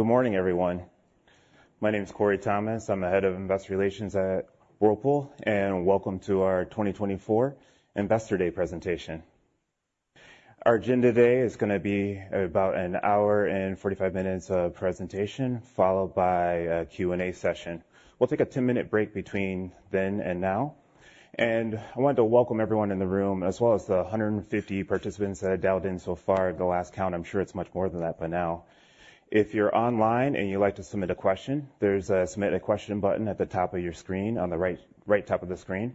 Good morning, everyone. My name is Korey Thomas. I'm the Head of Investor Relations at Whirlpool, and welcome to our 2024 Investor Day presentation. Our agenda today is gonna be about 1 hour and 45 minutes of presentation, followed by a Q&A session. We'll take a 10-minute break between then and now. I wanted to welcome everyone in the room, as well as the 150 participants that have dialed in so far at the last count. I'm sure it's much more than that by now. If you're online and you'd like to submit a question, there's a Submit a Question button at the top of your screen, on the right, right top of the screen.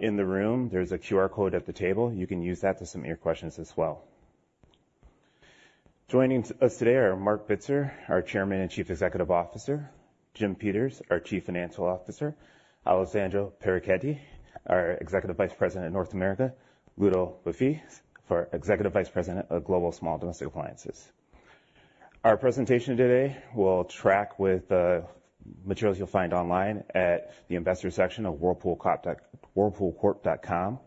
In the room, there's a QR code at the table. You can use that to submit your questions as well. Joining us today are Marc Bitzer, our Chairman and Chief Executive Officer, Jim Peters, our Chief Financial Officer, Alessandro Perucchetti, our Executive Vice President, North America, Ludo Beaufils, our Executive Vice President of Global Small Domestic Appliances. Our presentation today will track with the materials you'll find online at the investor section of whirlpoolcorp.com.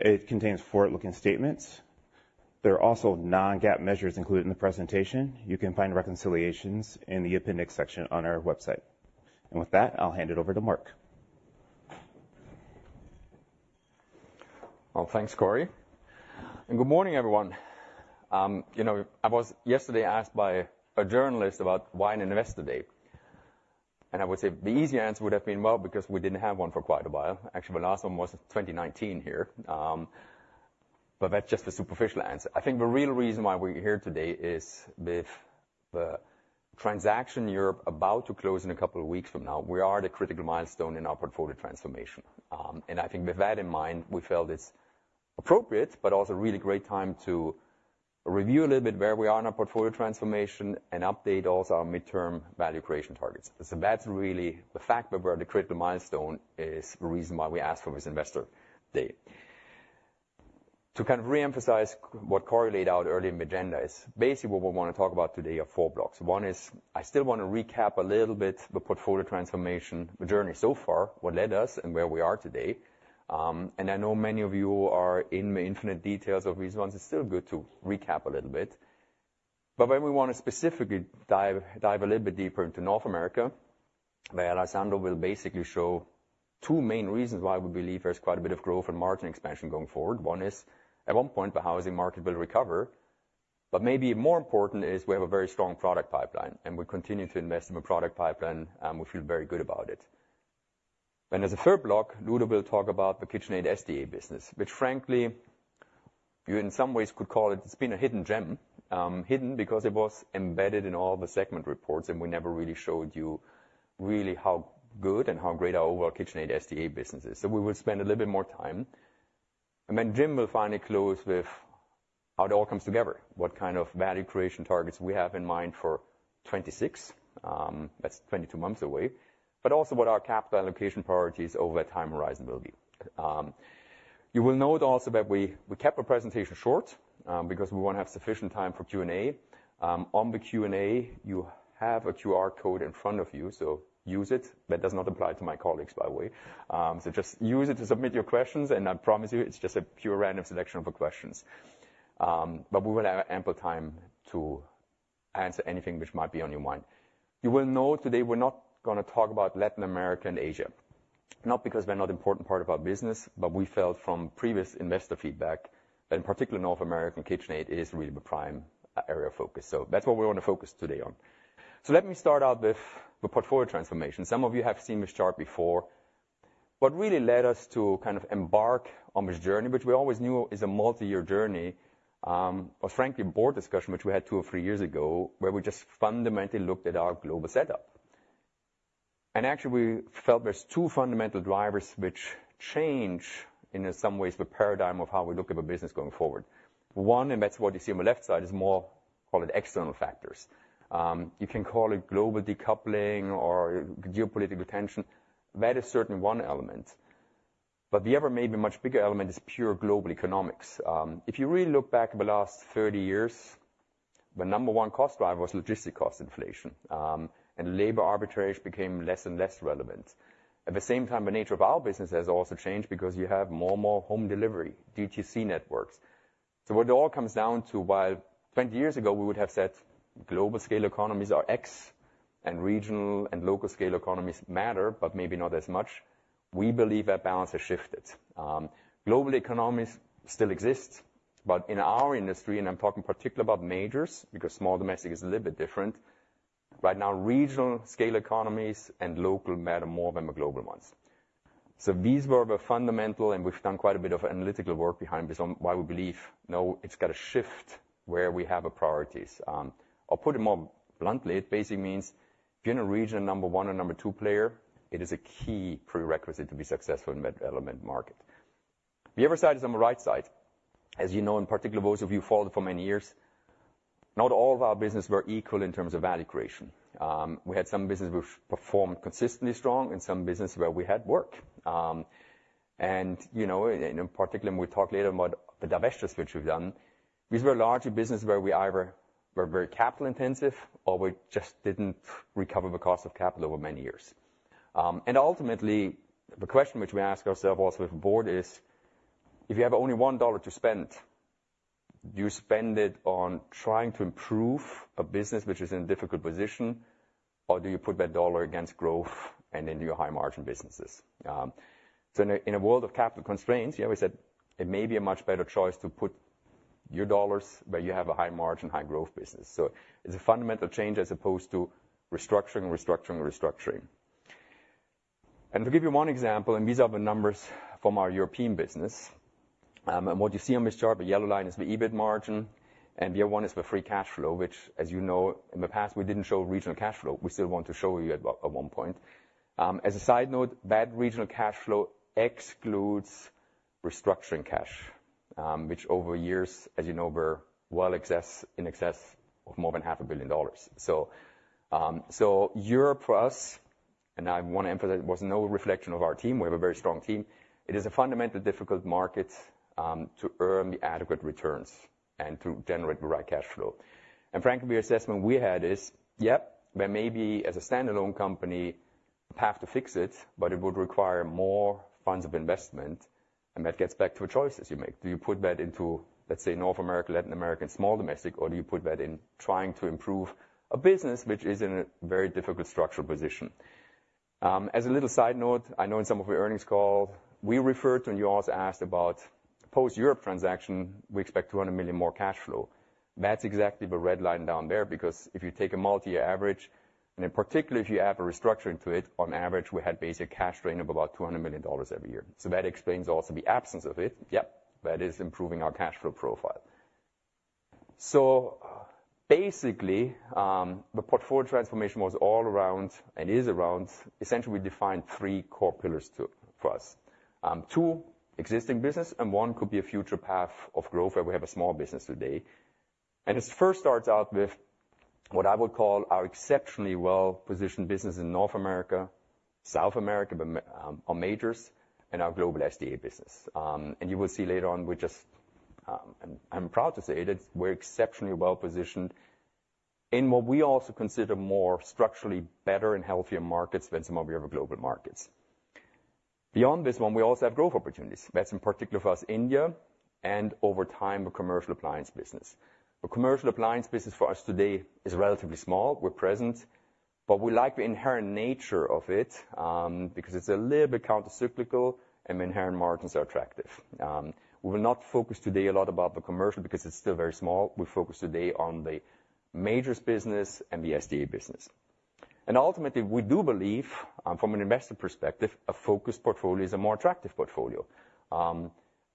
It contains forward-looking statements. There are also non-GAAP measures included in the presentation. You can find reconciliations in the appendix section on our website. And with that, I'll hand it over to Marc. Well, thanks, Korey, and good morning, everyone. You know, I was yesterday asked by a journalist about why an Investor Day, and I would say the easy answer would have been, "Well, because we didn't have one for quite a while." Actually, the last one was 2019 here. But that's just the superficial answer. I think the real reason why we're here today is with the transaction Europe about to close in a couple of weeks from now, we are at a critical milestone in our portfolio transformation. And I think with that in mind, we felt it's appropriate, but also a really great time to review a little bit where we are in our portfolio transformation and update also our midterm value creation targets. So that's really the fact that we're at a critical milestone is the reason why we asked for this Investor Day. To kind of reemphasize what Korey laid out early in the agenda is basically what we wanna talk about today are four blocks. One is I still wanna recap a little bit the portfolio transformation, the journey so far, what led us and where we are today. And I know many of you are in the infinite details of these ones. It's still good to recap a little bit. But then we wanna specifically dive a little bit deeper into North America, where Alessandro will basically show two main reasons why we believe there's quite a bit of growth and margin expansion going forward. One is, at one point, the housing market will recover, but maybe more important is we have a very strong product pipeline, and we continue to invest in the product pipeline, and we feel very good about it. Then as a third block, Ludo will talk about the KitchenAid SDA business, which frankly, you in some ways could call it, it's been a hidden gem. Hidden because it was embedded in all the segment reports, and we never really showed you really how good and how great our overall KitchenAid SDA business is. So we will spend a little bit more time. And then Jim will finally close with how it all comes together, what kind of value creation targets we have in mind for 2026, that's 22 months away, but also what our capital allocation priorities over that time horizon will be. You will note also that we kept the presentation short, because we wanna have sufficient time for Q&A. On the Q&A, you have a QR code in front of you, so use it. That does not apply to my colleagues, by the way. So just use it to submit your questions, and I promise you, it's just a pure random selection of the questions. But we will have ample time to answer anything which might be on your mind. You will note today we're not gonna talk about Latin America and Asia, not because they're not important part of our business, but we felt from previous investor feedback, that particularly North America and KitchenAid, it is really the prime, area of focus. So that's what we wanna focus today on. So let me start out with the portfolio transformation. Some of you have seen this chart before. What really led us to kind of embark on this journey, which we always knew is a multi-year journey, was frankly, a board discussion, which we had 2 or 3 years ago, where we just fundamentally looked at our global setup. And actually, we felt there's two fundamental drivers which change, in some ways, the paradigm of how we look at the business going forward. One, and that's what you see on the left side, is more, call it, external factors. You can call it global decoupling or geopolitical tension. That is certainly one element, but the ever maybe much bigger element is pure global economics. If you really look back over the last 30 years, the number one cost driver was logistics cost inflation, and labor arbitrage became less and less relevant. At the same time, the nature of our business has also changed because you have more and more home delivery, DTC networks. So what it all comes down to, while 20 years ago, we would have said global scale economies are X, and regional and local scale economies matter, but maybe not as much, we believe that balance has shifted. Global economies still exist, but in our industry, and I'm talking particularly about majors, because small domestic is a little bit different, right now, regional scale economies and local matter more than the global ones. So these were the fundamental, and we've done quite a bit of analytical work behind this, on why we believe now it's got to shift where we have our priorities. I'll put it more bluntly. It basically means if you're in a region, number 1 or number 2 player, it is a key prerequisite to be successful in that element market. The other side is on the right side. As you know, in particular, those of you followed for many years, not all of our business were equal in terms of value creation. We had some business which performed consistently strong and some business where we had work. And, you know, and in particular, we talk later about the divestitures which we've done. These were largely business where we either were very capital intensive, or we just didn't recover the cost of capital over many years. And ultimately, the question which we ask ourselves, also with the board, is: If you have only one dollar to spend, do you spend it on trying to improve a business which is in a difficult position, or do you put that dollar against growth and into your high-margin businesses? So in a world of capital constraints, you know, we said it may be a much better choice to put your dollars where you have a high margin, high growth business. So it's a fundamental change as opposed to restructuring, restructuring, restructuring. And to give you one example, and these are the numbers from our European business, and what you see on this chart, the yellow line is the EBIT margin, and the other one is the free cash flow, which, as you know, in the past, we didn't show regional cash flow. We still want to show you at one point. As a side note, that regional cash flow excludes restructuring cash, which over years, as you know, were well in excess of more than $500 million. So, Europe for us, and I want to emphasize, it was no reflection of our team. We have a very strong team. It is a fundamentally difficult market to earn the adequate returns and to generate the right cash flow. And frankly, the assessment we had is, yep, there may be, as a standalone company, a path to fix it, but it would require more funds of investment. And that gets back to the choices you make. Do you put that into, let's say, North America, Latin America, and small domestic, or do you put that in trying to improve a business which is in a very difficult structural position? As a little side note, I know in some of the earnings calls we referred to, and you also asked about post-Europe transaction, we expect $200 million more cash flow. That's exactly the red line down there, because if you take a multi-year average, and in particular, if you add a restructuring to it, on average, we had basic cash drain of about $200 million every year. So that explains also the absence of it. Yep, that is improving our cash flow profile. So basically, the portfolio transformation was all around and is around essentially, we defined three core pillars to, for us. Two existing business and one could be a future path of growth, where we have a small business today. It first starts out with what I would call our exceptionally well-positioned business in North America, South America, but our majors and our global SDA business. And you will see later on, we just, I'm proud to say it, that we're exceptionally well-positioned in what we also consider more structurally better and healthier markets than some of our other global markets. Beyond this one, we also have growth opportunities. That's in particular for us, India, and over time, the commercial appliance business. The commercial appliance business for us today is relatively small. We're present, but we like the inherent nature of it, because it's a little bit countercyclical and the inherent margins are attractive. We will not focus today a lot about the commercial because it's still very small. We focus today on the majors business and the SDA business. Ultimately, we do believe, from an investment perspective, a focused portfolio is a more attractive portfolio.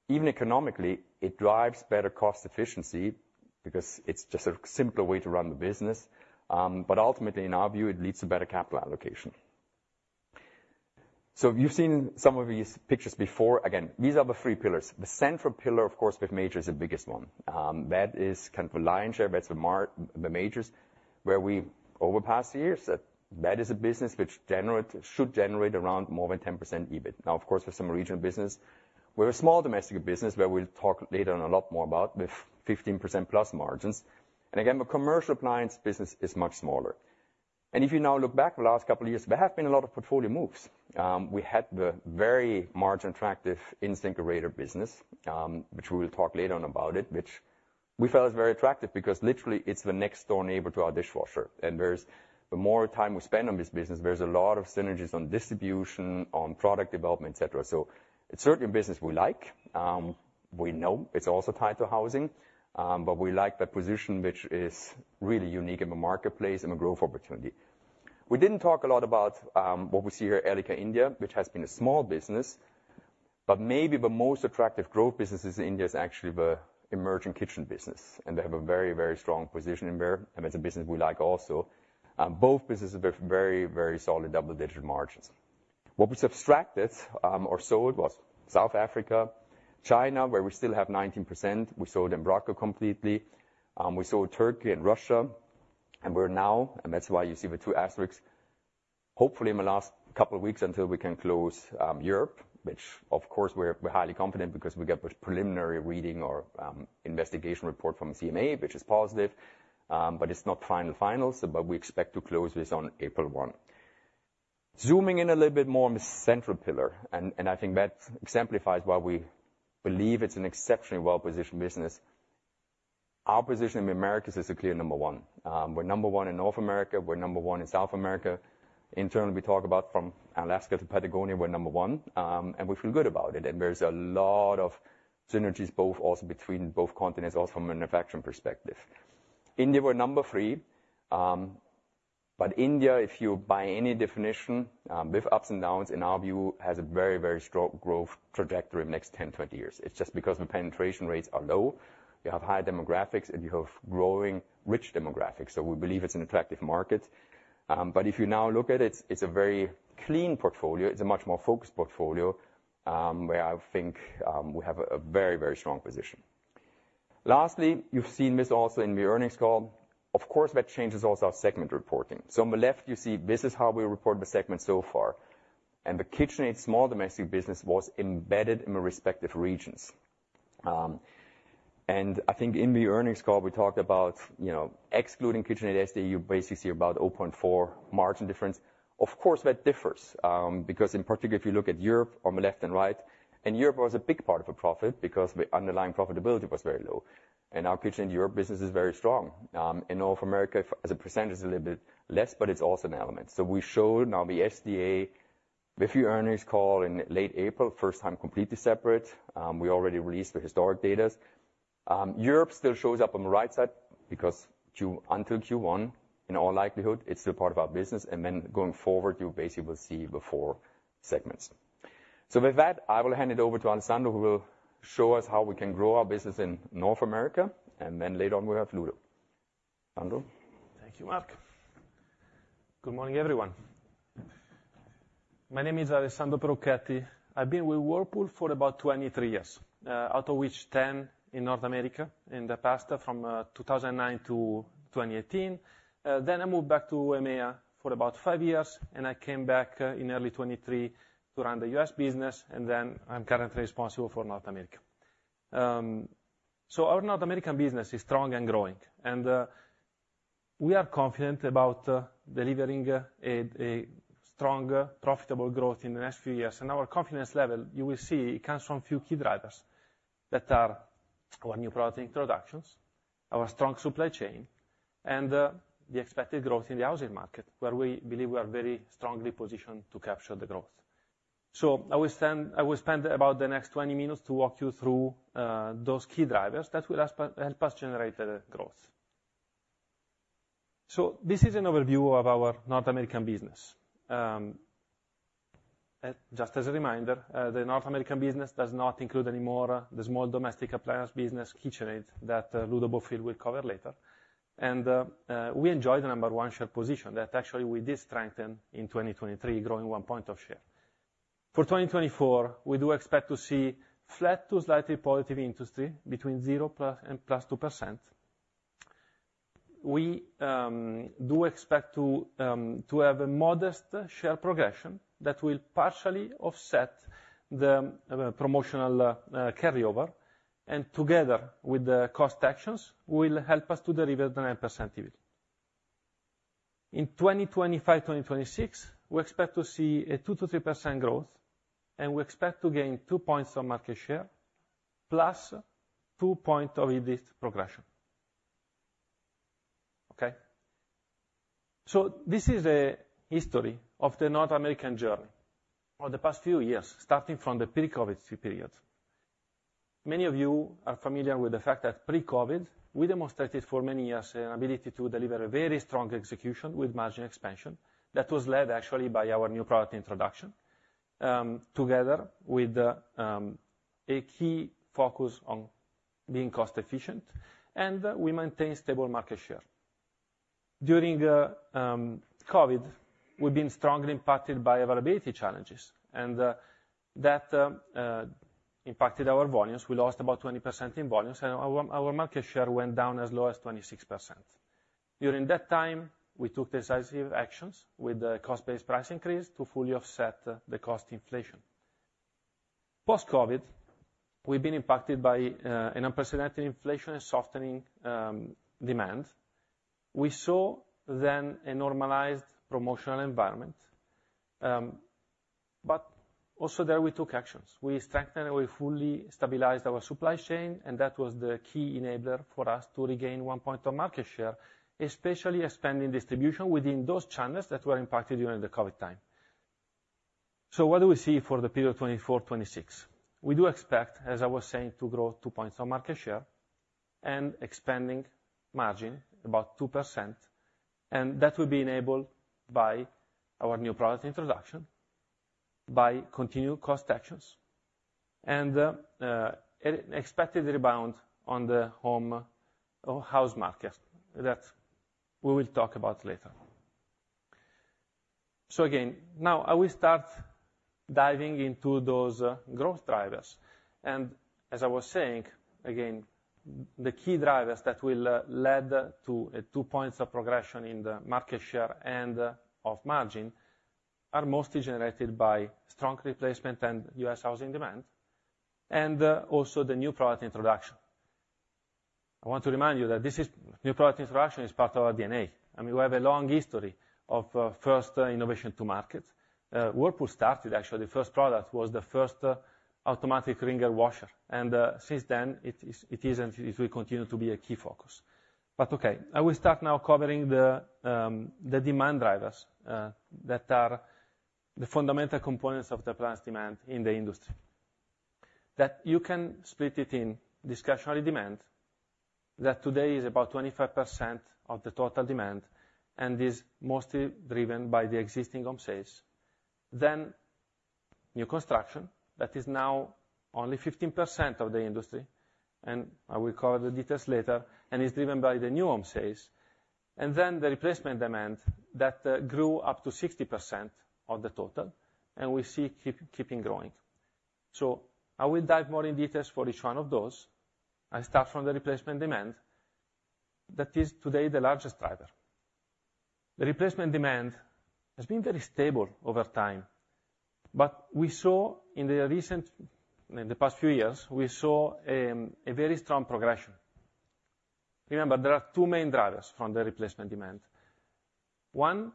Even economically, it drives better cost efficiency because it's just a simpler way to run the business. Ultimately, in our view, it leads to better capital allocation. You've seen some of these pictures before. Again, these are the three pillars. The central pillar, of course, with majors, the biggest one, that is kind of the lion's share. That's the majors, where we over the past years, that is a business which should generate around more than 10% EBIT. Now, of course, for some regional business, we're a small domestic business, where we'll talk later on a lot more about with 15%+ margins. And again, the commercial appliance business is much smaller. And if you now look back the last couple of years, there have been a lot of portfolio moves. We had the very margin attractive InSinkErator business, which we will talk later on about it, which we felt is very attractive because literally, it's the next door neighbor to our dishwasher. And there's, the more time we spend on this business, there's a lot of synergies on distribution, on product development, et cetera. So it's certainly a business we like. We know it's also tied to housing, but we like that position, which is really unique in the marketplace and a growth opportunity. We didn't talk a lot about what we see here, Elica India, which has been a small business, but maybe the most attractive growth businesses in India is actually the emerging kitchen business, and they have a very, very strong position in there, and it's a business we like also. Both businesses are very, very solid, double-digit margins. What was abstracted or sold was South Africa, China, where we still have 19%. We sold Embraco completely. We sold Turkey and Russia, and we're now, and that's why you see the two asterisks, hopefully in the last couple of weeks until we can close Europe, which of course, we're highly confident because we got the preliminary reading or investigation report from the CMA, which is positive, but it's not final, but we expect to close this on April 1. Zooming in a little bit more on the central pillar, and I think that exemplifies why we believe it's an exceptionally well-positioned business. Our position in the Americas is a clear number one. We're number one in North America, we're number one in South America. Internally, we talk about from Alaska to Patagonia, we're number one, and we feel good about it, and there's a lot of synergies, both also between both continents, also from a manufacturing perspective. India, we're number three, but India, if you by any definition, with ups and downs, in our view, has a very, very strong growth trajectory in the next 10, 20 years. It's just because the penetration rates are low, you have high demographics, and you have growing rich demographics, so we believe it's an attractive market. But if you now look at it, it's a very clean portfolio. It's a much more focused portfolio, where I think we have a very, very strong position. Lastly, you've seen this also in the earnings call. Of course, that changes also our segment reporting. So on the left, you see this is how we report the segment so far, and the KitchenAid small domestic business was embedded in the respective regions. And I think in the earnings call, we talked about, you know, excluding KitchenAid SDA, you basically see about 0.4 margin difference. Of course, that differs, because in particular, if you look at Europe on the left and right, and Europe was a big part of the profit because the underlying profitability was very low. And our KitchenAid Europe business is very strong. In North America, as a percent, it's a little bit less, but it's also an element. So we showed now the SDA, the Q1 earnings call in late April, first time, completely separate. We already released the historical data. Europe still shows up on the right side because, until Q1, in all likelihood, it's still part of our business. And then going forward, you basically will see the four segments. So with that, I will hand it over to Alessandro, who will show us how we can grow our business in North America, and then later on, we have Ludo. Alessandro? Thank you, Marc. Good morning, everyone. My name is Alessandro Perucchetti. I've been with Whirlpool for about 23 years, out of which 10 in North America, in the past, from 2009 to 2018. Then I moved back to EMEA for about 5 years, and I came back, in early 2023 to run the U.S. business, and then I'm currently responsible for North America. So our North American business is strong and growing, and we are confident about delivering a stronger, profitable growth in the next few years. And our confidence level, you will see, comes from a few key drivers that are our new product introductions, our strong supply chain, and the expected growth in the housing market, where we believe we are very strongly positioned to capture the growth. So I will spend about the next 20 minutes to walk you through those key drivers that will help us generate the growth. This is an overview of our North American business. Just as a reminder, the North American business does not include anymore the small domestic appliance business, KitchenAid, that Ludo Beaufils will cover later. And we enjoy the number one share position that actually we did strengthen in 2023, growing 1 point of share. For 2024, we do expect to see flat to slightly positive industry between 0+ and +2%. We do expect to have a modest share progression that will partially offset the promotional carryover, and together with the cost actions, will help us to deliver the 9% yield. In 2025, 2026, we expect to see a 2%-3% growth, and we expect to gain 2 points on market share, plus 2 point of this progression. Okay? So this is a history of the North American journey for the past few years, starting from the pre-COVID period. Many of you are familiar with the fact that pre-COVID, we demonstrated for many years an ability to deliver a very strong execution with margin expansion. That was led, actually, by our new product introduction, together with a key focus on being cost-efficient, and we maintain stable market share. During COVID, we've been strongly impacted by availability challenges, and that impacted our volumes. We lost about 20% in volumes, and our market share went down as low as 26%. During that time, we took decisive actions with the cost-based price increase to fully offset the cost inflation. Post-COVID, we've been impacted by an unprecedented inflation and softening demand. We saw then a normalized promotional environment, but also there, we took actions. We strengthened, and we fully stabilized our supply chain, and that was the key enabler for us to regain 1 point of market share, especially expanding distribution within those channels that were impacted during the COVID time. So what do we see for the period 2024-2026? We do expect, as I was saying, to grow 2 points on market share and expanding margin about 2%, and that will be enabled by our new product introduction, by continued cost actions, and an expected rebound on the home or house market that we will talk about later. So again, now I will start diving into those, growth drivers. And as I was saying, again, the key drivers that will lead to 2 points of progression in the market share and of margin, are mostly generated by strong replacement and U.S. housing demand, and also the new product introduction. I want to remind you that this is, new product introduction is part of our DNA. I mean, we have a long history of first innovation to market. Whirlpool started, actually, the first product was the first automatic ringer washer, and since then, it is, and it will continue to be a key focus. But okay, I will start now covering the demand drivers that are the fundamental components of the appliance demand in the industry. That you can split it in discretionary demand, that today is about 25% of the total demand and is mostly driven by the existing home sales. Then new construction, that is now only 15% of the industry, and I will cover the details later, and is driven by the new home sales. And then the replacement demand, that grew up to 60% of the total, and we see keeping growing. So I will dive more in details for each one of those. I start from the replacement demand, that is today the largest driver. The replacement demand has been very stable over time, but we saw in the past few years a very strong progression. Remember, there are two main drivers from the replacement demand. One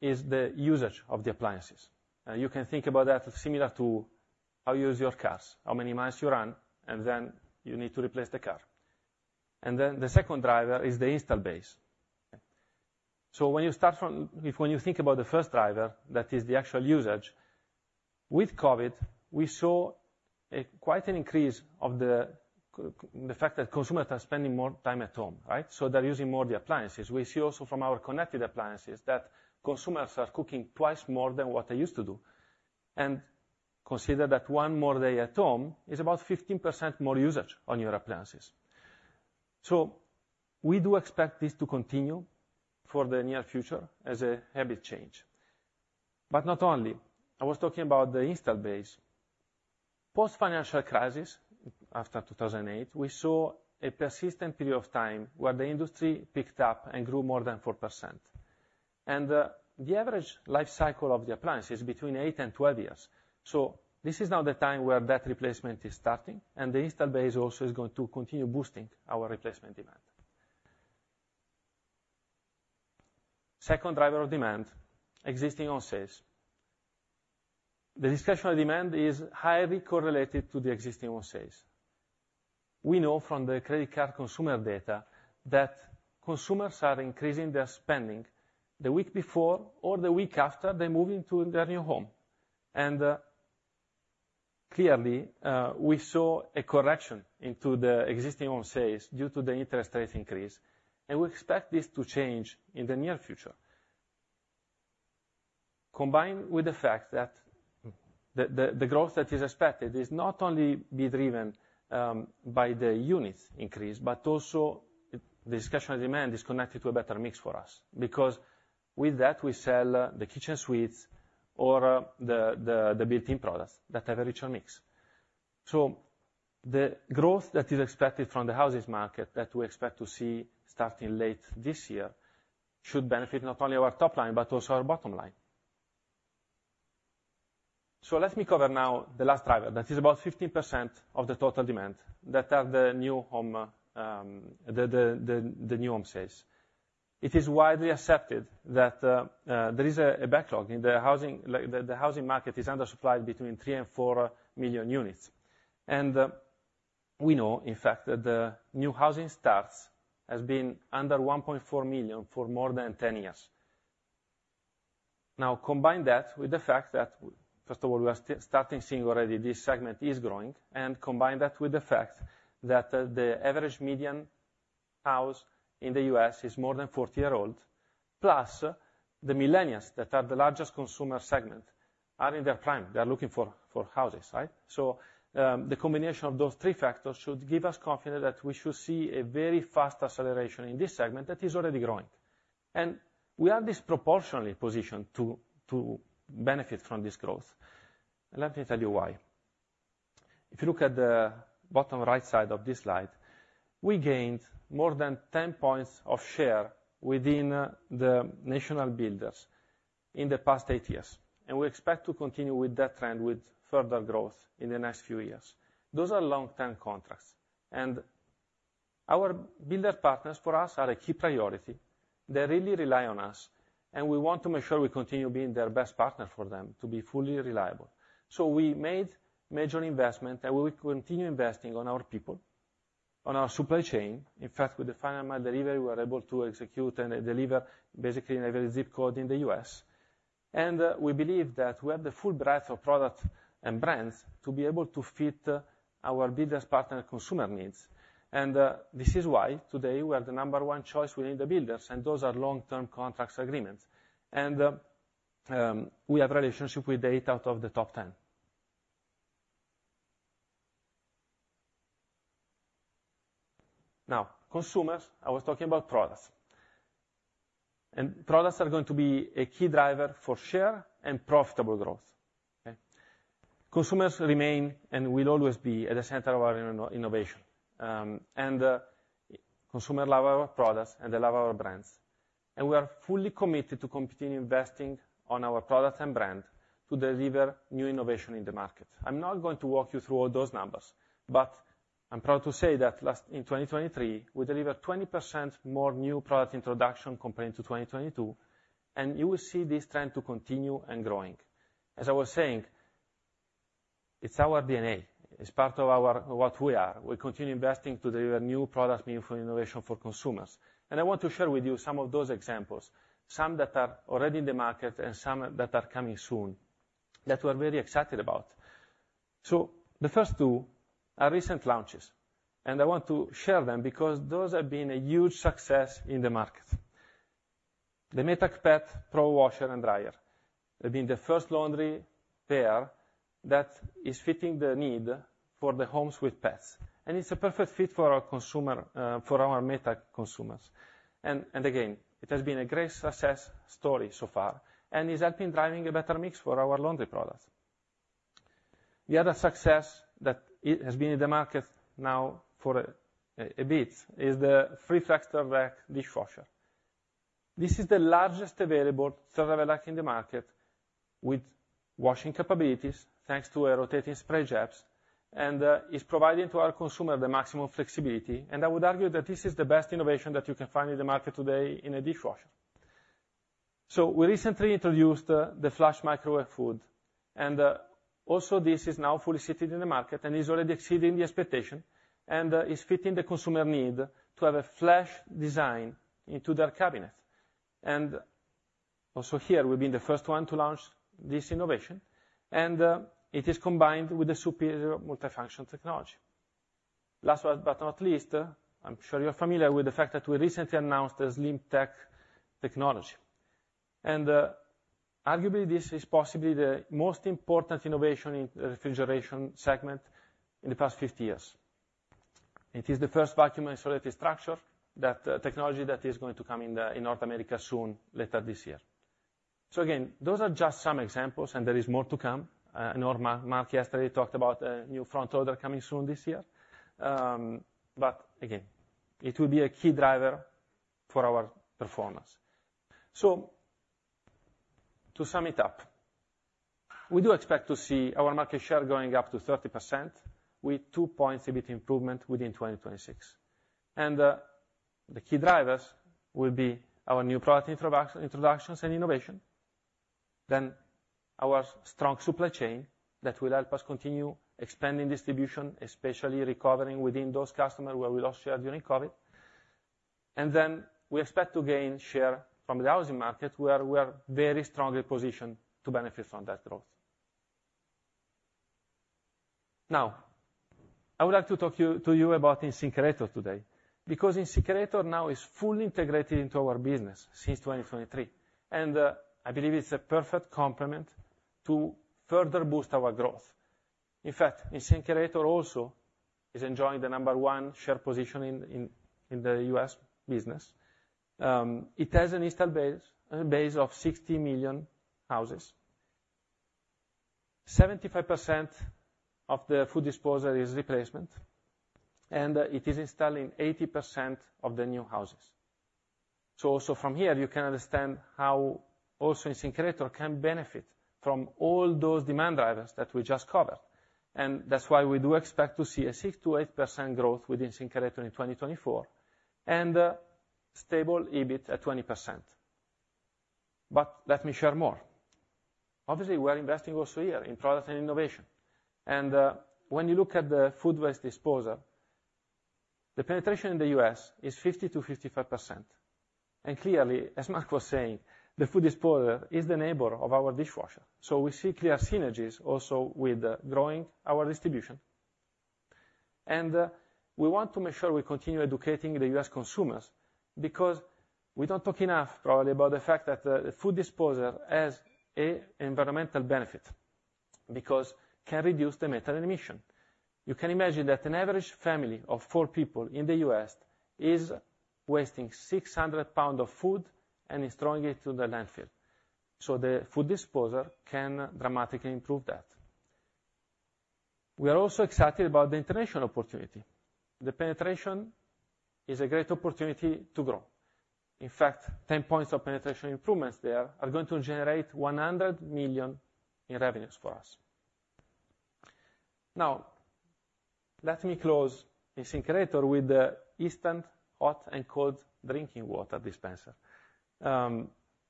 is the usage of the appliances, and you can think about that similar to how you use your cars, how many miles you run, and then you need to replace the car. And then the second driver is the install base. So when you think about the first driver, that is the actual usage, with COVID, we saw quite an increase of the fact that consumers are spending more time at home, right? So they're using more the appliances. We see also from our connected appliances that consumers are cooking twice more than what they used to do. And consider that one more day at home is about 15% more usage on your appliances. So we do expect this to continue for the near future as a habit change. But not only, I was talking about the install base. Post-financial crisis, after 2008, we saw a persistent period of time where the industry picked up and grew more than 4%. And, the average life cycle of the appliance is between 8 and 12 years. So this is now the time where that replacement is starting, and the installed base also is going to continue boosting our replacement demand. Second driver of demand, existing home sales. The discretionary demand is highly correlated to the existing home sales. We know from the credit card consumer data that consumers are increasing their spending the week before or the week after they move into their new home. And, clearly, we saw a correction into the existing home sales due to the interest rate increase, and we expect this to change in the near future. Combined with the fact that the growth that is expected is not only be driven by the units increase, but also the discussion of demand is connected to a better mix for us, because with that, we sell the kitchen suites or the built-in products that have a richer mix. So the growth that is expected from the housing market that we expect to see starting late this year should benefit not only our top line, but also our bottom line. So let me cover now the last driver. That is about 50% of the total demand that are the new home sales. It is widely accepted that there is a backlog in the housing, like the housing market is undersupplied between 3 and 4 million units. We know, in fact, that the new housing starts has been under 1.4 million for more than 10 years. Now, combine that with the fact that, first of all, we are starting seeing already this segment is growing, and combine that with the fact that the average median house in the U.S. is more than 40-year-old. Plus, the millennials, that are the largest consumer segment, are in their prime. They are looking for, for houses, right? So, the combination of those three factors should give us confidence that we should see a very fast acceleration in this segment that is already growing. And we are disproportionately positioned to, to benefit from this growth. Let me tell you why. If you look at the bottom right side of this slide, we gained more than 10 points of share within the national builders in the past 8 years, and we expect to continue with that trend with further growth in the next few years. Those are long-term contracts, and our builder partners, for us, are a key priority. They really rely on us, and we want to make sure we continue being their best partner for them, to be fully reliable. So we made major investment, and we will continue investing on our people, on our supply chain. In fact, with the final delivery, we were able to execute and deliver basically in every zip code in the U.S. We believe that we have the full breadth of products and brands to be able to fit, our business partner consumer needs. This is why today we are the number one choice within the builders, and those are long-term contracts agreements. And, we have relationship with eight out of the top 10. Now, consumers, I was talking about products. Products are going to be a key driver for share and profitable growth. Okay? Consumers remain and will always be at the center of our innovation, and consumer love our products and they love our brands, and we are fully committed to continue investing on our products and brand to deliver new innovation in the market. I'm not going to walk you through all those numbers, but I'm proud to say that in 2023, we delivered 20% more new product introduction compared to 2022, and you will see this trend to continue and growing. As I was saying, it's our DNA, it's part of our, what we are. We continue investing to deliver new products, meaningful innovation for consumers. And I want to share with you some of those examples, some that are already in the market and some that are coming soon, that we're very excited about. So the first two are recent launches, and I want to share them because those have been a huge success in the market. The Maytag Pet Pro Washer and Dryer. They've been the first laundry pair that is fitting the need for the homes with pets, and it's a perfect fit for our consumer, for our Maytag consumers. And again, it has been a great success story so far and is helping driving a better mix for our laundry products. We had a success that it has been in the market now for a bit, is the FreeFlex drawer rack dishwasher. This is the largest available drawer rack in the market with washing capabilities, thanks to a rotating spray jets, and is providing to our consumer the maximum flexibility. And I would argue that this is the best innovation that you can find in the market today in a dishwasher. So we recently introduced the Flush microwave hood, and also this is now fully seated in the market and is already exceeding the expectation, and is fitting the consumer need to have a flush design into their cabinet. And also here, we've been the first one to launch this innovation, and it is combined with the superior multifunction technology. Last but not least, I'm sure you're familiar with the fact that we recently announced the SlimTech technology. And arguably, this is possibly the most important innovation in refrigeration segment in the past 50 years. It is the first vacuum insulated structure that technology that is going to come in the, in North America soon, later this year. So again, those are just some examples, and there is more to come. I know Marc, Marc yesterday talked about a new front loader coming soon this year. But again, it will be a key driver for our performance. So to sum it up, we do expect to see our market share going up to 30%, with 2 points EBIT improvement within 2026. The key drivers will be our new product introductions and innovation, then our strong supply chain that will help us continue expanding distribution, especially recovering within those customers where we lost share during COVID. Then we expect to gain share from the housing market, where we are very strongly positioned to benefit from that growth. Now, I would like to talk to you about InSinkErator today, because InSinkErator now is fully integrated into our business since 2023, and I believe it's a perfect complement to further boost our growth. In fact, InSinkErator also is enjoying the number one share position in the U.S. business. It has an installed base of 60 million houses. 75% of the food disposer is replacement, and it is installing 80% of the new houses. So from here you can understand how also InSinkErator can benefit from all those demand drivers that we just covered. And that's why we do expect to see a 6%-8% growth with InSinkErator in 2024, and stable EBIT at 20%. But let me share more. Obviously, we're investing also here in product and innovation. And when you look at the food waste disposer, the penetration in the U.S. is 50%-55%. And clearly, as Marc was saying, the food disposer is the neighbor of our dishwasher. So we see clear synergies also with growing our distribution. And we want to make sure we continue educating the U.S. consumers because we don't talk enough, probably, about the fact that the food disposer has an environmental benefit, because it can reduce the methane emission. You can imagine that an average family of four people in the U.S. is wasting 600 pounds of food and is throwing it to the landfill. So the food disposer can dramatically improve that. We are also excited about the international opportunity. The penetration is a great opportunity to grow. In fact, 10 points of penetration improvements there are going to generate $100 million in revenues for us. Now, let me close InSinkErator with the instant hot and cold drinking water dispenser.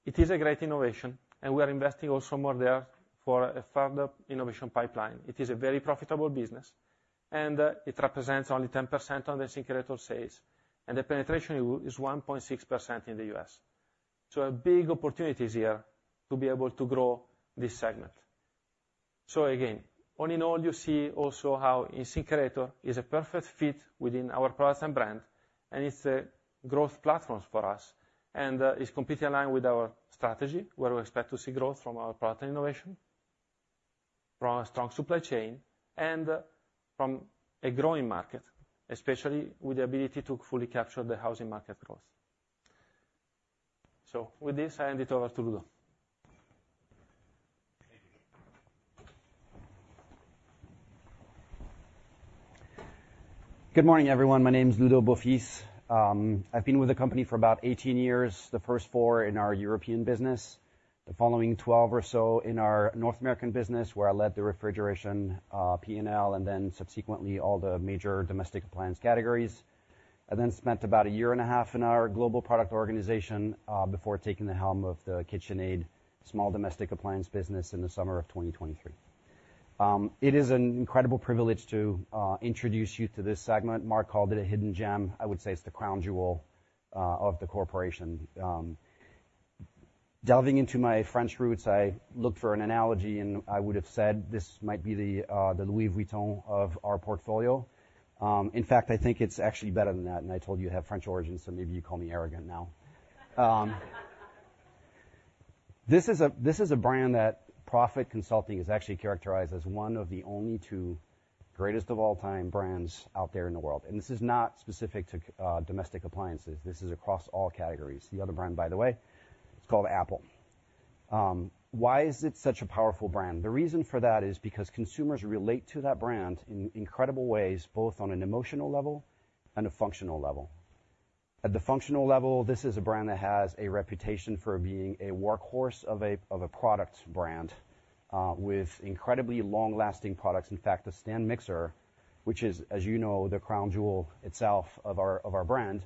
It is a great innovation, and we are investing also more there for a further innovation pipeline. It is a very profitable business, and it represents only 10% on the InSinkErator sales, and the penetration is 1.6% in the U.S. So a big opportunity is here to be able to grow this segment. So again, all in all, you see also how InSinkErator is a perfect fit within our products and brand, and it's a growth platform for us, and is completely aligned with our strategy, where we expect to see growth from our product innovation, from a strong supply chain, and from a growing market, especially with the ability to fully capture the housing market growth. So with this, I hand it over to Ludo. Thank you. Good morning, everyone. My name is Ludo Beaufils. I've been with the company for about 18 years, the first 4 in our European business, the following 12 or so in our North American business, where I led the refrigeration, P&L, and then subsequently all the major domestic appliance categories. I then spent about a year and a half in our global product organization, before taking the helm of the KitchenAid small domestic appliance business in the summer of 2023. It is an incredible privilege to introduce you to this segment. Marc called it a hidden gem. I would say it's the crown jewel of the corporation. Delving into my French roots, I looked for an analogy, and I would have said this might be the Louis Vuitton of our portfolio. In fact, I think it's actually better than that, and I told you I have French origins, so maybe you call me arrogant now. This is a brand that Prophet Consulting has actually characterized as one of the only two greatest of all-time brands out there in the world, and this is not specific to domestic appliances, this is across all categories. The other brand, by the way, is called Apple. Why is it such a powerful brand? The reason for that is because consumers relate to that brand in incredible ways, both on an emotional level and a functional level. At the functional level, this is a brand that has a reputation for being a workhorse of a product brand with incredibly long-lasting products. In fact, the stand mixer, which is, as you know, the crown jewel itself of our, of our brand,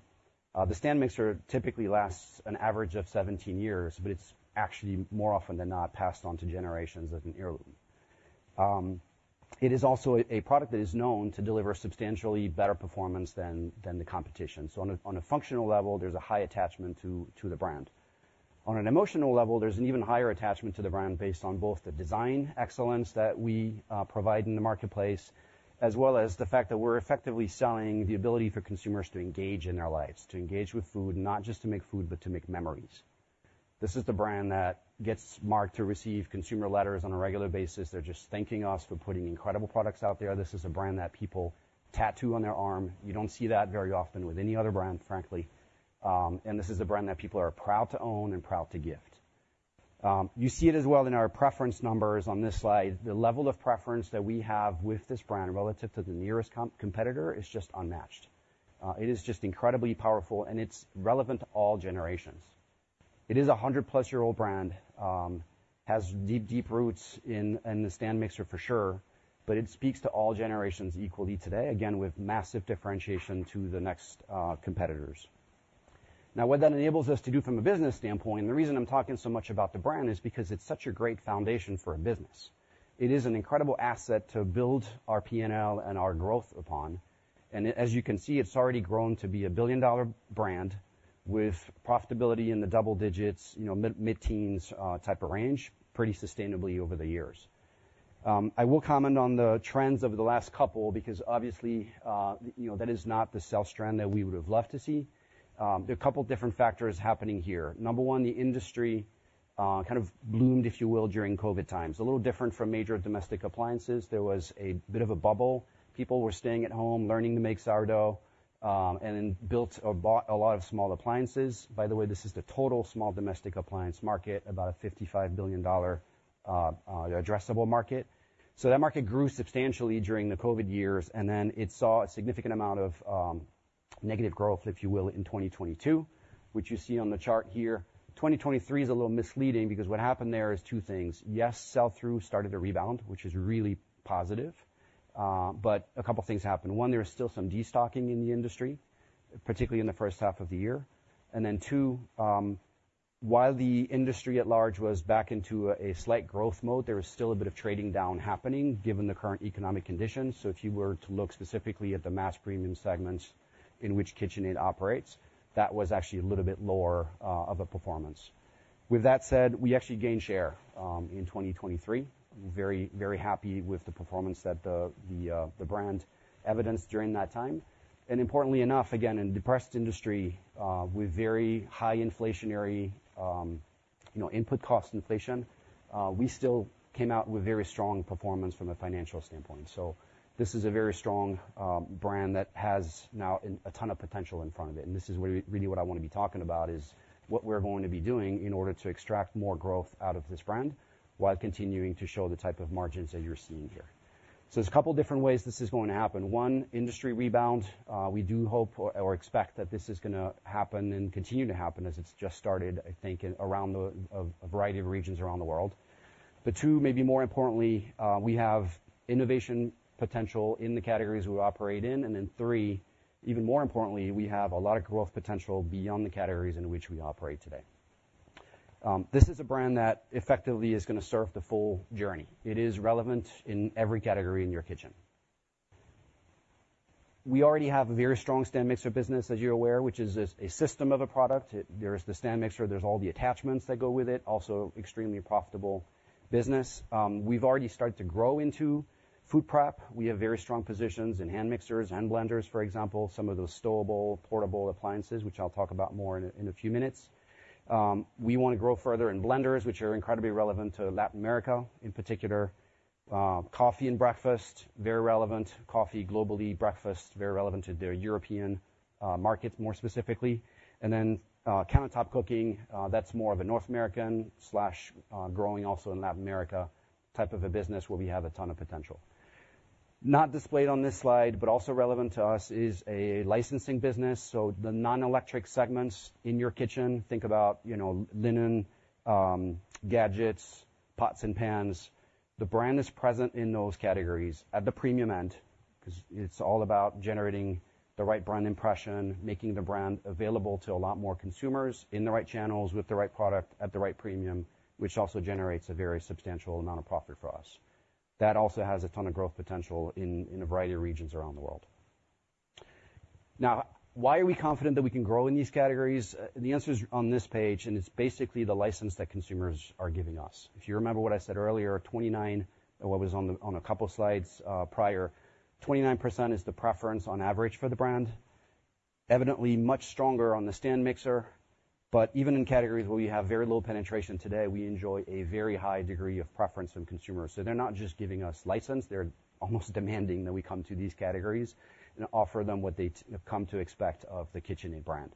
the stand mixer typically lasts an average of 17 years, but it's actually, more often than not, passed on to generations as an heirloom. It is also a, a product that is known to deliver substantially better performance than, than the competition. So on a, on a functional level, there's a high attachment to, to the brand. On an emotional level, there's an even higher attachment to the brand based on both the design excellence that we provide in the marketplace, as well as the fact that we're effectively selling the ability for consumers to engage in their lives, to engage with food, not just to make food, but to make memories. This is the brand that gets marked to receive consumer letters on a regular basis. They're just thanking us for putting incredible products out there. This is a brand that people tattoo on their arm. You don't see that very often with any other brand, frankly, and this is a brand that people are proud to own and proud to gift. You see it as well in our preference numbers on this slide. The level of preference that we have with this brand relative to the nearest competitor is just unmatched. It is just incredibly powerful, and it's relevant to all generations. It is a 100+-year-old brand, has deep, deep roots in the stand mixer, for sure, but it speaks to all generations equally today, again, with massive differentiation to the next competitors. Now, what that enables us to do from a business standpoint, and the reason I'm talking so much about the brand, is because it's such a great foundation for a business. It is an incredible asset to build our P&L and our growth upon, and as you can see, it's already grown to be a billion-dollar brand with profitability in the double digits, you know, mid, mid-teens, type of range, pretty sustainably over the years. I will comment on the trends over the last couple, because obviously, you know, that is not the sell strand that we would have loved to see. There are a couple different factors happening here. Number one, the industry, kind of bloomed, if you will, during COVID times. A little different from major domestic appliances. There was a bit of a bubble. People were staying at home, learning to make sourdough, and then built or bought a lot of small appliances. By the way, this is the total small domestic appliance market, about a $55 billion addressable market. So that market grew substantially during the COVID years, and then it saw a significant amount of negative growth, if you will, in 2022, which you see on the chart here. 2023 is a little misleading, because what happened there is two things: yes, sell-through started to rebound, which is really positive, but a couple things happened. One, there was still some destocking in the industry, particularly in the first half of the year, and then, two, while the industry at large was back into a slight growth mode, there was still a bit of trading down happening, given the current economic conditions. So if you were to look specifically at the mass premium segments in which KitchenAid operates, that was actually a little bit lower of a performance. With that said, we actually gained share in 2023. Very, very happy with the performance that the brand evidenced during that time, and importantly enough, again, in a depressed industry with very high inflationary, you know, input cost inflation, we still came out with very strong performance from a financial standpoint. So this is a very strong brand that has now a ton of potential in front of it, and this is what we, really what I want to be talking about, is what we're going to be doing in order to extract more growth out of this brand, while continuing to show the type of margins that you're seeing here. So there's a couple different ways this is going to happen. One, industry rebound. We do hope or expect that this is gonna happen and continue to happen, as it's just started, I think, in around a variety of regions around the world. But two, maybe more importantly, we have innovation potential in the categories we operate in, and then, three, even more importantly, we have a lot of growth potential beyond the categories in which we operate today. This is a brand that effectively is gonna serve the full journey. It is relevant in every category in your kitchen. We already have a very strong stand mixer business, as you're aware, which is a system of a product. There's the stand mixer, there's all the attachments that go with it, also extremely profitable business. We've already started to grow into food prep. We have very strong positions in hand mixers, hand blenders, for example, some of those stowable, portable appliances, which I'll talk about more in a few minutes. We wanna grow further in blenders, which are incredibly relevant to Latin America, in particular, coffee and breakfast, very relevant. Coffee, globally, breakfast, very relevant to the European markets, more specifically, and then, countertop cooking, that's more of a North American slash, growing also in Latin America type of a business, where we have a ton of potential. Not displayed on this slide, but also relevant to us, is a licensing business, so the non-electric segments in your kitchen, think about, you know, linen, gadgets, pots and pans. The brand is present in those categories at the premium end, 'cause it's all about generating the right brand impression, making the brand available to a lot more consumers in the right channels, with the right product, at the right premium, which also generates a very substantial amount of profit for us. That also has a ton of growth potential in, in a variety of regions around the world. Now, why are we confident that we can grow in these categories? The answer is on this page, and it's basically the license that consumers are giving us. If you remember what I said earlier, what was on a couple slides prior, 29% is the preference on average for the brand. Evidently, much stronger on the stand mixer, but even in categories where we have very little penetration today, we enjoy a very high degree of preference from consumers. So they're not just giving us license, they're almost demanding that we come to these categories and offer them what they've come to expect of the KitchenAid brand.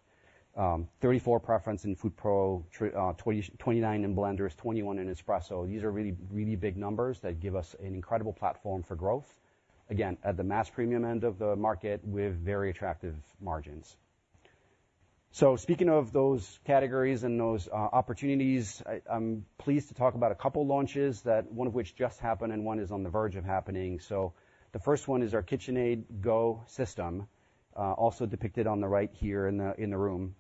34 preference in food pro, 29 in blenders, 21 in espresso. These are really, really big numbers that give us an incredible platform for growth, again, at the mass premium end of the market with very attractive margins. So speaking of those categories and those opportunities, I, I'm pleased to talk about a couple launches, that one of which just happened and one is on the verge of happening. So the first one is our KitchenAid Go system, also depicted on the right here in the, in the room.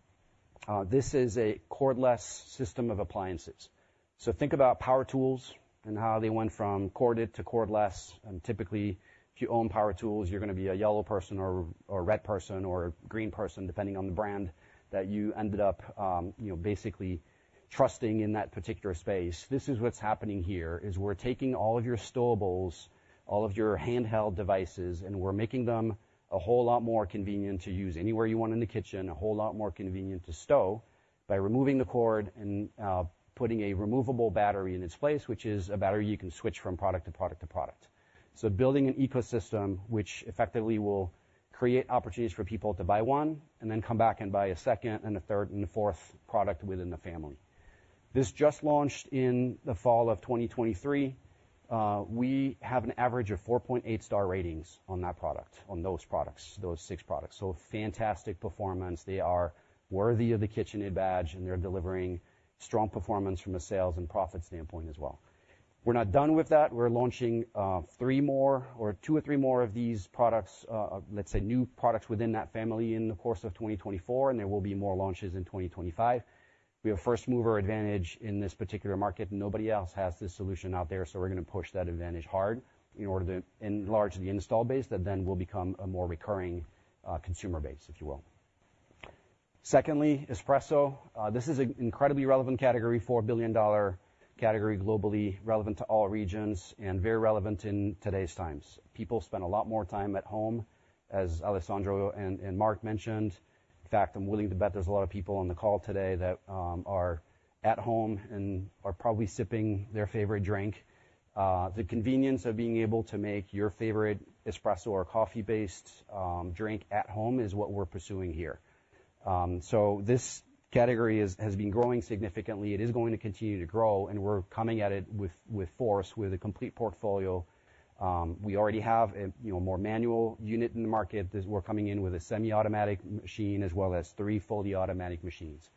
This is a cordless system of appliances. So think about power tools and how they went from corded to cordless, and typically, if you own power tools, you're gonna be a yellow person or, or a red person or a green person, depending on the brand that you ended up, you know, basically trusting in that particular space. This is what's happening here, is we're taking all of your stowables, all of your handheld devices, and we're making them a whole lot more convenient to use anywhere you want in the kitchen, a whole lot more convenient to stow by removing the cord and, putting a removable battery in its place, which is a battery you can switch from product to product to product. So building an ecosystem which effectively will create opportunities for people to buy one, and then come back and buy a second and a third and a fourth product within the family. This just launched in the fall of 2023. We have an average of 4.8 star ratings on that product, on those products, those six products, so fantastic performance. They are worthy of the KitchenAid badge, and they're delivering strong performance from a sales and profit standpoint as well. We're not done with that. We're launching three more or two or three more of these products, let's say new products within that family in the course of 2024, and there will be more launches in 2025. We have first-mover advantage in this particular market, and nobody else has this solution out there, so we're gonna push that advantage hard in order to enlarge the install base that then will become a more recurring consumer base, if you will. Secondly, espresso, this is an incredibly relevant category, $4 billion category, globally relevant to all regions and very relevant in today's times. People spend a lot more time at home, as Alessandro and Mark mentioned. In fact, I'm willing to bet there's a lot of people on the call today that are at home and are probably sipping their favorite drink. The convenience of being able to make your favorite espresso or coffee-based drink at home is what we're pursuing here. So this category has been growing significantly. It is going to continue to grow, and we're coming at it with, with force, with a complete portfolio. We already have a, you know, more manual unit in the market. We're coming in with a semi-automatic machine as well as three fully automatic machines.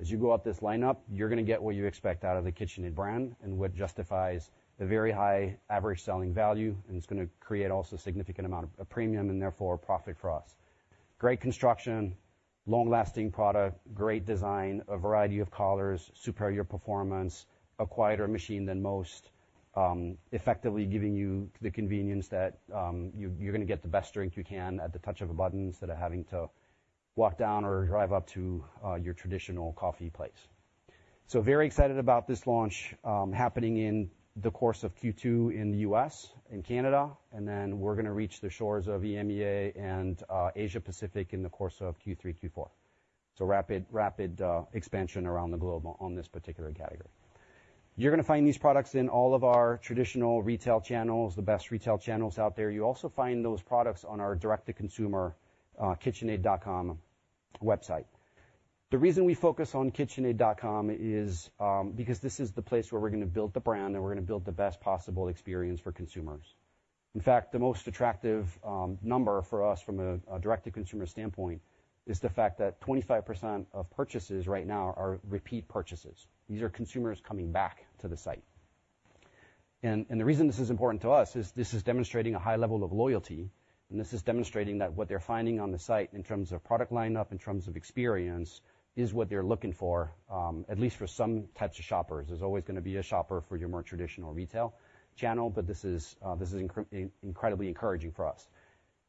As you go up this lineup, you're gonna get what you expect out of the KitchenAid brand and what justifies the very high average selling value, and it's gonna create also a significant amount of premium and therefore, profit for us. Great construction, long-lasting product, great design, a variety of colors, superior performance, a quieter machine than most, effectively giving you the convenience that, you're gonna get the best drink you can at the touch of a button, instead of having to walk down or drive up to, your traditional coffee place. So very excited about this launch, happening in the course of Q2 in the U.S. and Canada, and then we're gonna reach the shores of EMEA and Asia Pacific in the course of Q3, Q4. So rapid, rapid expansion around the globe on this particular category. You're gonna find these products in all of our traditional retail channels, the best retail channels out there. You'll also find those products on our direct-to-consumer KitchenAid.com website. The reason we focus on KitchenAid.com is because this is the place where we're gonna build the brand, and we're gonna build the best possible experience for consumers. In fact, the most attractive number for us from a direct-to-consumer standpoint is the fact that 25% of purchases right now are repeat purchases. These are consumers coming back to the site. The reason this is important to us is this is demonstrating a high level of loyalty, and this is demonstrating that what they're finding on the site in terms of product lineup, in terms of experience, is what they're looking for, at least for some types of shoppers. There's always gonna be a shopper for your more traditional retail channel, but this is incredibly encouraging for us.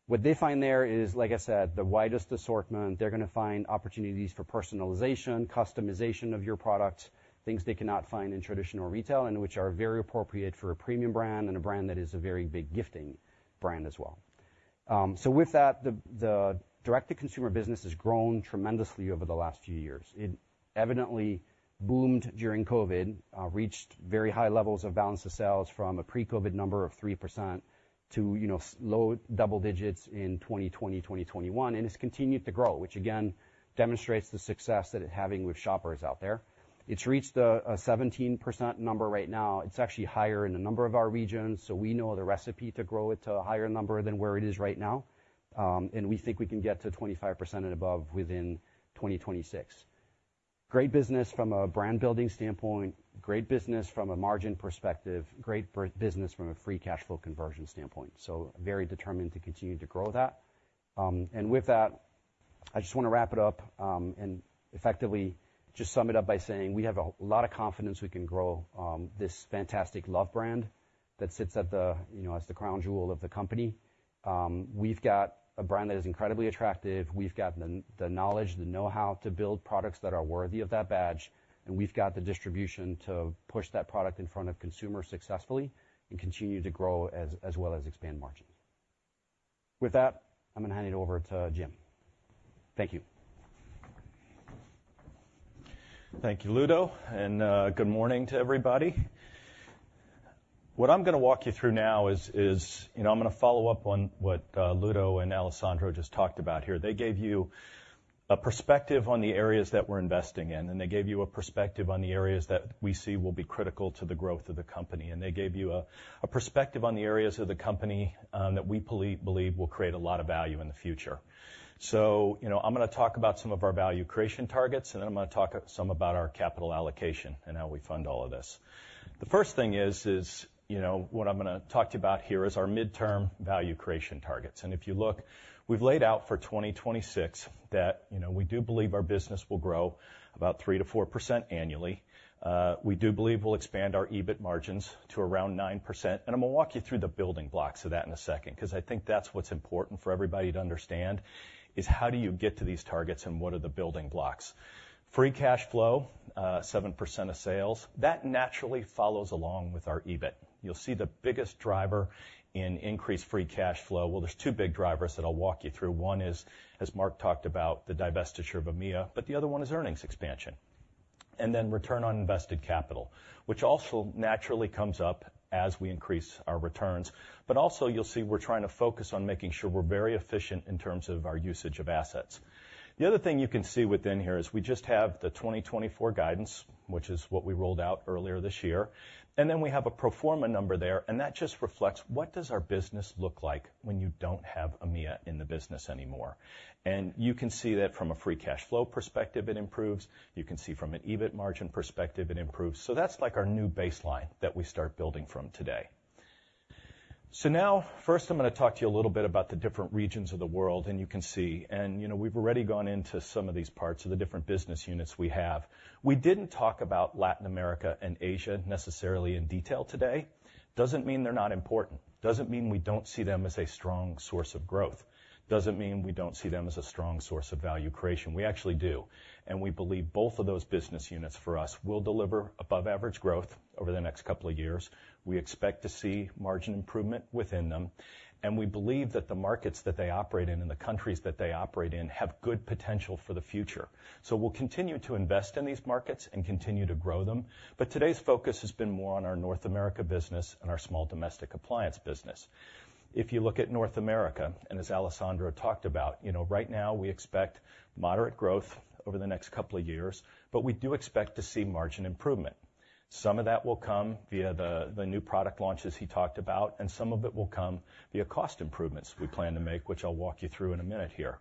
What they find there is, like I said, the widest assortment. They're gonna find opportunities for personalization, customization of your product, things they cannot find in traditional retail and which are very appropriate for a premium brand and a brand that is a very big gifting brand as well. So with that, the direct-to-consumer business has grown tremendously over the last few years. It evidently boomed during COVID, reached very high levels of balance of sales from a pre-COVID number of 3% to, you know, low double digits in 2020, 2021, and it's continued to grow, which again, demonstrates the success that it's having with shoppers out there. It's reached a 17% number right now. It's actually higher in a number of our regions, so we know the recipe to grow it to a higher number than where it is right now. And we think we can get to 25% and above within 2026. Great business from a brand building standpoint, great business from a margin perspective, great business from a free cash flow conversion standpoint, so very determined to continue to grow that. With that, I just wanna wrap it up, and effectively just sum it up by saying we have a lot of confidence we can grow this fantastic love brand that sits at the, you know, as the crown jewel of the company. We've got a brand that is incredibly attractive. We've got the, the knowledge, the know-how to build products that are worthy of that badge, and we've got the distribution to push that product in front of consumers successfully and continue to grow as, as well as expand margins. With that, I'm gonna hand it over to Jim. Thank you. ...Thank you, Ludo, and good morning to everybody. What I'm gonna walk you through now is, you know, I'm gonna follow up on what Ludo and Alessandro just talked about here. They gave you a perspective on the areas that we're investing in, and they gave you a perspective on the areas that we see will be critical to the growth of the company, and they gave you a perspective on the areas of the company that we believe will create a lot of value in the future. So, you know, I'm gonna talk about some of our value creation targets, and then I'm gonna talk some about our capital allocation and how we fund all of this. The first thing is, you know, what I'm gonna talk to you about here is our midterm value creation targets. And if you look, we've laid out for 2026 that, you know, we do believe our business will grow about 3%-4% annually. We do believe we'll expand our EBIT margins to around 9%, and I'm gonna walk you through the building blocks of that in a second, 'cause I think that's what's important for everybody to understand, is how do you get to these targets, and what are the building blocks? Free cash flow, 7% of sales. That naturally follows along with our EBIT. You'll see the biggest driver in increased free cash flow... Well, there's two big drivers that I'll walk you through. One is, as Mark talked about, the divestiture of EMEA, but the other one is earnings expansion. And then return on invested capital, which also naturally comes up as we increase our returns. But also, you'll see we're trying to focus on making sure we're very efficient in terms of our usage of assets. The other thing you can see within here is we just have the 2024 guidance, which is what we rolled out earlier this year. And then we have a pro forma number there, and that just reflects what does our business look like when you don't have EMEA in the business anymore? And you can see that from a free cash flow perspective, it improves. You can see from an EBIT margin perspective, it improves. So that's, like, our new baseline that we start building from today. So now, first, I'm gonna talk to you a little bit about the different regions of the world, and you can see. And, you know, we've already gone into some of these parts of the different business units we have. We didn't talk about Latin America and Asia necessarily in detail today. Doesn't mean they're not important, doesn't mean we don't see them as a strong source of growth, doesn't mean we don't see them as a strong source of value creation. We actually do, and we believe both of those business units, for us, will deliver above average growth over the next couple of years. We expect to see margin improvement within them, and we believe that the markets that they operate in and the countries that they operate in have good potential for the future. So we'll continue to invest in these markets and continue to grow them, but today's focus has been more on our North America business and our small domestic appliance business. If you look at North America, and as Alessandro talked about, you know, right now, we expect moderate growth over the next couple of years, but we do expect to see margin improvement. Some of that will come via the new product launches he talked about, and some of it will come via cost improvements we plan to make, which I'll walk you through in a minute here.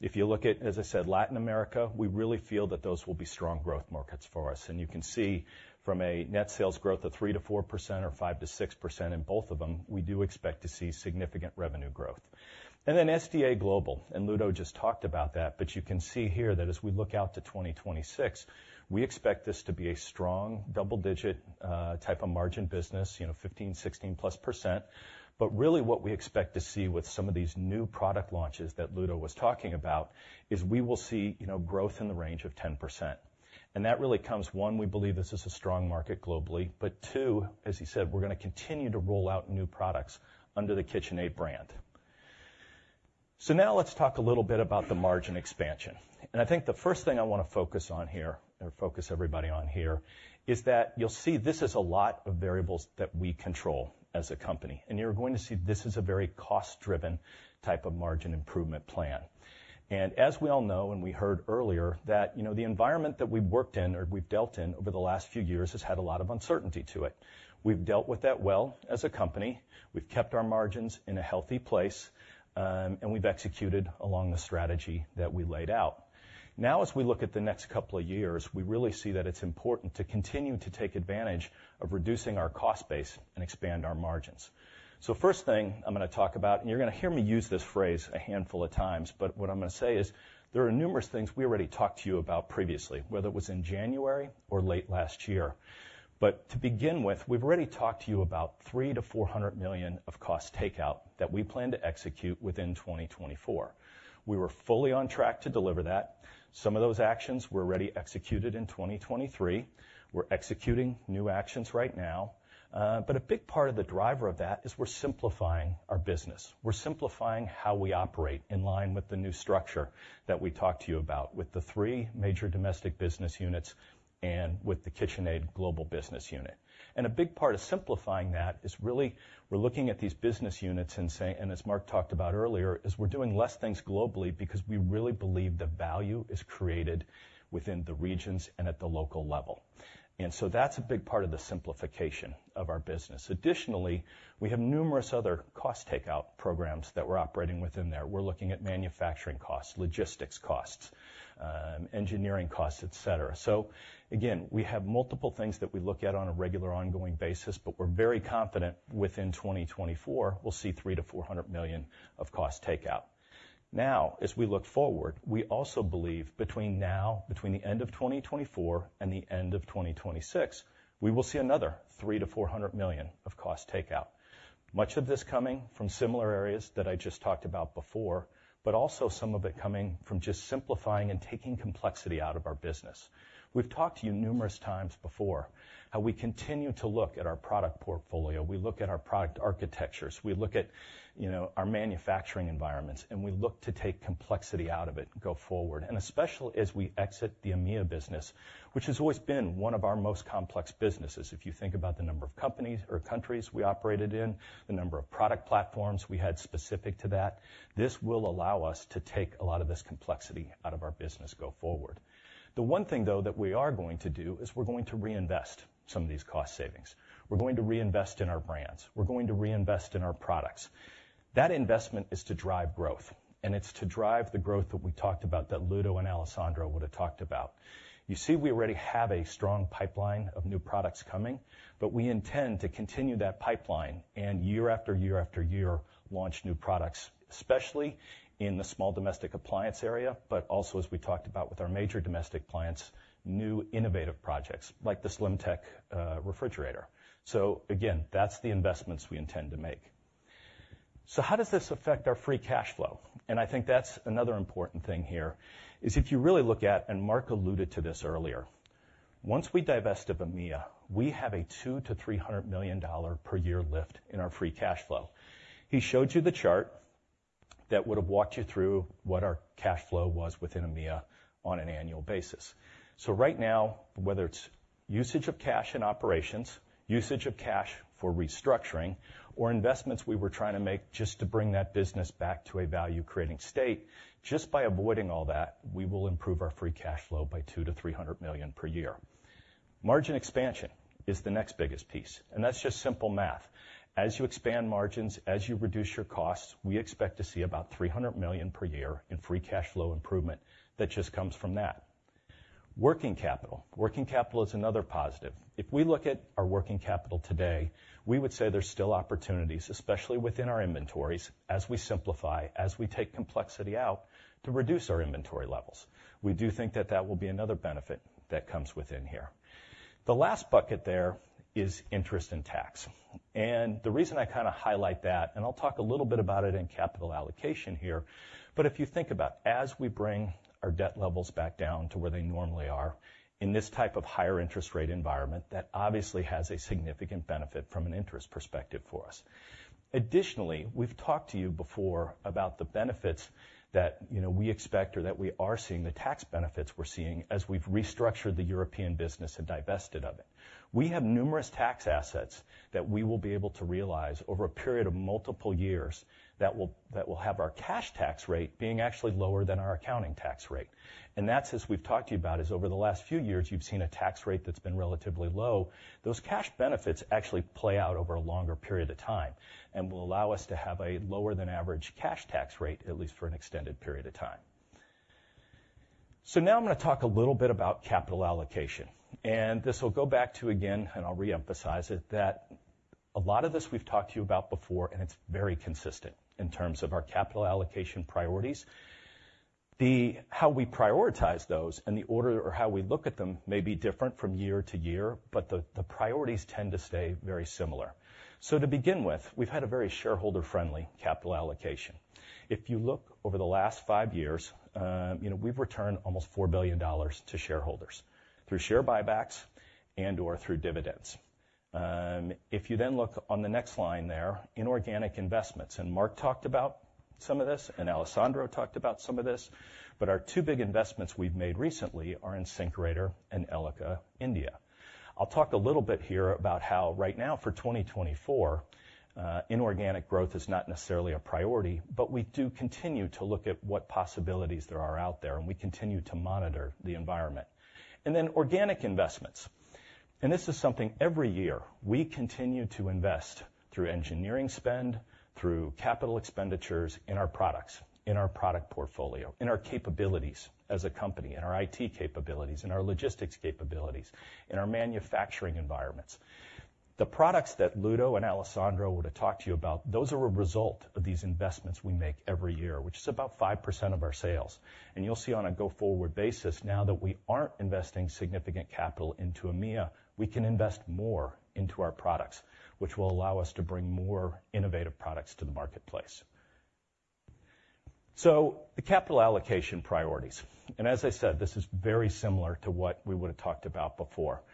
If you look at, as I said, Latin America, we really feel that those will be strong growth markets for us, and you can see from a net sales growth of 3%-4% or 5%-6% in both of them, we do expect to see significant revenue growth. And then SDA Global, and Ludo just talked about that, but you can see here that as we look out to 2026, we expect this to be a strong double digit type of margin business, you know, 15, 16+%. But really, what we expect to see with some of these new product launches that Ludo was talking about, is we will see, you know, growth in the range of 10%. And that really comes, one, we believe this is a strong market globally, but two, as he said, we're gonna continue to roll out new products under the KitchenAid brand. So now let's talk a little bit about the margin expansion, and I think the first thing I wanna focus on here, or focus everybody on here, is that you'll see this is a lot of variables that we control as a company, and you're going to see this is a very cost-driven type of margin improvement plan. And as we all know, and we heard earlier, that, you know, the environment that we've worked in or we've dealt in over the last few years has had a lot of uncertainty to it. We've dealt with that well as a company. We've kept our margins in a healthy place, and we've executed along the strategy that we laid out. Now, as we look at the next couple of years, we really see that it's important to continue to take advantage of reducing our cost base and expand our margins. So first thing I'm gonna talk about, and you're gonna hear me use this phrase a handful of times, but what I'm gonna say is, there are numerous things we already talked to you about previously, whether it was in January or late last year. But to begin with, we've already talked to you about $300 million-$400 million of cost takeout that we plan to execute within 2024. We were fully on track to deliver that. Some of those actions were already executed in 2023. We're executing new actions right now, but a big part of the driver of that is we're simplifying our business. We're simplifying how we operate in line with the new structure that we talked to you about, with the three major domestic business units and with the KitchenAid global business unit. A big part of simplifying that is really we're looking at these business units and saying... and as Marc talked about earlier, is we're doing less things globally because we really believe the value is created within the regions and at the local level. So that's a big part of the simplification of our business. Additionally, we have numerous other cost takeout programs that we're operating within there. We're looking at manufacturing costs, logistics costs, engineering costs, et cetera. So again, we have multiple things that we look at on a regular, ongoing basis, but we're very confident within 2024, we'll see $300 million-$400 million of cost takeout. Now, as we look forward, we also believe between now, between the end of 2024 and the end of 2026, we will see another $300 million-$400 million of cost takeout. Much of this coming from similar areas that I just talked about before, but also some of it coming from just simplifying and taking complexity out of our business. We've talked to you numerous times before, how we continue to look at our product portfolio. We look at our product architectures, we look at, you know, our manufacturing environments, and we look to take complexity out of it go forward. Especially as we exit the EMEA business, which has always been one of our most complex businesses. If you think about the number of companies or countries we operated in, the number of product platforms we had specific to that, this will allow us to take a lot of this complexity out of our business go forward. The one thing, though, that we are going to do, is we're going to reinvest some of these cost savings. We're going to reinvest in our brands. We're going to reinvest in our products. That investment is to drive growth, and it's to drive the growth that we talked about that Ludo and Alessandro would have talked about. You see, we already have a strong pipeline of new products coming, but we intend to continue that pipeline, and year after year after year, launch new products, especially in the small domestic appliance area, but also, as we talked about with our major domestic clients, new innovative projects like the SlimTech refrigerator. So again, that's the investments we intend to make. So how does this affect our free cash flow? And I think that's another important thing here, is if you really look at, and Mark alluded to this earlier, once we divest of EMEA, we have a $200 million-$300 million per year lift in our free cash flow. He showed you the chart that would have walked you through what our cash flow was within EMEA on an annual basis. So right now, whether it's usage of cash in operations, usage of cash for restructuring, or investments we were trying to make just to bring that business back to a value-creating state, just by avoiding all that, we will improve our free cash flow by $200 million-$300 million per year. Margin expansion is the next biggest piece, and that's just simple math. As you expand margins, as you reduce your costs, we expect to see about $300 million per year in free cash flow improvement that just comes from that. Working capital. Working capital is another positive. If we look at our working capital today, we would say there's still opportunities, especially within our inventories, as we simplify, as we take complexity out, to reduce our inventory levels. We do think that that will be another benefit that comes within here. The last bucket there is interest and tax. The reason I kinda highlight that, and I'll talk a little bit about it in capital allocation here, but if you think about as we bring our debt levels back down to where they normally are, in this type of higher interest rate environment, that obviously has a significant benefit from an interest perspective for us. Additionally, we've talked to you before about the benefits that, you know, we expect or that we are seeing, the tax benefits we're seeing as we've restructured the European business and divested of it. We have numerous tax assets that we will be able to realize over a period of multiple years that will, that will have our cash tax rate being actually lower than our accounting tax rate. And that's, as we've talked to you about, is over the last few years, you've seen a tax rate that's been relatively low. Those cash benefits actually play out over a longer period of time and will allow us to have a lower than average cash tax rate, at least for an extended period of time. So now I'm gonna talk a little bit about capital allocation, and this will go back to, again, and I'll reemphasize it, that a lot of this we've talked to you about before, and it's very consistent in terms of our capital allocation priorities. The how we prioritize those and the order or how we look at them may be different from year to year, but the priorities tend to stay very similar. So to begin with, we've had a very shareholder-friendly capital allocation. If you look over the last five years, you know, we've returned almost $4 billion to shareholders through share buybacks and/or through dividends. If you then look on the next line there, inorganic investments, and Marc talked about some of this, and Alessandro talked about some of this, but our two big investments we've made recently are InSinkErator and Elica India. I'll talk a little bit here about how right now, for 2024, inorganic growth is not necessarily a priority, but we do continue to look at what possibilities there are out there, and we continue to monitor the environment. Then organic investments. This is something every year we continue to invest through engineering spend, through capital expenditures in our products, in our product portfolio, in our capabilities as a company, in our IT capabilities, in our logistics capabilities, in our manufacturing environments. The products that Ludo and Alessandro would have talked to you about, those are a result of these investments we make every year, which is about 5% of our sales. And you'll see on a go-forward basis, now that we aren't investing significant capital into EMEA, we can invest more into our products, which will allow us to bring more innovative products to the marketplace. So the capital allocation priorities, and as I said, this is very similar to what we would have talked about before.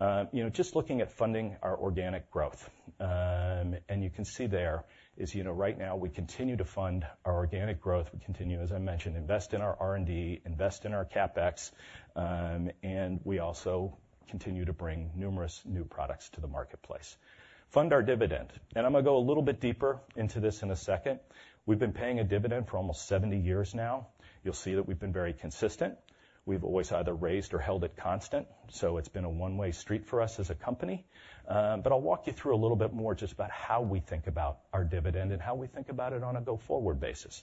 You know, just looking at funding our organic growth. And you can see there is, you know, right now, we continue to fund our organic growth. We continue, as I mentioned, invest in our R&D, invest in our CapEx, and we also continue to bring numerous new products to the marketplace. Fund our dividend, and I'm gonna go a little bit deeper into this in a second. We've been paying a dividend for almost 70 years now. You'll see that we've been very consistent. We've always either raised or held it constant, so it's been a one-way street for us as a company. But I'll walk you through a little bit more just about how we think about our dividend and how we think about it on a go-forward basis.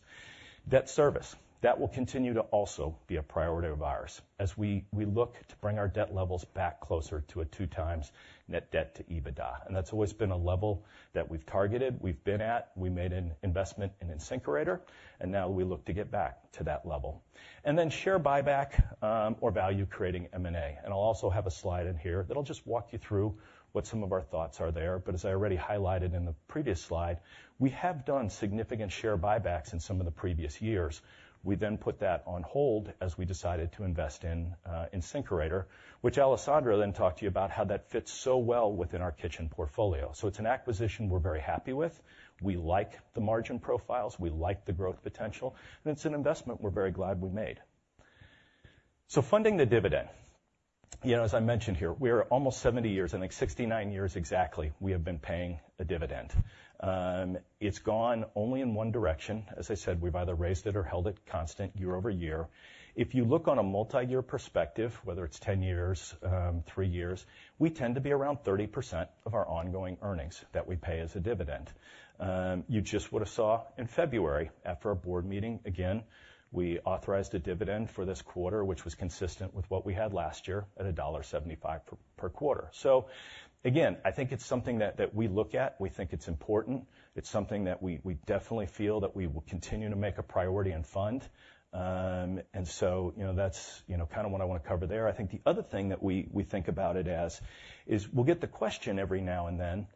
Debt service. That will continue to also be a priority of ours as we look to bring our debt levels back closer to a 2x net debt to EBITDA. And that's always been a level that we've targeted, we've been at, we made an investment in InSinkErator, and now we look to get back to that level. And then share buyback, or value creating M&A. I'll also have a slide in here that'll just walk you through what some of our thoughts are there, but as I already highlighted in the previous slide, we have done significant share buybacks in some of the previous years. We then put that on hold as we decided to invest in InSinkErator, which Alessandro then talked to you about how that fits so well within our kitchen portfolio. So it's an acquisition we're very happy with. We like the margin profiles, we like the growth potential, and it's an investment we're very glad we made. So funding the dividend. You know, as I mentioned here, we are almost 70 years, I think 69 years exactly, we have been paying a dividend. It's gone only in one direction. As I said, we've either raised it or held it constant year-over-year. If you look on a multi-year perspective, whether it's 10 years, three years, we tend to be around 30% of our ongoing earnings that we pay as a dividend. You just would have saw in February, after our board meeting, again, we authorized a dividend for this quarter, which was consistent with what we had last year at $1.75 per, per quarter. So again, I think it's something that, that we look at. We think it's important. It's something that we, we definitely feel that we will continue to make a priority and fund. And so, you know, that's, you know, kind of what I wanna cover there. I think the other thing that we think about it as, is we'll get the question every now and then,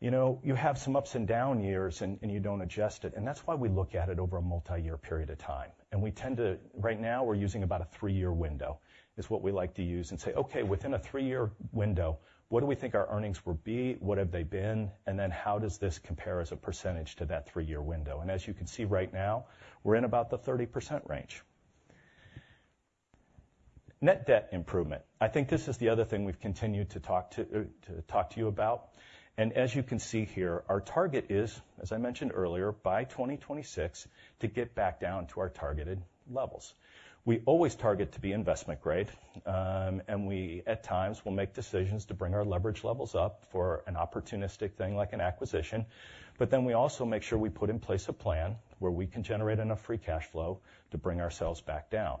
you know, you have some ups and down years and you don't adjust it, and that's why we look at it over a multi-year period of time. We tend to, right now, we're using about a three-year window, is what we like to use, and say, "Okay, within a three-year window, what do we think our earnings will be? What have they been, and then how does this compare as a percentage to that three-year window?" And as you can see right now, we're in about the 30% range. Net debt improvement. I think this is the other thing we've continued to talk to, to talk to you about. As you can see here, our target is, as I mentioned earlier, by 2026, to get back down to our targeted levels. We always target to be investment grade, and we, at times, will make decisions to bring our leverage levels up for an opportunistic thing like an acquisition. But then we also make sure we put in place a plan where we can generate enough free cash flow to bring ourselves back down.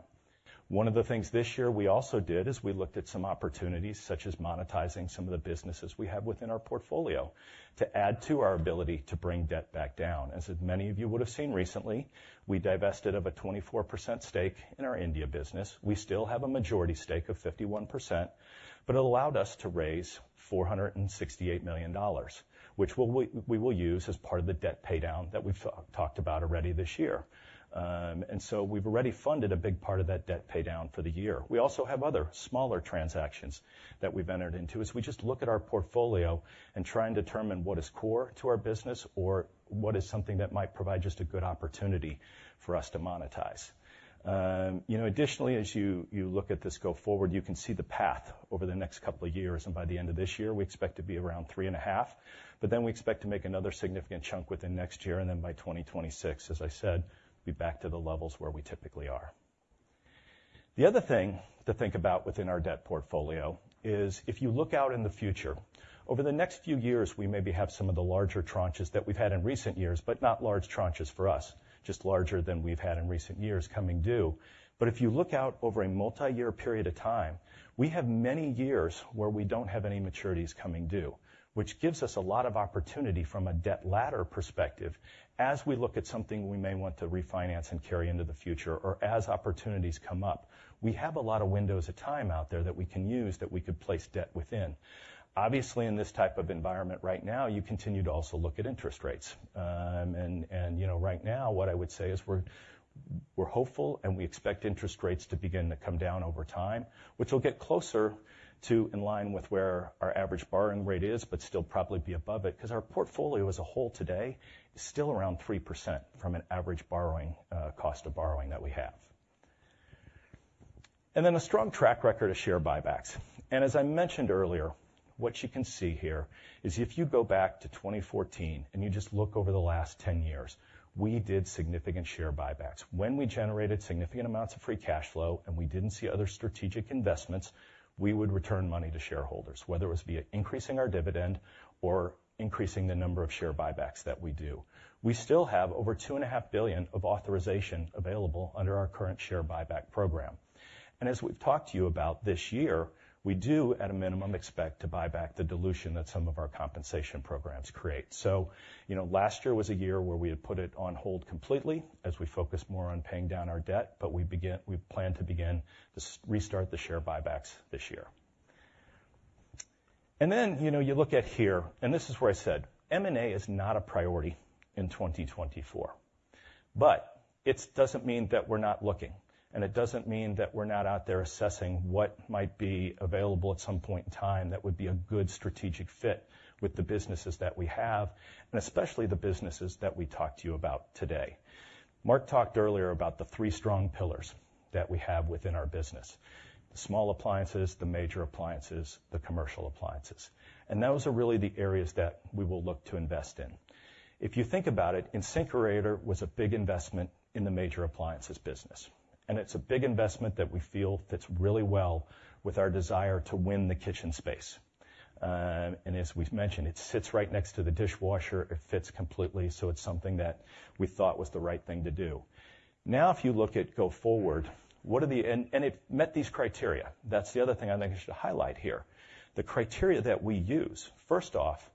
One of the things this year we also did is we looked at some opportunities, such as monetizing some of the businesses we have within our portfolio, to add to our ability to bring debt back down. As many of you would have seen recently, we divested of a 24% stake in our India business. We still have a majority stake of 51%, but it allowed us to raise $468 million, which we'll use as part of the debt paydown that we've talked about already this year. And so we've already funded a big part of that debt paydown for the year. We also have other smaller transactions that we've entered into, as we just look at our portfolio and try and determine what is core to our business or what is something that might provide just a good opportunity for us to monetize. You know, additionally, as you look at this go forward, you can see the path over the next couple of years, and by the end of this year, we expect to be around 3.5. But then we expect to make another significant chunk within next year, and then by 2026, as I said, be back to the levels where we typically are. The other thing to think about within our debt portfolio is, if you look out in the future, over the next few years, we maybe have some of the larger tranches that we've had in recent years, but not large tranches for us, just larger than we've had in recent years coming due. But if you look out over a multi-year period of time, we have many years where we don't have any maturities coming due, which gives us a lot of opportunity from a debt ladder perspective. As we look at something we may want to refinance and carry into the future, or as opportunities come up, we have a lot of windows of time out there that we can use, that we could place debt within. Obviously, in this type of environment right now, you continue to also look at interest rates. You know, right now, what I would say is we're hopeful, and we expect interest rates to begin to come down over time, which will get closer to in line with where our average borrowing rate is, but still probably be above it. Because our portfolio as a whole today is still around 3% from an average borrowing cost of borrowing that we have. And then a strong track record of share buybacks. As I mentioned earlier, what you can see here is if you go back to 2014, and you just look over the last ten years, we did significant share buybacks. When we generated significant amounts of free cash flow, and we didn't see other strategic investments, we would return money to shareholders, whether it was via increasing our dividend or increasing the number of share buybacks that we do. We still have over $2.5 billion of authorization available under our current share buyback program. As we've talked to you about this year, we do, at a minimum, expect to buy back the dilution that some of our compensation programs create. So, you know, last year was a year where we had put it on hold completely as we focused more on paying down our debt, but we plan to begin to restart the share buybacks this year. And then, you know, you look at here, and this is where I said M&A is not a priority in 2024, but it doesn't mean that we're not looking, and it doesn't mean that we're not out there assessing what might be available at some point in time that would be a good strategic fit with the businesses that we have, and especially the businesses that we talked to you about today. Marc talked earlier about the three strong pillars that we have within our business: the small appliances, the major appliances, the commercial appliances. And those are really the areas that we will look to invest in. If you think about it, InSinkErator was a big investment in the major appliances business, and it's a big investment that we feel fits really well with our desire to win the kitchen space. And as we've mentioned, it sits right next to the dishwasher. It fits completely, so it's something that we thought was the right thing to do. Now, if you look at going forward, what are the criteria? And it met these criteria. That's the other thing I think I should highlight here. The criteria that we use, first off,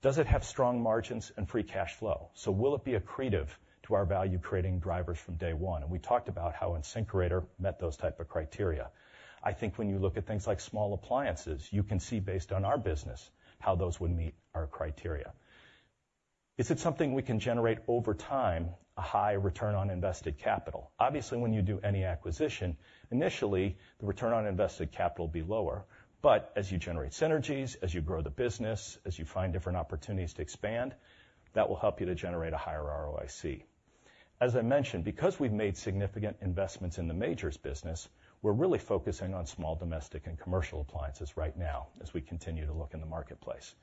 does it have strong margins and free cash flow? So will it be accretive to our value-creating drivers from day one? And we talked about how InSinkErator met those type of criteria. I think when you look at things like small appliances, you can see based on our business, how those would meet our criteria. Is it something we can generate over time, a high return on invested capital? Obviously, when you do any acquisition, initially, the return on invested capital will be lower. But as you generate synergies, as you grow the business, as you find different opportunities to expand, that will help you to generate a higher ROIC. As I mentioned, because we've made significant investments in the majors business, we're really focusing on small, domestic, and commercial appliances right now as we continue to look in the marketplace.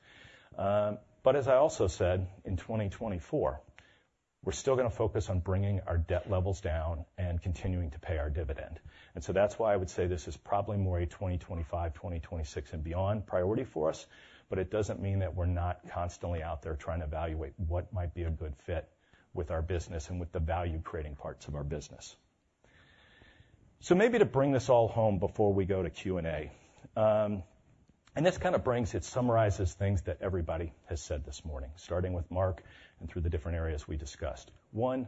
But as I also said, in 2024, we're still gonna focus on bringing our debt levels down and continuing to pay our dividend. So that's why I would say this is probably more a 2025, 2026, and beyond priority for us, but it doesn't mean that we're not constantly out there trying to evaluate what might be a good fit with our business and with the value-creating parts of our business. So maybe to bring this all home before we go to Q&A, and this kind of brings it, summarizes things that everybody has said this morning, starting with Marc and through the different areas we discussed. One,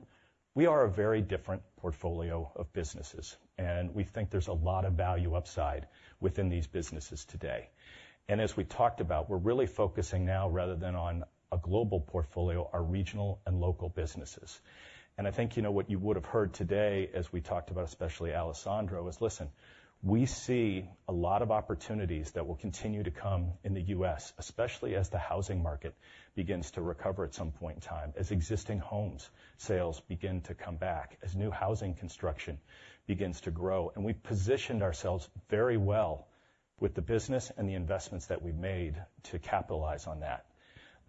we are a very different portfolio of businesses, and we think there's a lot of value upside within these businesses today. As we talked about, we're really focusing now, rather than on a global portfolio, our regional and local businesses. I think, you know, what you would have heard today as we talked about, especially Alessandro, is, listen, we see a lot of opportunities that will continue to come in the U.S., especially as the housing market begins to recover at some point in time, as existing homes sales begin to come back, as new housing construction begins to grow. We've positioned ourselves very well with the business and the investments that we've made to capitalize on that.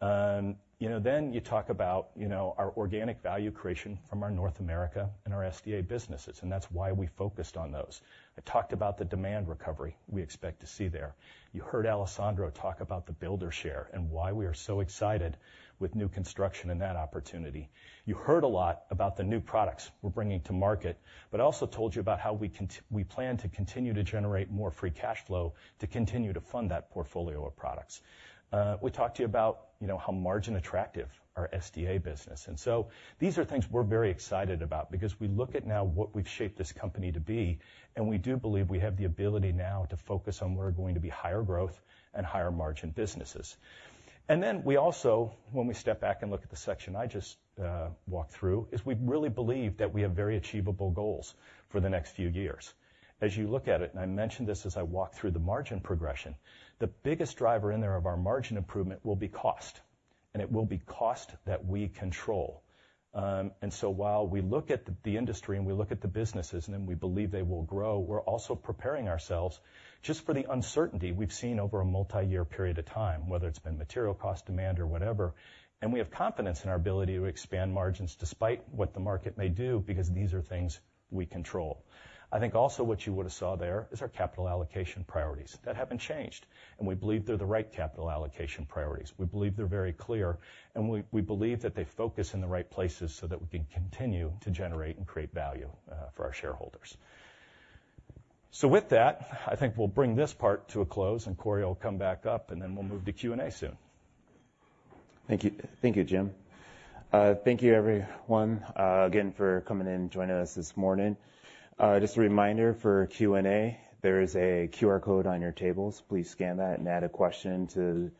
You know, you talk about, you know, our organic value creation from our North America and our SDA businesses, and that's why we focused on those. I talked about the demand recovery we expect to see there. You heard Alessandro talk about the builder share and why we are so excited with new construction and that opportunity. You heard a lot about the new products we're bringing to market, but I also told you about how we plan to continue to generate more free cash flow to continue to fund that portfolio of products. We talked to you about, you know, how margin attractive our SDA business. And so these are things we're very excited about because we look at now what we've shaped this company to be, and we do believe we have the ability now to focus on where are going to be higher growth and higher margin businesses. And then we also, when we step back and look at the section I just walked through, is we really believe that we have very achievable goals for the next few years. As you look at it, and I mentioned this as I walked through the margin progression, the biggest driver in there of our margin improvement will be cost, and it will be cost that we control. And so while we look at the industry and we look at the businesses, and then we believe they will grow, we're also preparing ourselves just for the uncertainty we've seen over a multiyear period of time, whether it's been material cost, demand, or whatever. And we have confidence in our ability to expand margins despite what the market may do, because these are things we control. I think also what you would have saw there is our capital allocation priorities. That haven't changed, and we believe they're the right capital allocation priorities. We believe they're very clear, and we believe that they focus in the right places so that we can continue to generate and create value for our shareholders. So with that, I think we'll bring this part to a close, and Korey will come back up, and then we'll move to Q&A soon. Thank you. Thank you, Jim. Thank you, everyone, again, for coming in and joining us this morning. Just a reminder for Q&A, there is a QR code on your tables. Please scan that and add a question to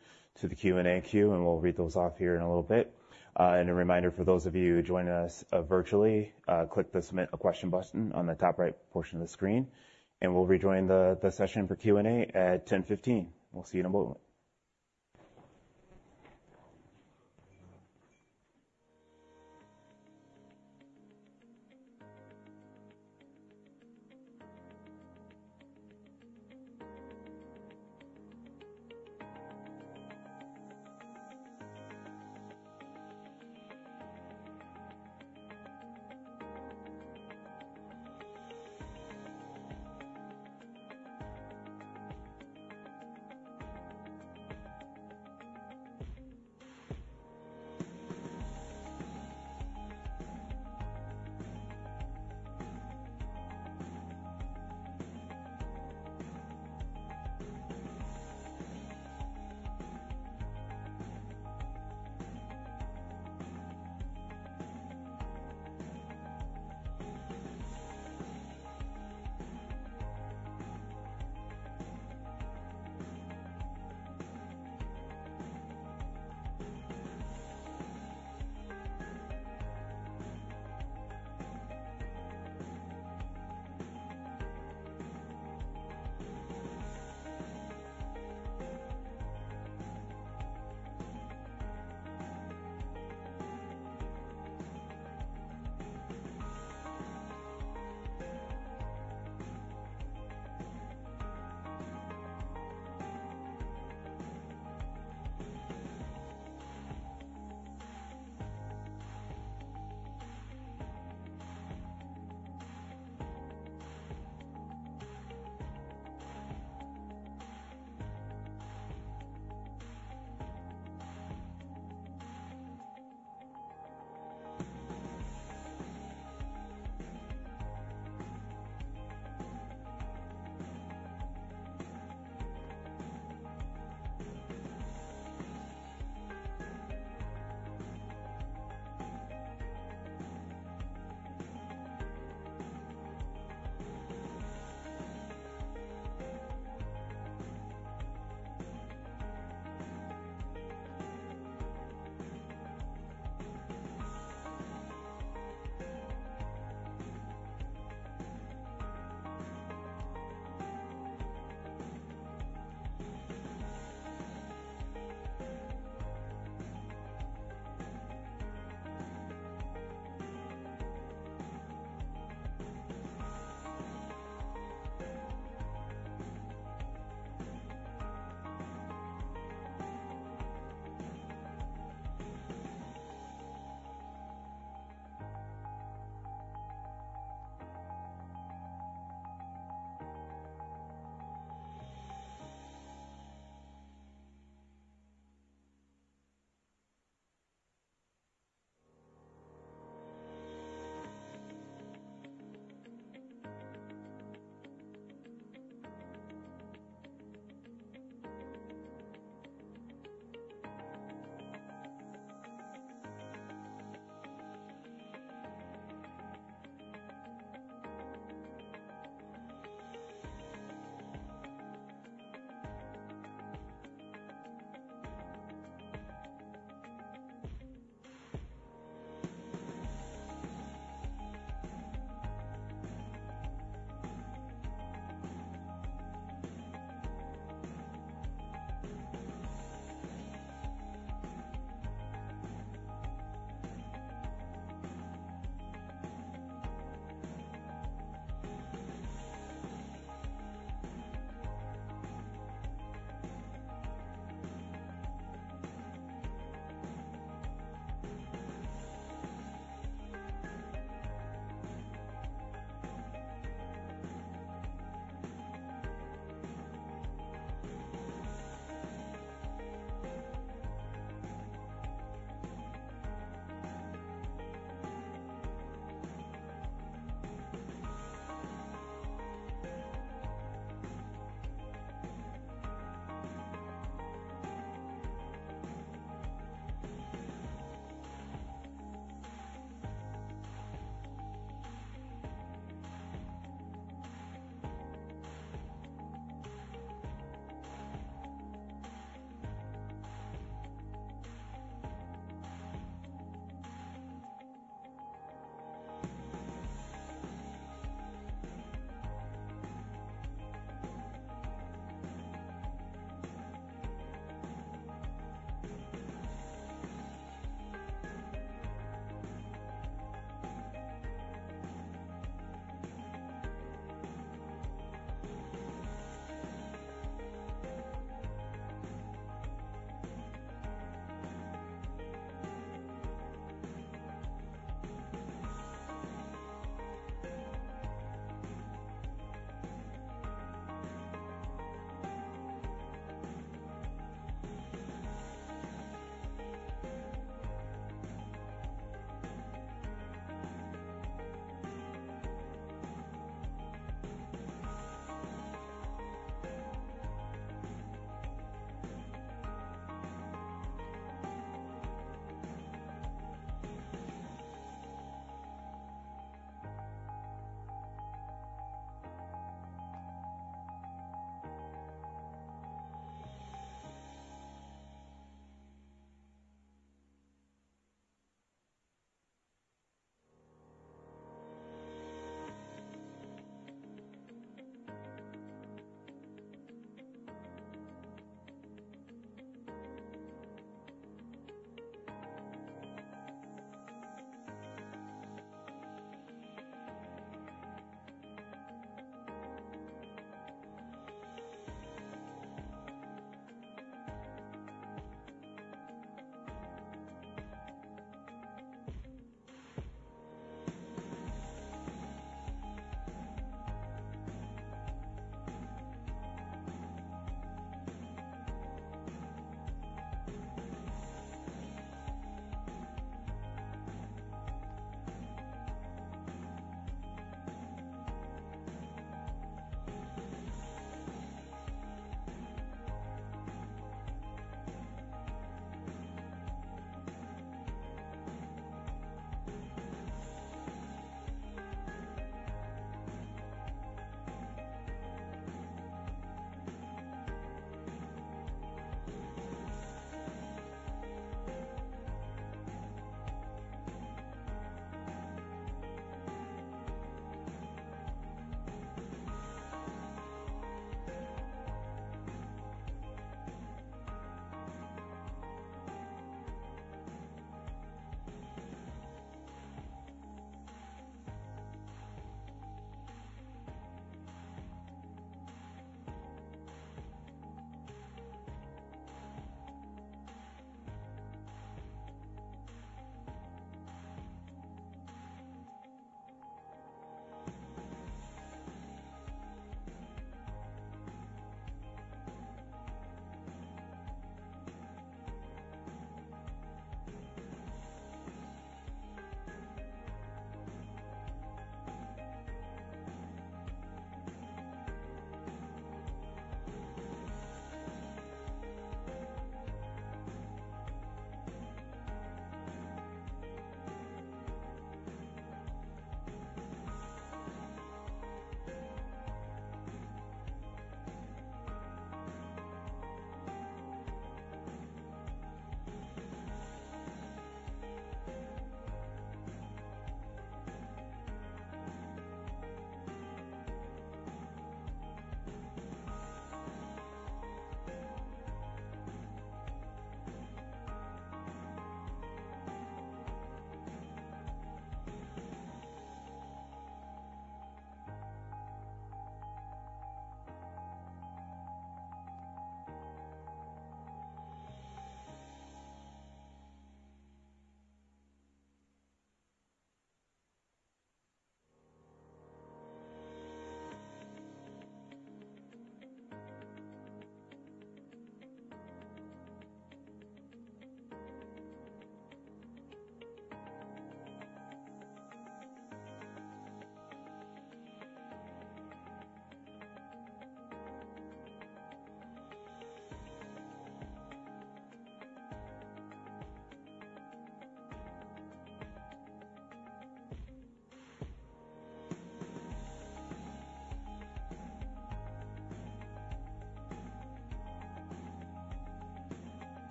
the Q&A queue, and we'll read those off here in a little bit. And a reminder for those of you who joining us virtually, click the Submit a Question button on the top right portion of the screen, and we'll rejoin the session for Q&A at 10:15 A.M. We'll see you in a moment. ...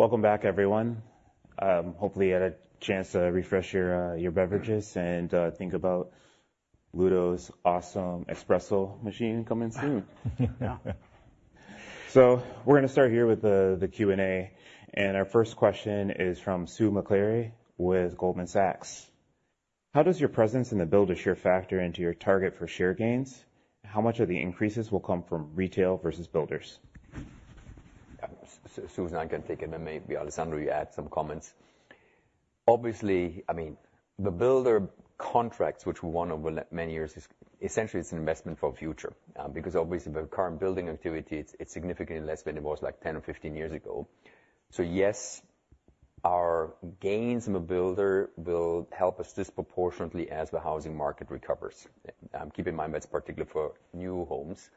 Welcome back, everyone. Hopefully, you had a chance to refresh your beverages and think about Ludo's awesome espresso machine coming soon. So we're gonna start here with the Q&A, and our first question is from Sue McClary with Goldman Sachs. How does your presence in the builder share factor into your target for share gains? How much of the increases will come from retail versus builders? Susan, I can take it, and maybe, Alessandro, you add some comments. Obviously, I mean, the builder contracts, which we won over the many years, is essentially it's an investment for future. Because obviously, the current building activity, it's significantly less than it was like 10 or 15 years ago. So yes, our gains in the builder will help us disproportionately as the housing market recovers. Keep in mind, that's particularly for new homes.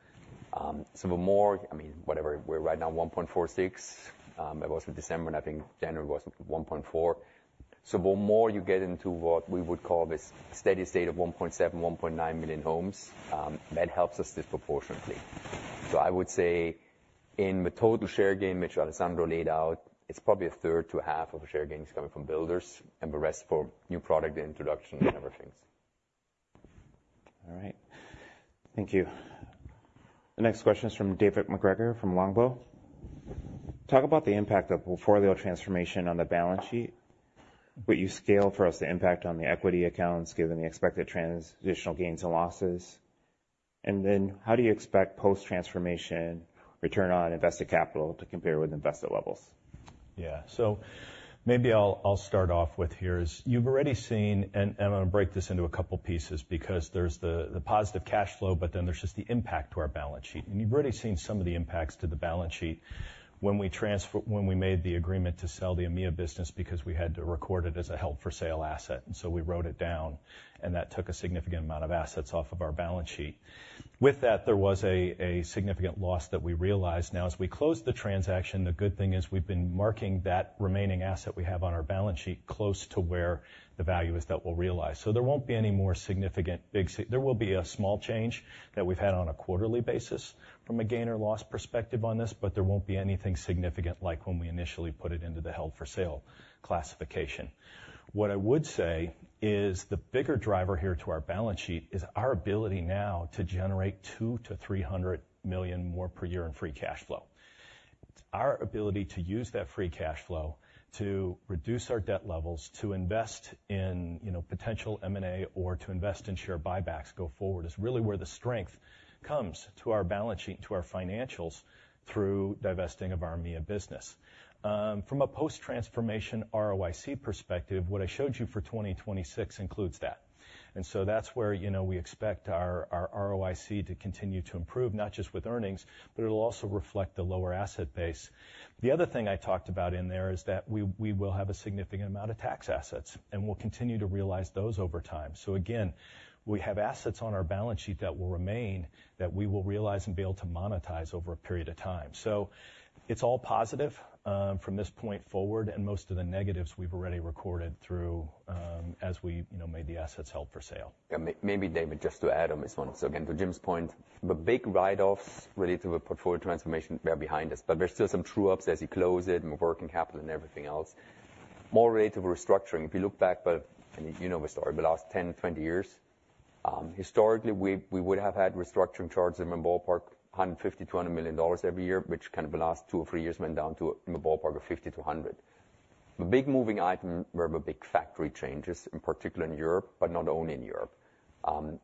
So the more, I mean, whatever, we're right now 1.46, it was in December, and I think January was 1.4. So the more you get into what we would call this steady state of 1.7, 1.9 million homes, that helps us disproportionately. I would say in the total share gain, which Alessandro laid out, it's probably a third to half of the share gains coming from builders and the rest for new product introduction and other things. All right. Thank you. The next question is from David MacGregor, from Longbow. Talk about the impact of portfolio transformation on the balance sheet. Would you scale for us the impact on the equity accounts, given the expected transitional gains and losses? And then how do you expect post-transformation return on invested capital to compare with invested levels? Yeah. So maybe I'll start off with, here is, you've already seen... And I'm gonna break this into a couple pieces because there's the positive cash flow, but then there's just the impact to our balance sheet. You've already seen some of the impacts to the balance sheet when we made the agreement to sell the EMEA business because we had to record it as a held-for-sale asset, and so we wrote it down, and that took a significant amount of assets off of our balance sheet. With that, there was a significant loss that we realized. Now, as we closed the transaction, the good thing is we've been marking that remaining asset we have on our balance sheet close to where the value is that we'll realize. So there won't be any more significant, there will be a small change that we've had on a quarterly basis from a gain or loss perspective on this, but there won't be anything significant like when we initially put it into the held-for-sale classification. What I would say is the bigger driver here to our balance sheet is our ability now to generate $200 million-$300 million more per year in free cash flow. Our ability to use that free cash flow to reduce our debt levels, to invest in, you know, potential M&A or to invest in share buybacks go forward, is really where the strength comes to our balance sheet, to our financials, through divesting of our EMEA business. From a post-transformation ROIC perspective, what I showed you for 2026 includes that. So that's where, you know, we expect our, our ROIC to continue to improve, not just with earnings, but it'll also reflect the lower asset base. The other thing I talked about in there is that we, we will have a significant amount of tax assets, and we'll continue to realize those over time. So again, we have assets on our balance sheet that will remain, that we will realize and be able to monetize over a period of time. So it's all positive, from this point forward, and most of the negatives we've already recorded through, as we, you know, made the assets Held-for-Sale. Yeah, maybe, David, just to add on this one. So again, to Jim's point, the big write-offs related to the portfolio transformation are behind us, but there's still some true ups as you close it, and working capital, and everything else. More related to restructuring, if you look back, and you know the story, the last 10, 20 years, historically, we would have had restructuring charges in the ballpark $150-$200 million every year, which kind of the last two or three years went down to in the ballpark of $50-$100 million. The big moving item were the big factory changes, in particular in Europe, but not only in Europe.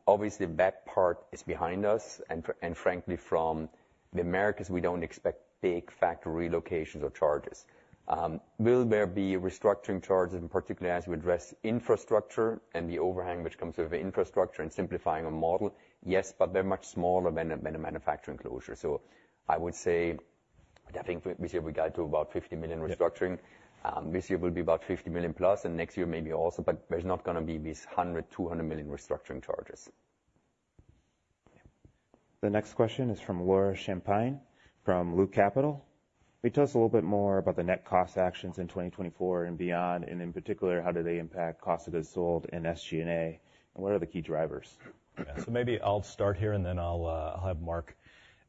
Obviously, that part is behind us, and frankly, from the Americas, we don't expect big factory relocations or charges. Will there be restructuring charges, and particularly as we address infrastructure and the overhang which comes with the infrastructure and simplifying the model? Yes, but they're much smaller than a manufacturing closure. But I think this year, we got to about $50 million restructuring. This year will be about $50 million plus, and next year maybe also, but there's not gonna be these $100-$200 million restructuring charges. The next question is from Laura Champine, from Loop Capital. Can you tell us a little bit more about the net cost actions in 2024 and beyond, and in particular, how do they impact cost of goods sold and SG&A, and what are the key drivers? Yeah. So maybe I'll start here, and then I'll have Marc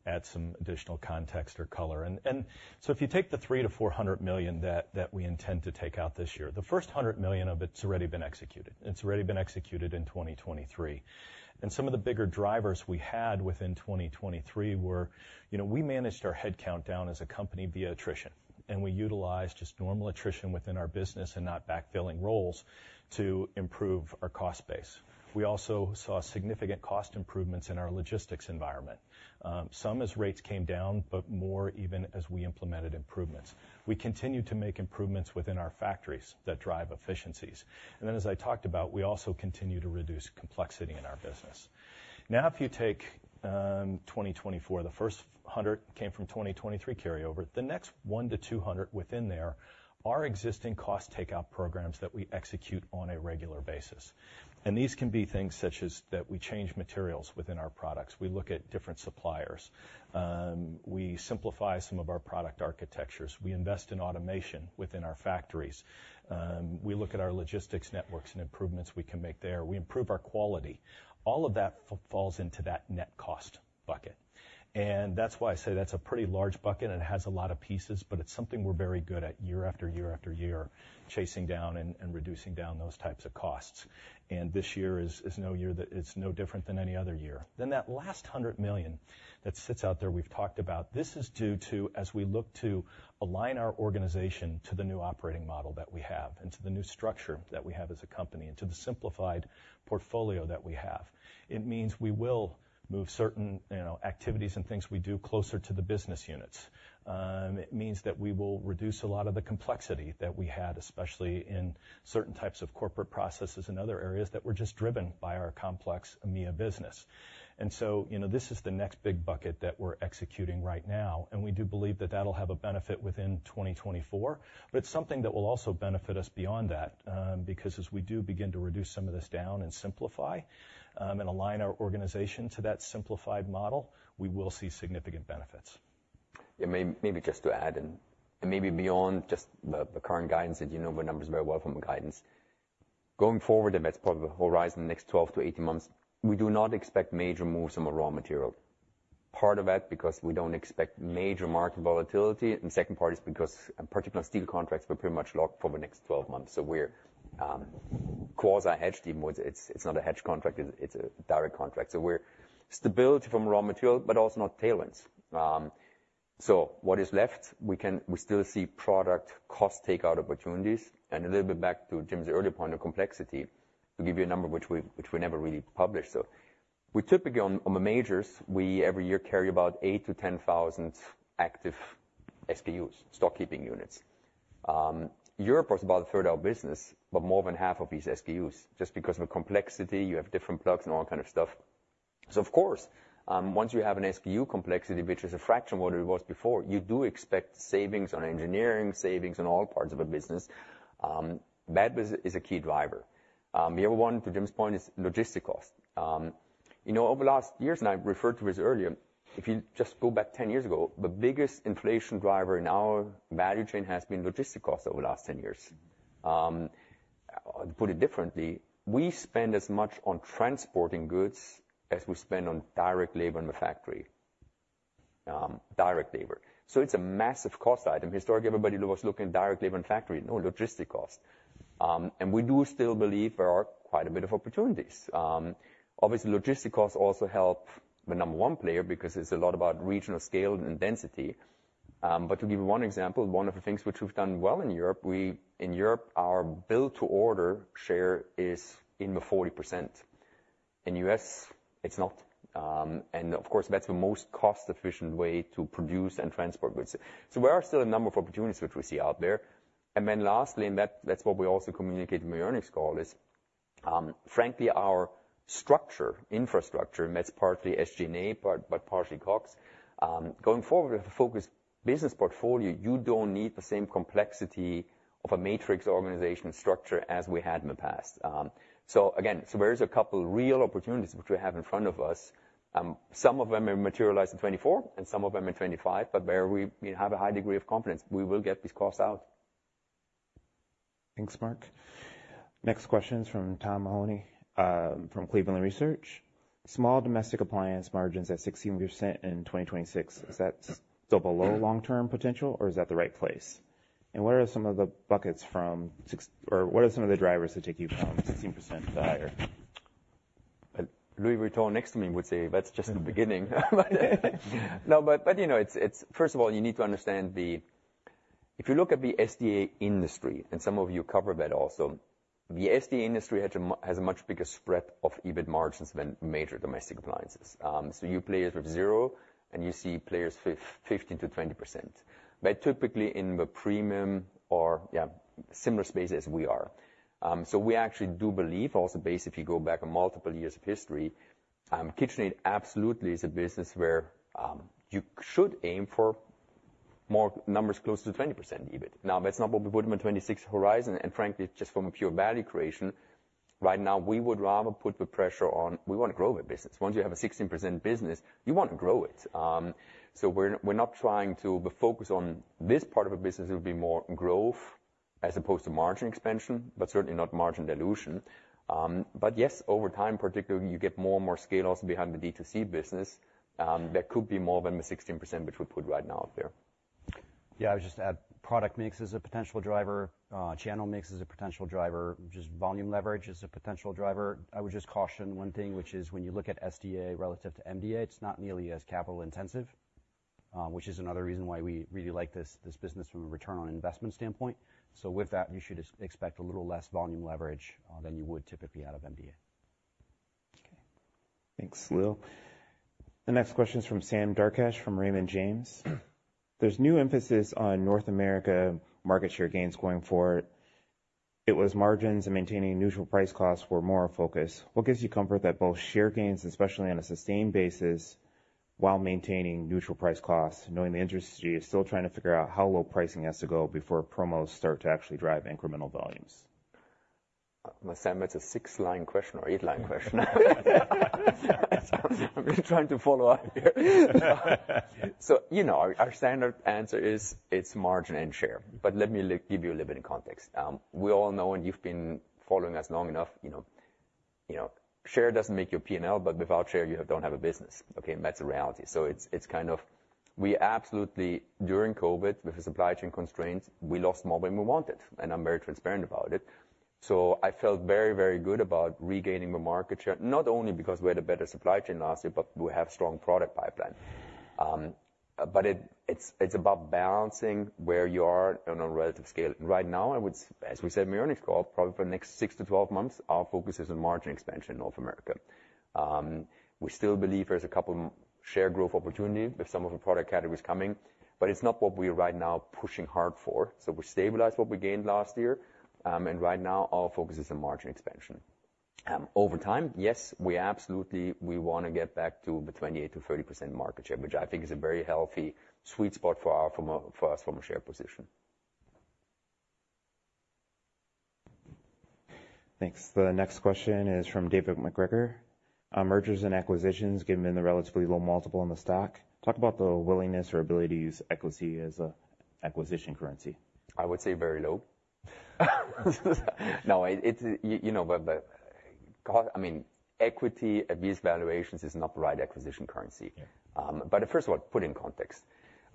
add some additional context or color. And so if you take the $300 million-$400 million that we intend to take out this year, the first $100 million of it's already been executed. It's already been executed in 2023. And some of the bigger drivers we had within 2023 were, you know, we managed our head count down as a company via attrition, and we utilized just normal attrition within our business and not backfilling roles to improve our cost base. We also saw significant cost improvements in our logistics environment. Some as rates came down, but more even as we implemented improvements. We continued to make improvements within our factories that drive efficiencies. And then, as I talked about, we also continue to reduce complexity in our business. Now, if you take 2024, the first 100 came from 2023 carryover. The next 100-200 within there are existing cost takeout programs that we execute on a regular basis. And these can be things such as that we change materials within our products. We look at different suppliers. We simplify some of our product architectures. We invest in automation within our factories. We look at our logistics networks and improvements we can make there. We improve our quality. All of that falls into that net cost bucket, and that's why I say that's a pretty large bucket, and it has a lot of pieces, but it's something we're very good at year after year after year, chasing down and reducing down those types of costs. And this year is no different than any other year. Then that last $100 million that sits out there, we've talked about, this is due to, as we look to align our organization to the new operating model that we have and to the new structure that we have as a company and to the simplified portfolio that we have. It means we will move certain, you know, activities and things we do closer to the business units. It means that we will reduce a lot of the complexity that we had, especially in certain types of corporate processes and other areas that were just driven by our complex EMEA business. And so, you know, this is the next big bucket that we're executing right now, and we do believe that that'll have a benefit within 2024, but it's something that will also benefit us beyond that. Because as we do begin to reduce some of this down and simplify, and align our organization to that simplified model, we will see significant benefits. Yeah, maybe just to add in, and maybe beyond just the, the current guidance, that you know the numbers very well from the guidance. Going forward, and that's part of the horizon, the next 12-18 months, we do not expect major moves on the raw material. Part of that because we don't expect major market volatility, and second part is because particular steel contracts were pretty much locked for the next 12 months. So we're quasi-hedged even more. It's not a hedge contract, it's a direct contract. So we're stability from raw material, but also not tailwinds. So what is left, we still see product cost takeout opportunities. And a little bit back to Jim's earlier point of complexity, to give you a number which we, which we never really published. So we typically, on the majors, we every year carry about 8-10,000 active SKUs, stock keeping units. Europe was about a third our business, but more than half of these SKUs, just because of the complexity, you have different plugs and all kind of stuff. So of course, once you have an SKU complexity, which is a fraction of what it was before, you do expect savings on engineering, savings on all parts of a business. That was, is a key driver. The other one, to Jim's point, is logistic cost. You know, over the last years, and I referred to this earlier, if you just go back 10 years ago, the biggest inflation driver in our value chain has been logistic cost over the last 10 years. To put it differently, we spend as much on transporting goods as we spend on direct labor in the factory, direct labor. So it's a massive cost item. Historically, everybody was looking at direct labor in factory, no logistic cost. We do still believe there are quite a bit of opportunities. Obviously, logistic costs also help the number one player because it's a lot about regional scale and density. To give you one example, one of the things which we've done well in Europe, in Europe, our build to order share is in the 40%. In U.S., it's not. Of course, that's the most cost-efficient way to produce and transport goods. So there are still a number of opportunities which we see out there. That, that's what we also communicate in the earnings call is, frankly, our structure, infrastructure, and that's partly SG&A, partly, but partially COGS. Going forward with a focused business portfolio, you don't need the same complexity of a matrix organizational structure as we had in the past. So again, there is a couple real opportunities which we have in front of us. Some of them are materialized in 2024 and some of them in 2025, but where we have a high degree of confidence we will get these costs out. Thanks, Mark. Next question is from Tom Mahoney from Cleveland Research. Small domestic appliance margins at 16% in 2026, is that still below long-term potential, or is that the right place? And what are some of the drivers to take you from 16% to higher? Louis Vuitton next to me would say, "That's just the beginning." No, but, but, you know, it's, it's... First of all, you need to understand the— If you look at the SDA industry, and some of you cover that also, the SDA industry has a much bigger spread of EBIT margins than major domestic appliances. So you players with zero, and you see players 15%-20%, but typically in the premium or similar space as we are. So we actually do believe, also, basically, if you go back multiple years of history... KitchenAid absolutely is a business where you should aim for more numbers close to 20% EBIT. Now, that's not what we put in the 2026 horizon, and frankly, just from a pure value creation, right now, we would rather put the pressure on, we wanna grow the business. Once you have a 16% business, you want to grow it. So we're not trying to—the focus on this part of the business will be more growth as opposed to margin expansion, but certainly not margin dilution. But yes, over time, particularly, you get more and more scale also behind the D2C business, that could be more than the 16%, which we put right now out there. Yeah, I would just add, product mix is a potential driver, channel mix is a potential driver, just volume leverage is a potential driver. I would just caution one thing, which is when you look at SDA relative to MDA, it's not nearly as capital intensive, which is another reason why we really like this, this business from a return on investment standpoint. So with that, you should expect a little less volume leverage than you would typically out of MDA. Okay. Thanks, Lil. The next question is from Sam Darkatsh, from Raymond James. "There's new emphasis on North America market share gains going forward. It was margins and maintaining neutral price costs were more focused. What gives you comfort that both share gains, especially on a sustained basis, while maintaining neutral price costs, knowing the industry is still trying to figure out how low pricing has to go before promos start to actually drive incremental volumes? Well, Sam, it's a 6-line question or 8-line question. I'm just trying to follow up here. So, you know, our, our standard answer is, it's margin and share. But let me give you a little bit of context. We all know, and you've been following us long enough, you know, you know, share doesn't make your P&L, but without share, you don't have a business, okay? And that's a reality. So it's, it's kind of... We absolutely, during COVID, with the supply chain constraints, we lost more than we wanted, and I'm very transparent about it. So I felt very, very good about regaining the market share, not only because we had a better supply chain last year, but we have strong product pipeline. But it, it's, it's about balancing where you are on a relative scale. Right now, as we said in the earnings call, probably for the next 6-12 months, our focus is on margin expansion in North America. We still believe there's a couple share growth opportunity with some of the product categories coming, but it's not what we're right now pushing hard for. So we stabilized what we gained last year, and right now, our focus is on margin expansion. Over time, yes, we absolutely, we wanna get back to the 28%-30% market share, which I think is a very healthy sweet spot for our, from a, for us from a share position. Thanks. The next question is from David McGregor. Mergers and acquisitions, given the relatively low multiple in the stock, talk about the willingness or ability to use equity as an acquisition currency. I would say very low. No, it's, you know, but, I mean, equity at these valuations is not the right acquisition currency. Yeah. But first of all, put in context,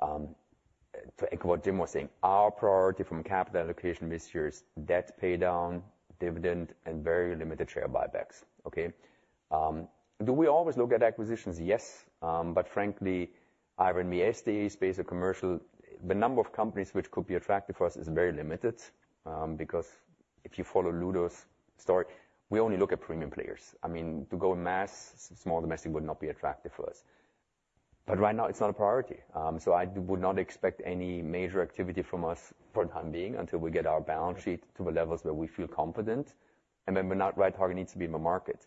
to echo what Jim was saying, our priority from a capital allocation this year is debt pay down, dividend, and very limited share buybacks, okay? Do we always look at acquisitions? Yes, but frankly, either in the SDA space or commercial, the number of companies which could be attractive for us is very limited, because if you follow Ludo's story, we only look at premium players. I mean, to go mass, small domestic would not be attractive for us. But right now, it's not a priority, so I would not expect any major activity from us for the time being, until we get our balance sheet to the levels where we feel confident, and then we're not where target needs to be in the market.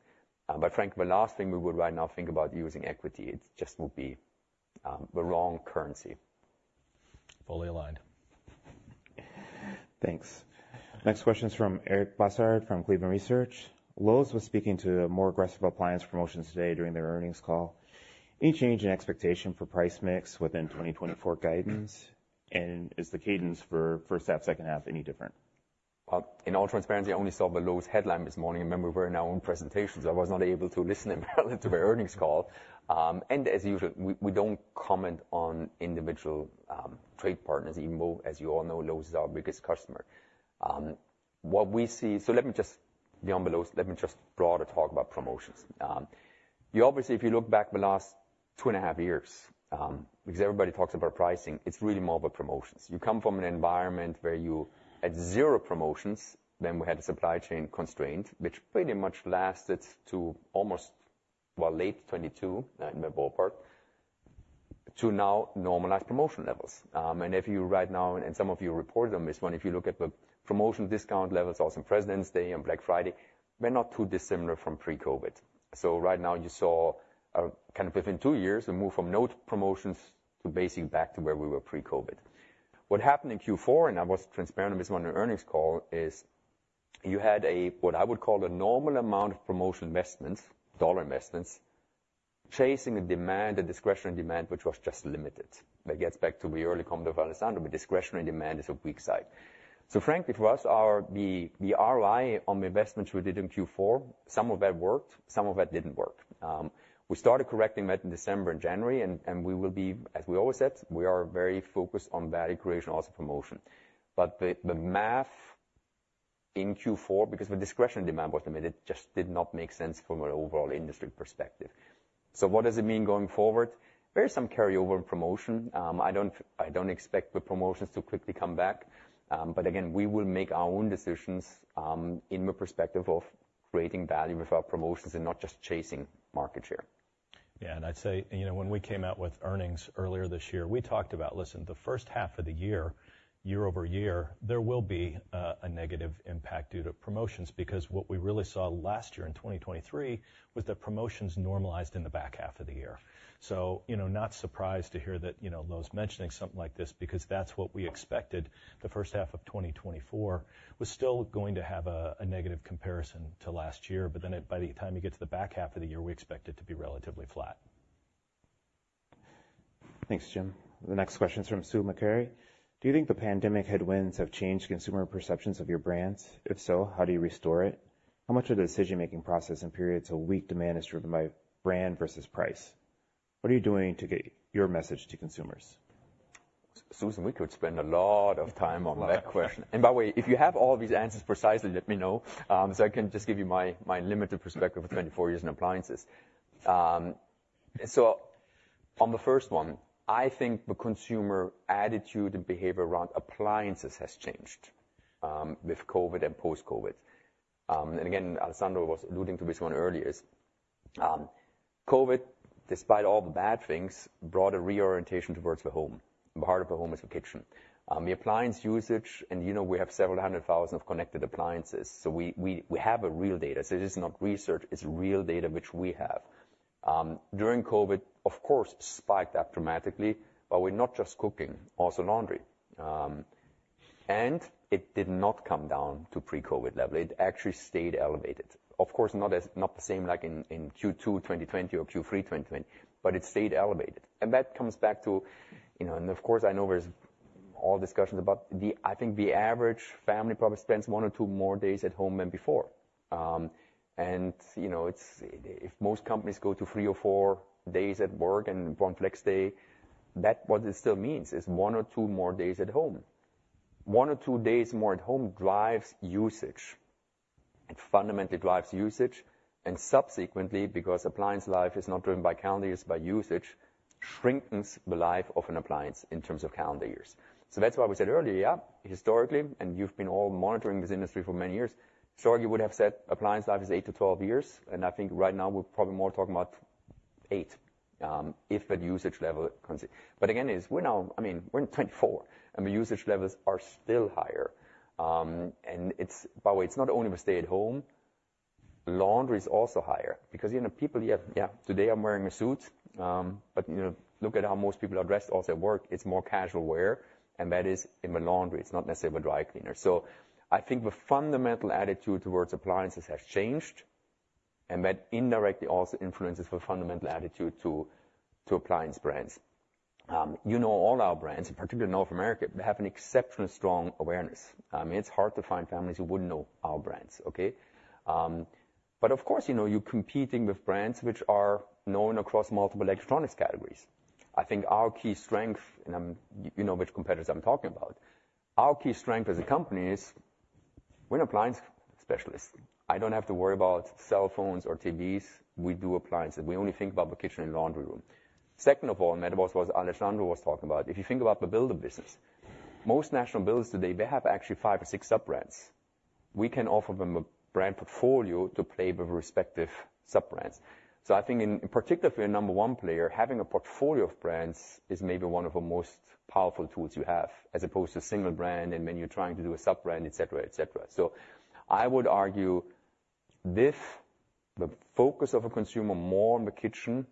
But frankly, the last thing we would right now think about using equity, it just would be the wrong currency. Fully aligned. Thanks. Next question is from Eric Bosshard, from Cleveland Research. Lowe's was speaking to more aggressive appliance promotions today during their earnings call. Any change in expectation for price mix within 2024 guidance? And is the cadence for first half, second half any different? Well, in all transparency, I only saw the Lowe's headline this morning. Remember, we're in our own presentations. I was not able to listen in to the earnings call. And as usual, we don't comment on individual trade partners, even though, as you all know, Lowe's is our biggest customer. What we see... So let me just beyond the Lowe's, let me just broader talk about promotions. You obviously, if you look back the last two and a half years, because everybody talks about pricing, it's really more about promotions. You come from an environment where you had zero promotions, then we had a supply chain constraint, which pretty much lasted to almost late 2022, in the ballpark, to now normalized promotion levels. And if you right now, and some of you reported on this one, if you look at the promotion discount levels on Presidents' Day and Black Friday, we're not too dissimilar from pre-COVID. So right now, you saw, kind of within two years, a move from no promotions to basically back to where we were pre-COVID. What happened in Q4, and I was transparent on this one on earnings call, is you had a, what I would call a normal amount of promotion investments, dollar investments, chasing the demand, the discretionary demand, which was just limited. That gets back to the early comment of Alessandro, the discretionary demand is a weak side. So frankly, for us, our, the, the ROI on the investments we did in Q4, some of that worked, some of that didn't work. We started correcting that in December and January, and we will be, as we always said, very focused on value creation also promotion. But the math in Q4, because the discretionary demand was limited, just did not make sense from an overall industry perspective. So what does it mean going forward? There is some carryover in promotion. I don't expect the promotions to quickly come back, but again, we will make our own decisions, in the perspective of creating value with our promotions and not just chasing market share.... Yeah, and I'd say, you know, when we came out with earnings earlier this year, we talked about, listen, the first half of the year, year-over-year, there will be a negative impact due to promotions, because what we really saw last year in 2023 was the promotions normalized in the back half of the year. So, you know, not surprised to hear that, you know, Lowe's mentioning something like this, because that's what we expected. The first half of 2024 was still going to have a negative comparison to last year, but then by the time you get to the back half of the year, we expect it to be relatively flat. Thanks, Jim. The next question is from Sue McClary. Do you think the pandemic headwinds have changed consumer perceptions of your brands? If so, how do you restore it? How much of the decision-making process and periods of weak demand is driven by brand versus price? What are you doing to get your message to consumers? Susan, we could spend a lot of time on that question. And by the way, if you have all these answers precisely, let me know, so I can just give you my limited perspective of 24 years in appliances. So on the first one, I think the consumer attitude and behavior around appliances has changed, with COVID and post-COVID. And again, Alessandro was alluding to this one earlier, COVID, despite all the bad things, brought a reorientation towards the home. The heart of the home is the kitchen. The appliance usage, and, you know, we have several hundred thousand of connected appliances, so we have a real data. So it is not research, it's real data which we have. During COVID, of course, spiked up dramatically, but we're not just cooking, also laundry. And it did not come down to pre-COVID level. It actually stayed elevated. Of course, not the same like in Q2 2020 or Q3 2020, but it stayed elevated. And that comes back to, you know, and of course, I know there's all discussions about the... I think the average family probably spends one or two more days at home than before. And, you know, it's, if most companies go to three or four days at work and one flex day, that what it still means is one or two more days at home. One or two days more at home drives usage, it fundamentally drives usage, and subsequently, because appliance life is not driven by calendar years, by usage, shortens the life of an appliance in terms of calendar years. So that's why we said earlier, yeah, historically, and you've been all monitoring this industry for many years, sure, you would have said appliance life is 8-12 years, and I think right now we're probably more talking about 8, if that usage level continues. But again, I mean, we're in 2024, and the usage levels are still higher. And it's, by the way, it's not only the stay at home, laundry is also higher because, you know, people, yeah, yeah, today I'm wearing a suit, but, you know, look at how most people are dressed also at work. It's more casual wear, and that is in the laundry. It's not necessarily a dry cleaner. So I think the fundamental attitude towards appliances has changed, and that indirectly also influences the fundamental attitude to, to appliance brands. You know, all our brands, in particular, North America, they have an exceptionally strong awareness. I mean, it's hard to find families who wouldn't know our brands, okay? But of course, you know, you're competing with brands which are known across multiple electronics categories. I think our key strength, and, you know which competitors I'm talking about. Our key strength as a company is, we're an appliance specialist. I don't have to worry about cell phones or TVs. We do appliances. We only think about the kitchen and laundry room. Second of all, and that was what Alessandro was talking about, if you think about the builder business, most national builders today, they have actually five or six sub-brands. We can offer them a brand portfolio to play with respective sub-brands. So I think in particular, for your number one player, having a portfolio of brands is maybe one of the most powerful tools you have, as opposed to single brand, and then you're trying to do a sub-brand, et cetera, et cetera. So I would argue, with the focus of a consumer more on the kitchen,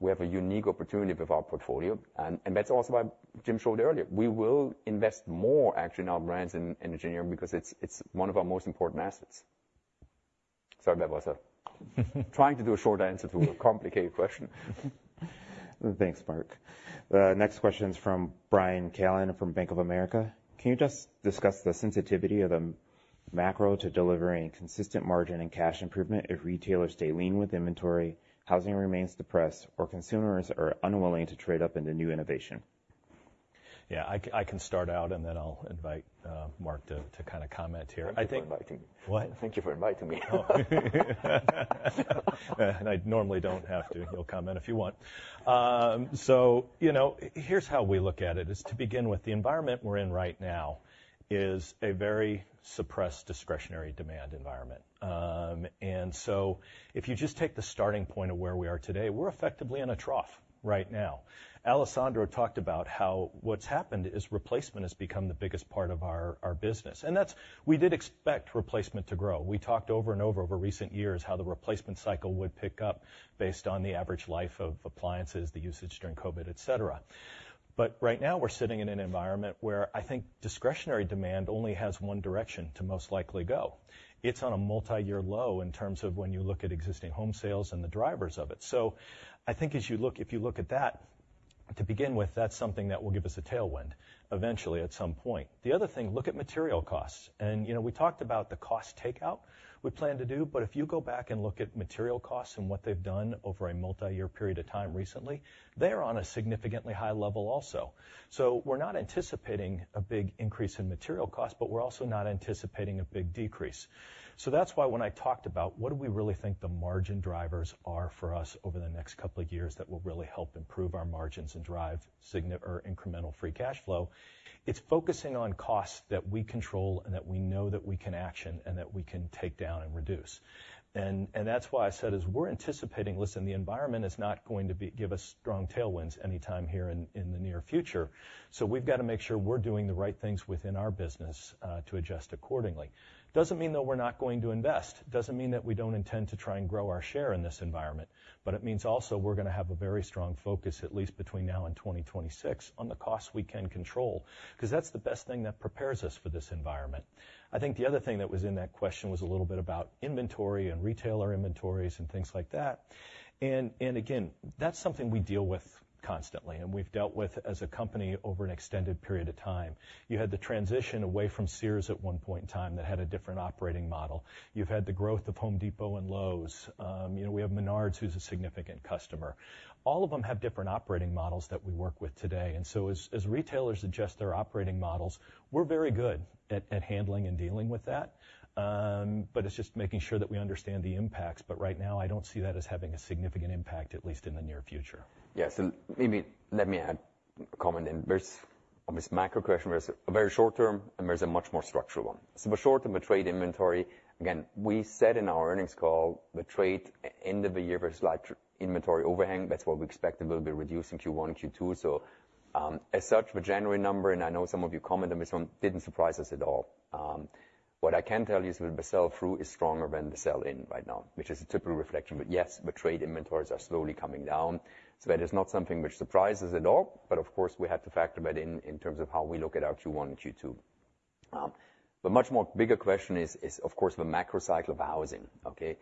we have a unique opportunity with our portfolio, and, and that's also why Jim showed earlier. We will invest more actually in our brands in engineering, because it's, it's one of our most important assets. Sorry about that. Trying to do a short answer to a complicated question. Thanks, Mark. The next question is from Brian Callan, from Bank of America. Can you just discuss the sensitivity of the macro to delivering consistent margin and cash improvement if retailers stay lean with inventory, housing remains depressed, or consumers are unwilling to trade up into new innovation? Yeah, I can start out, and then I'll invite Mark to kind of comment here. Thank you for inviting. What? Thank you for inviting me. I normally don't have to. You'll comment if you want. So, you know, here's how we look at it, is to begin with, the environment we're in right now is a very suppressed, discretionary demand environment. And so if you just take the starting point of where we are today, we're effectively in a trough right now. Alessandro talked about how what's happened is replacement has become the biggest part of our business, and that's... We did expect replacement to grow. We talked over and over, over recent years, how the replacement cycle would pick up based on the average life of appliances, the usage during COVID, et cetera. But right now, we're sitting in an environment where I think discretionary demand only has one direction to most likely go. It's on a multi-year low in terms of when you look at existing home sales and the drivers of it. So I think as you look, if you look at that, to begin with, that's something that will give us a tailwind eventually, at some point. The other thing, look at material costs. And, you know, we talked about the cost takeout we plan to do, but if you go back and look at material costs and what they've done over a multi-year period of time recently, they're on a significantly high level also. So we're not anticipating a big increase in material costs, but we're also not anticipating a big decrease. So that's why when I talked about what do we really think the margin drivers are for us over the next couple of years, that will really help improve our margins and drive signi-- or incremental free cash flow, it's focusing on costs that we control and that we know that we can action and that we can take down....and that's why I said, as we're anticipating, listen, the environment is not going to be-- give us strong tailwinds anytime here in the near future. So we've got to make sure we're doing the right things within our business to adjust accordingly. Doesn't mean, though, we're not going to invest. Doesn't mean that we don't intend to try and grow our share in this environment. But it means also we're gonna have a very strong focus, at least between now and 2026, on the costs we can control, 'cause that's the best thing that prepares us for this environment. I think the other thing that was in that question was a little bit about inventory and retailer inventories and things like that. And again, that's something we deal with constantly, and we've dealt with as a company over an extended period of time. You had the transition away from Sears at one point in time that had a different operating model. You've had the growth of Home Depot and Lowe's. You know, we have Menards, who's a significant customer. All of them have different operating models that we work with today, and so as retailers adjust their operating models, we're very good at handling and dealing with that. It's just making sure that we understand the impacts. Right now, I don't see that as having a significant impact, at least in the near future. Yeah, so maybe let me add a comment in. There's, on this macro question, there's a very short term, and there's a much more structural one. So the short term, the trade inventory, again, we said in our earnings call, the trade end of the year, there's light inventory overhang. That's what we expected. We'll be reducing Q1 and Q2. So, as such, the January number, and I know some of you commented on this one, didn't surprise us at all. What I can tell you is that the sell-through is stronger than the sell-in right now, which is a typical reflection. But yes, the trade inventories are slowly coming down, so that is not something which surprises at all. But of course, we have to factor that in, in terms of how we look at our Q1 and Q2. The much more bigger question is, of course, the macro cycle of housing, okay?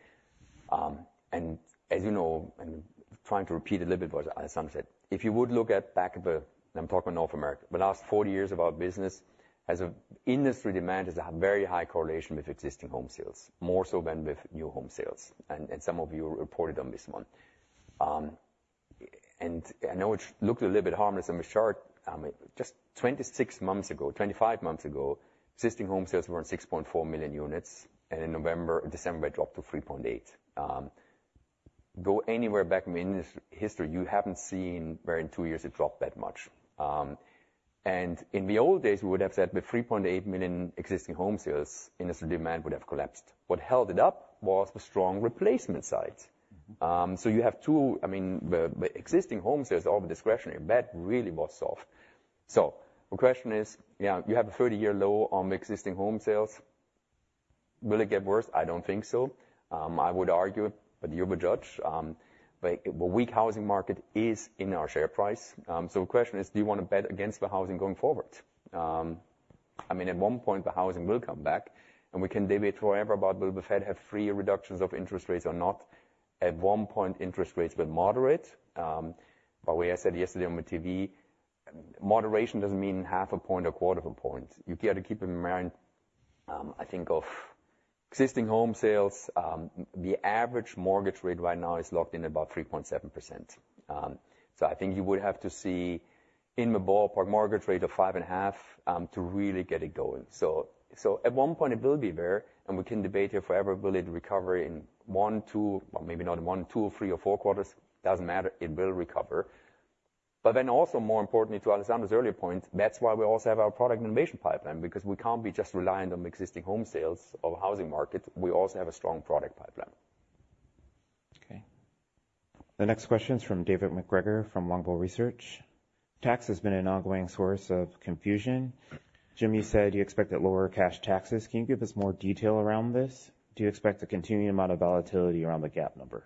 And as you know, and trying to repeat a little bit what Alessandro said, if you would look back at the... I'm talking about North America. The last 40 years of our business as a industry demand has a very high correlation with existing home sales, more so than with new home sales, and some of you reported on this one. And I know it looks a little bit harmless on the chart. Just 26 months ago, 25 months ago, existing home sales were at 6.4 million units, and in November, December, it dropped to 3.8. Go anywhere back in industry history, you haven't seen where in 2 years it dropped that much. In the old days, we would have said the 3.8 million existing home sales, industry demand would have collapsed. What held it up was the strong replacement side. So you have... I mean, the, the existing home sales, all the discretionary, that really was soft. So the question is, yeah, you have a 30-year low on the existing home sales. Will it get worse? I don't think so. I would argue, but you'll be judge. But the weak housing market is in our share price. So the question is: do you wanna bet against the housing going forward? I mean, at one point, the housing will come back, and we can debate forever about will the Fed have 3 reductions of interest rates or not. At one point, interest rates will moderate. But what I said yesterday on the TV, moderation doesn't mean half a point or quarter of a point. You got to keep in mind, I think of existing home sales, the average mortgage rate right now is locked in about 3.7%. So I think you would have to see in the ballpark mortgage rate of 5.5%, to really get it going. So at one point it will be there, and we can debate here forever, will it recover in one, two, well, maybe not in one, two, or three or four quarters? Doesn't matter, it will recover. But then also, more importantly, to Alessandro's earlier point, that's why we also have our product innovation pipeline, because we can't be just reliant on existing home sales or housing market. We also have a strong product pipeline. Okay. The next question is from David McGregor, from Longbow Research. Tax has been an ongoing source of confusion. Jimmy said you expect that lower cash taxes. Can you give us more detail around this? Do you expect a continuing amount of volatility around the GAAP number?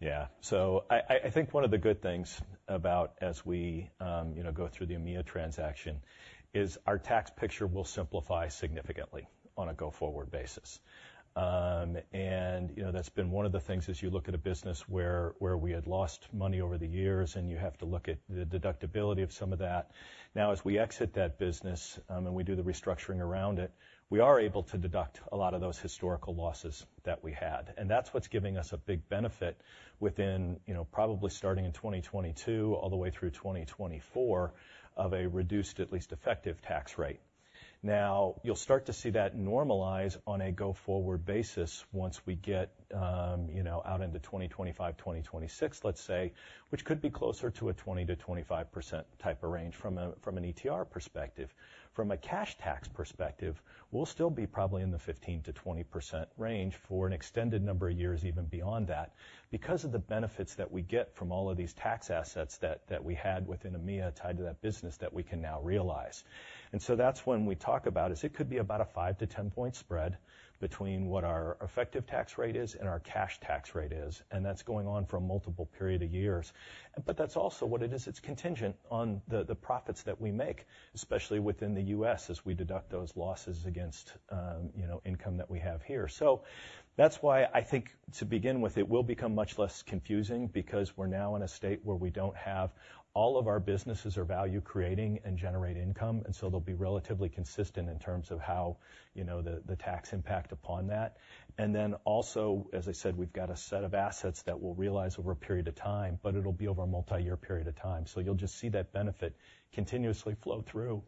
Yeah. So I think one of the good things about as we, you know, go through the EMEA transaction, is our tax picture will simplify significantly on a go-forward basis. And, you know, that's been one of the things as you look at a business where we had lost money over the years, and you have to look at the deductibility of some of that. Now, as we exit that business, and we do the restructuring around it, we are able to deduct a lot of those historical losses that we had, and that's what's giving us a big benefit within, you know, probably starting in 2022 all the way through 2024, of a reduced, at least, effective tax rate. Now, you'll start to see that normalize on a go-forward basis once we get, you know, out into 2025, 2026, let's say, which could be closer to a 20%-25% type of range from a, from an ETR perspective. From a cash tax perspective, we'll still be probably in the 15%-20% range for an extended number of years, even beyond that, because of the benefits that we get from all of these tax assets that, that we had within EMEA tied to that business that we can now realize. And so that's when we talk about is it could be about a 5-10 point spread between what our effective tax rate is and our cash tax rate is, and that's going on for a multiple period of years. But that's also what it is. It's contingent on the, the profits that we make, especially within the U.S., as we deduct those losses against, you know, income that we have here. So that's why I think, to begin with, it will become much less confusing because we're now in a state where we don't have... All of our businesses are value creating and generating income, and so they'll be relatively consistent in terms of how, you know, the, the tax impact upon that. And then also, as I said, we've got a set of assets that we'll realize over a period of time, but it'll be over a multi-year period of time. So you'll just see that benefit continuously flow through.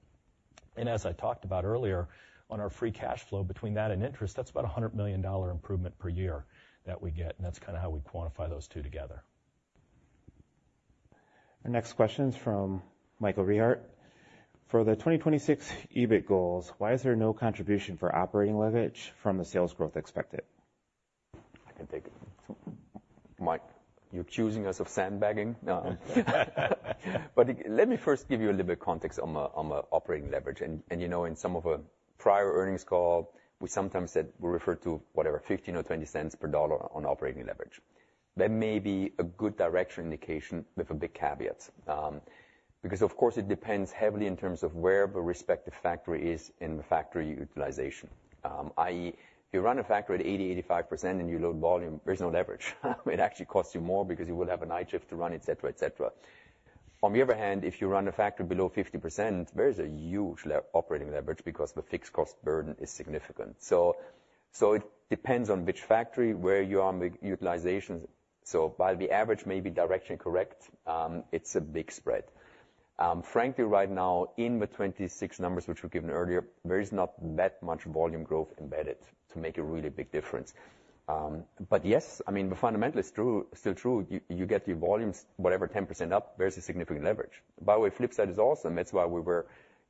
And as I talked about earlier, on our free cash flow, between that and interest, that's about a $100 million improvement per year that we get, and that's kinda how we quantify those two together.... Our next question is from Michael Rehaut. For the 2026 EBIT goals, why is there no contribution for operating leverage from the sales growth expected? I can take it. Mike, you're accusing us of sandbagging? Let me first give you a little bit of context on the operating leverage. You know, in some of the prior earnings call, we sometimes said we refer to, whatever, 15 or 20 cents per dollar on operating leverage. That may be a good direction indication with a big caveat, because of course, it depends heavily in terms of where the respective factory is in the factory utilization. i.e., if you run a factory at 80%-85% and you load volume, there's no leverage. It actually costs you more because you would have a night shift to run, et cetera, et cetera. On the other hand, if you run a factory below 50%, there is a huge operating leverage because the fixed cost burden is significant. So it depends on which factory, where you are on the utilization. So while the average may be direction correct, it's a big spread. Frankly, right now, in the 2026 numbers, which were given earlier, there is not that much volume growth embedded to make a really big difference. But yes, I mean, the fundamental is true, still true. You get your volumes, whatever, 10% up, there's a significant leverage. By the way, flip side is also, that's why we were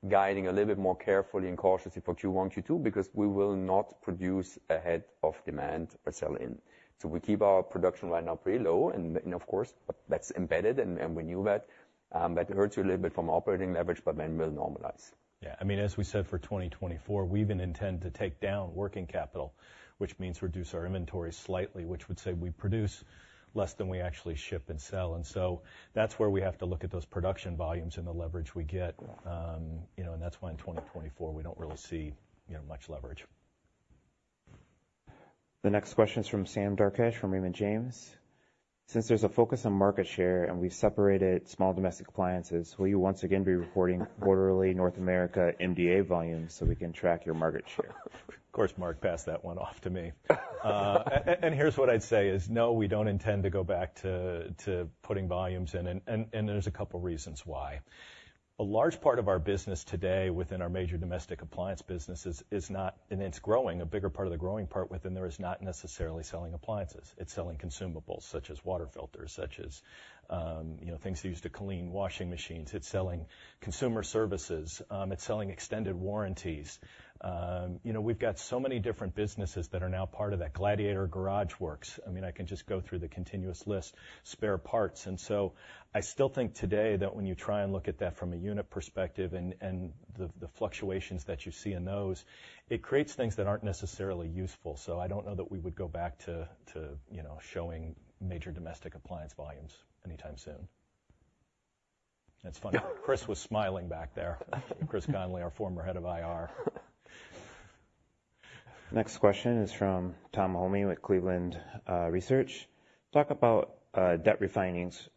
guiding a little bit more carefully and cautiously for Q1, Q2, because we will not produce ahead of demand or sell in. So we keep our production right now pretty low, and of course, but that's embedded, and we knew that. That hurts you a little bit from operating leverage, but then will normalize. Yeah, I mean, as we said, for 2024, we even intend to take down working capital, which means reduce our inventory slightly, which would say we produce less than we actually ship and sell. And so that's where we have to look at those production volumes and the leverage we get. You know, and that's why in 2024, we don't really see, you know, much leverage. The next question is from Sam Darkash, from Raymond James. Since there's a focus on market share, and we've separated small domestic appliances, will you once again be reporting quarterly North America MDA volumes, so we can track your market share? Of course, Mark passed that one off to me. And here's what I'd say is, no, we don't intend to go back to putting volumes in, and there's a couple reasons why. A large part of our business today within our major domestic appliance business is not... And it's growing, a bigger part of the growing part within there, is not necessarily selling appliances. It's selling consumables, such as water filters, such as you know, things used to clean washing machines. It's selling consumer services. It's selling extended warranties. You know, we've got so many different businesses that are now part of that, Gladiator Garage Works. I mean, I can just go through the continuous list, spare parts. And so I still think today that when you try and look at that from a unit perspective and the fluctuations that you see in those, it creates things that aren't necessarily useful. So I don't know that we would go back to you know showing major domestic appliance volumes anytime soon. It's funny, Chris was smiling back there. Chris Conley, our former head of IR. Next question is from Tom Mahoney with Cleveland Research. Talk about debt refinancing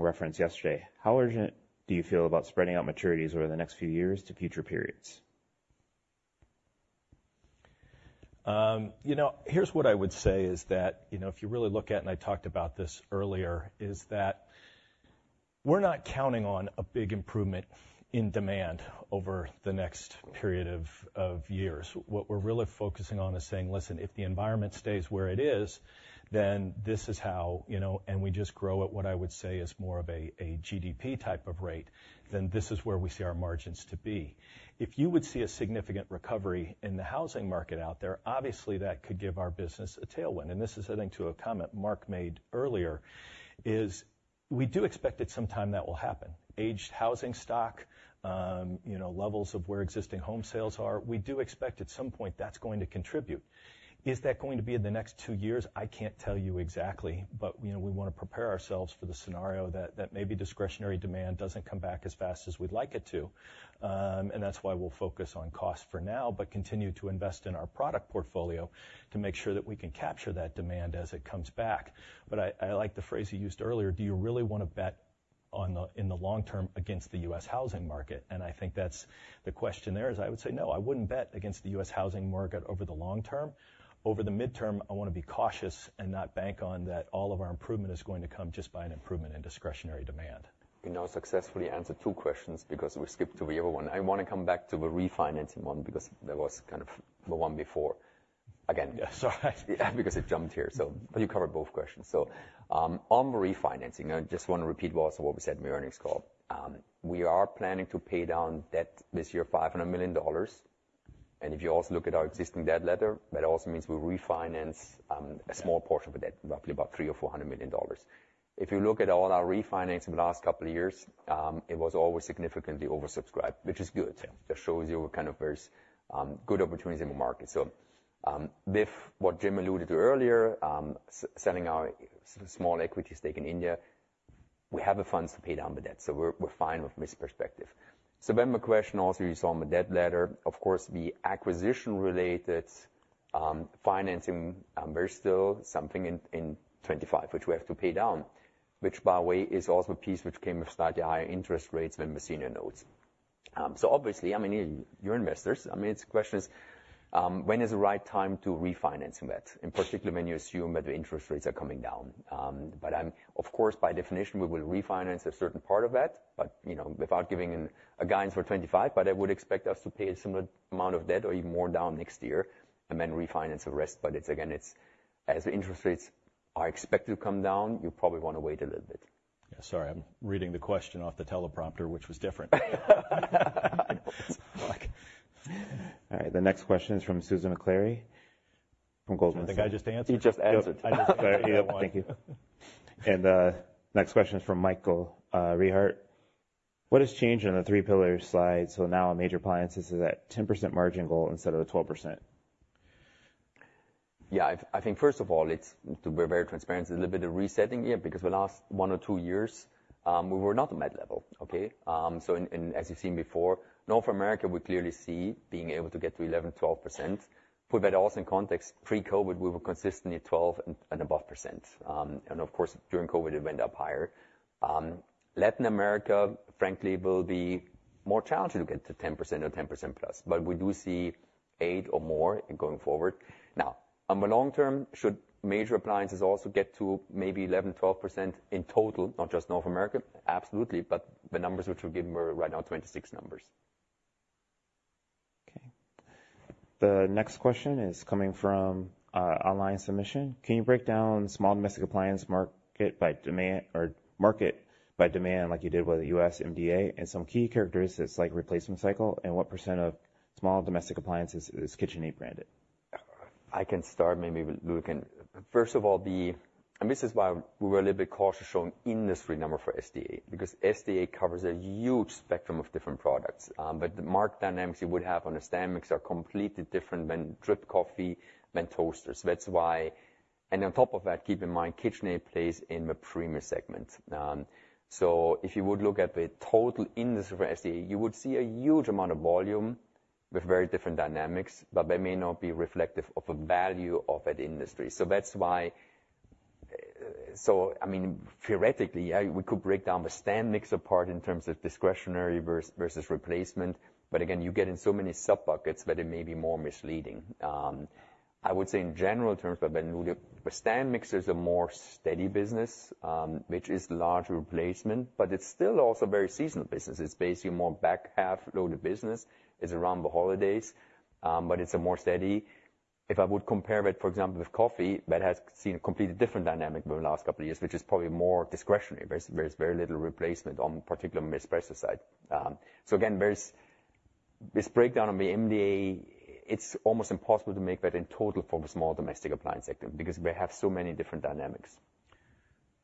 referenced yesterday. How urgent do you feel about spreading out maturities over the next few years to future periods? You know, here's what I would say is that, you know, if you really look at, and I talked about this earlier, is that we're not counting on a big improvement in demand over the next period of years. What we're really focusing on is saying, listen, if the environment stays where it is, then this is how, you know, and we just grow at what I would say is more of a GDP type of rate, then this is where we see our margins to be. If you would see a significant recovery in the housing market out there, obviously that could give our business a tailwind. This is adding to a comment Mark made earlier, is we do expect at some time that will happen. Aged housing stock, you know, levels of where existing home sales are, we do expect at some point that's going to contribute. Is that going to be in the next two years? I can't tell you exactly, but, you know, we want to prepare ourselves for the scenario that, that maybe discretionary demand doesn't come back as fast as we'd like it to. And that's why we'll focus on cost for now, but continue to invest in our product portfolio to make sure that we can capture that demand as it comes back. But I, I like the phrase you used earlier: Do you really want to bet on the, in the long term against the US housing market? And I think that's the question there, is I would say, no, I wouldn't bet against the US housing market over the long term. Over the midterm, I want to be cautious and not bank on that all of our improvement is going to come just by an improvement in discretionary demand. You now successfully answered two questions because we skipped the real one. I want to come back to the refinancing one, because that was kind of the one before. Again- Yeah, sorry.... Because it jumped here, so but you covered both questions. So, on refinancing, I just want to repeat what, what we said in the earnings call. We are planning to pay down debt this year, $500 million. And if you also look at our existing debt letter, that also means we refinance a small portion of the debt, roughly about $300 million-$400 million. If you look at all our refinancing the last couple of years, it was always significantly oversubscribed, which is good. Yeah. That shows you kind of there's good opportunities in the market. So, with what Jim alluded to earlier, selling our small equity stake in India, we have the funds to pay down the debt, so we're fine with this perspective. So then the question also you saw on the debt letter, of course, the acquisition-related financing, there's still something in 2025, which we have to pay down, which, by the way, is also a piece which came with slightly higher interest rates than the senior notes. So obviously, I mean, you're investors, I mean, it's question is, when is the right time to refinancing that? And particularly when you assume that the interest rates are coming down. Of course, by definition, we will refinance a certain part of that, but, you know, without giving a guidance for 25, but I would expect us to pay a similar amount of debt or even more down next year and then refinance the rest. But it's again, it's as the interest rates are expected to come down, you probably want to wait a little bit. Yeah, sorry, I'm reading the question off the teleprompter, which was different. All right, the next question is from Susan Maklari, from Goldman Sachs. I think I just answered. You just answered. I just answered that one. Thank you. Next question is from Michael Rehaut. What has changed in the three pillar slide? So now major appliances is at 10% margin goal instead of the 12%. Yeah, I think first of all, it's, to be very transparent, it's a little bit of resetting, yeah, because the last one or two years, we were not at mid-level. Okay? So and, and as you've seen before, North America, we clearly see being able to get to 11%-12%. Put that also in context, pre-COVID, we were consistently at 12% and above. And of course, during COVID, it went up higher. Latin America, frankly, will be more challenging to get to 10% or 10% plus, but we do see 8% or more going forward. Now, on the long term, should major appliances also get to maybe 11%-12% in total, not just North America? Absolutely. But the numbers which we're giving are right now 2026 numbers. Okay. The next question is coming from, online submission. Can you break down small domestic appliance market by demand or market by demand, like you did with the U.S. MDA, and some key characteristics like replacement cycle, and what % of small domestic appliances is KitchenAid branded? I can start, maybe Ludo can... First of all, and this is why we were a little bit cautious showing industry number for SDA, because SDA covers a huge spectrum of different products. But the market dynamics you would have on a stand mixer are completely different than drip coffee, than toasters. That's why... And on top of that, keep in mind, KitchenAid plays in the premium segment. So if you would look at the total industry for SDA, you would see a huge amount of volume with very different dynamics, but they may not be reflective of the value of that industry. So that's why, so I mean, theoretically, yeah, we could break down the stand mixer part in terms of discretionary versus replacement, but again, you get in so many sub-buckets that it may be more misleading. I would say in general terms, but when the stand mixer is a more steady business, which is large replacement, but it's still also very seasonal business. It's basically more back half load of business, is around the holidays, but it's a more steady. If I would compare it, for example, with coffee, that has seen a completely different dynamic over the last couple of years, which is probably more discretionary. There's very little replacement on particular espresso side. So again, there's this breakdown on the MDA, it's almost impossible to make that in total for the small domestic appliance sector because we have so many different dynamics.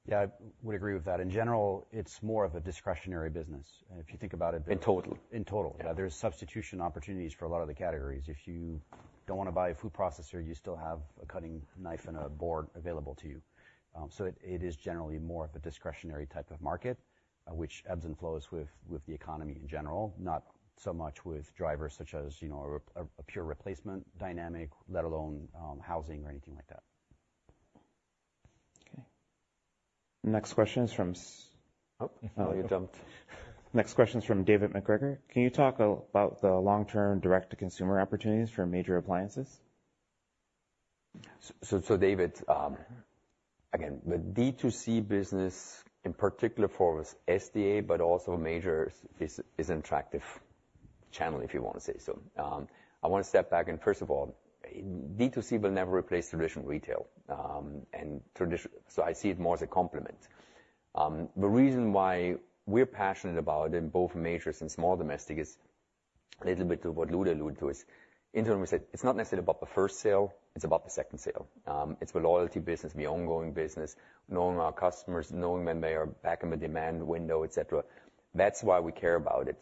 Yeah, I would agree with that. In general, it's more of a discretionary business. If you think about it- In total. In total. Yeah. There's substitution opportunities for a lot of the categories. If you don't want to buy a food processor, you still have a cutting knife and a board available to you. So it is generally more of a discretionary type of market, which ebbs and flows with the economy in general, not so much with drivers such as, you know, a pure replacement dynamic, let alone housing or anything like that. Okay. Next question is from. Oh, you jumped. Next question is from David McGregor. Can you talk about the long-term direct-to-consumer opportunities for major appliances? So, David, again, the D2C business, in particular for SDA, but also majors, is attractive channel, if you want to say so. I want to step back and first of all, D2C will never replace traditional retail, and so I see it more as a complement. The reason why we're passionate about in both majors and small domestic is a little bit to what Luke alluded to is, in terms we said it's not necessarily about the first sale, it's about the second sale. It's the loyalty business, the ongoing business, knowing our customers, knowing when they are back in the demand window, et cetera. That's why we care about it.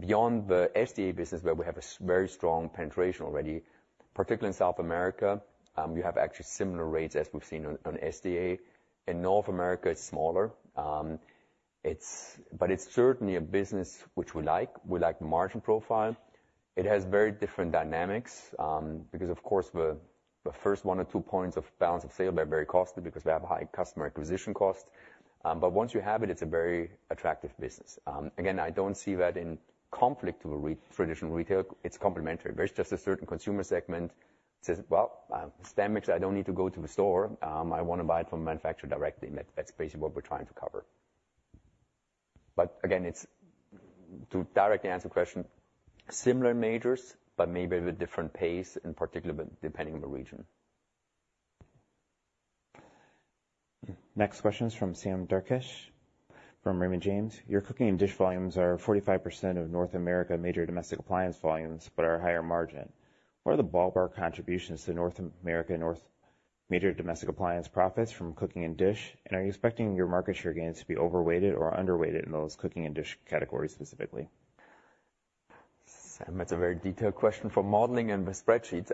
Beyond the SDA business, where we have a very strong penetration already, particularly in South America, we have actually similar rates as we've seen on SDA. In North America, it's smaller. But it's certainly a business which we like. We like the margin profile. It has very different dynamics, because, of course, the first one or two points of balance of sale, they're very costly because we have a high customer acquisition cost. But once you have it, it's a very attractive business. Again, I don't see that in conflict to a traditional retail. It's complementary. There's just a certain consumer segment says, "Well, stand mix, I don't need to go to the store. I want to buy it from manufacturer directly." And that, that's basically what we're trying to cover. But again, it's to directly answer your question, similar majors, but maybe with different pace, in particular, but depending on the region. Next question is from Sam Darkash, from Raymond James. Your cooking and dish volumes are 45% of North America major domestic appliance volumes, but are higher margin. What are the dollar contributions to North America major domestic appliance profits from cooking and dish, and are you expecting your market share gains to be overweight or underweight in those cooking and dish categories specifically? Sam, that's a very detailed question for modeling and the spreadsheets.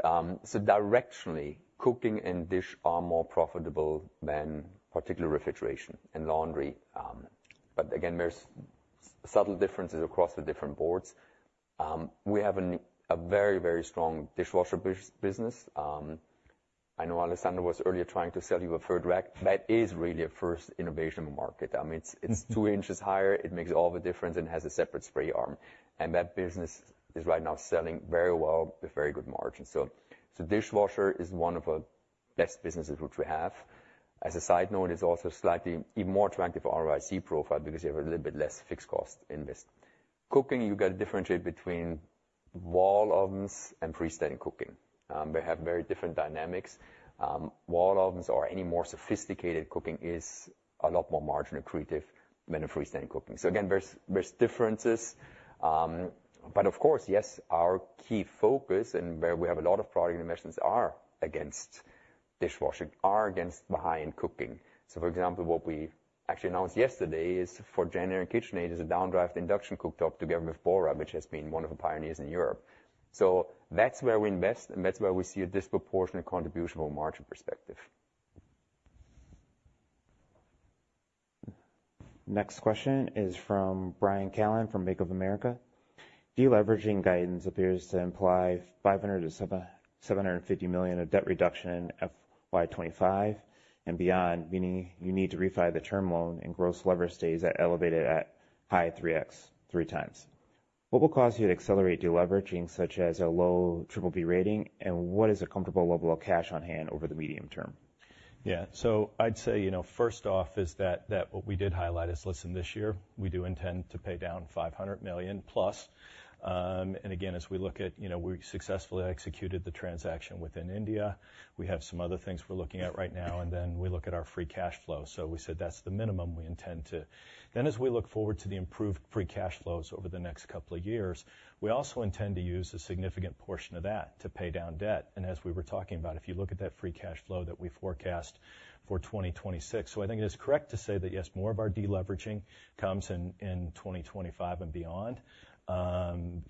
So directionally, cooking and dish are more profitable than particularly refrigeration and laundry. But again, there's subtle differences across the different brands. We have a very, very strong dishwasher business. I know Alessandro was earlier trying to sell you a third rack. That is really a first innovation market. I mean, it's two inches higher, it makes all the difference and has a separate spray arm, and that business is right now selling very well with very good margin. So dishwasher is one of our best businesses which we have. As a side note, it's also slightly even more attractive for ROIC profile because you have a little bit less fixed cost in this. Cooking, you got to differentiate between wall ovens and freestanding cooking. They have very different dynamics. Wall ovens or any more sophisticated cooking is a lot more margin accretive than a freestanding cooking. So again, there's differences, but of course, yes, our key focus and where we have a lot of product innovations are against dishwashing, are against built-in cooking. So for example, what we actually announced yesterday is for JennAir and KitchenAid, is a downdraft induction cooktop together with BORA, which has been one of the pioneers in Europe. So that's where we invest, and that's where we see a disproportionate contribution from a margin perspective. Next question is from Brian Callan from Bank of America. Deleveraging guidance appears to imply $500 million-$750 million of debt reduction FY 2025 and beyond, meaning you need to refi the term loan and gross lever stays at elevated at high 3x, 3 times. What will cause you to accelerate deleveraging, such as a low triple-B rating? And what is a comfortable level of cash on hand over the medium term? Yeah. So I'd say, you know, first off is that what we did highlight is, listen, this year, we do intend to pay down $500 million-plus. And again, as we look at, you know, we successfully executed the transaction within India. We have some other things we're looking at right now, and then we look at our free cash flow. So we said that's the minimum we intend to. Then, as we look forward to the improved free cash flows over the next couple of years, we also intend to use a significant portion of that to pay down debt. And as we were talking about, if you look at that free cash flow that we forecast for 2026, so I think it is correct to say that, yes, more of our deleveraging comes in 2025 and beyond,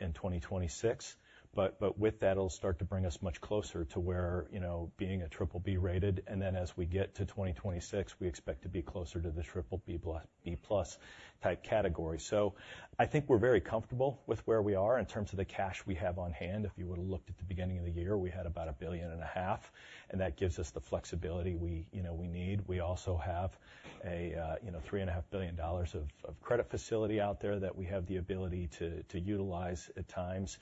in 2026. But with that, it'll start to bring us much closer to where, you know, being a BBB rated, and then as we get to 2026, we expect to be closer to the BBB plus, B plus type category. So I think we're very comfortable with where we are in terms of the cash we have on hand. If you would have looked at the beginning of the year, we had about $1.5 billion, and that gives us the flexibility we, you know, we need. We also have a, you know, $3.5 billion of credit facility out there that we have the ability to, to utilize at times.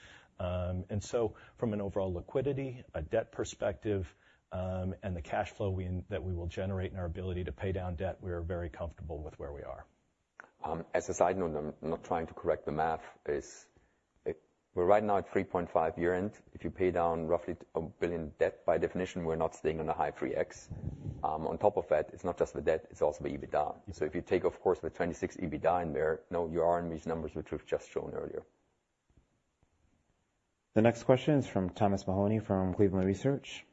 From an overall liquidity, a debt perspective, and the cash flow that we will generate and our ability to pay down debt, we are very comfortable with where we are. As a side note, I'm not trying to correct the math; we're right now at 3.5x year-end. If you pay down roughly $1 billion debt, by definition, we're not staying on the high 3x. On top of that, it's not just the debt, it's also the EBITDA. So if you take, of course, the 2026 EBITDA in there, now you are in these numbers, which we've just shown earlier. The next question is from Tom Mahoney from Cleveland Research.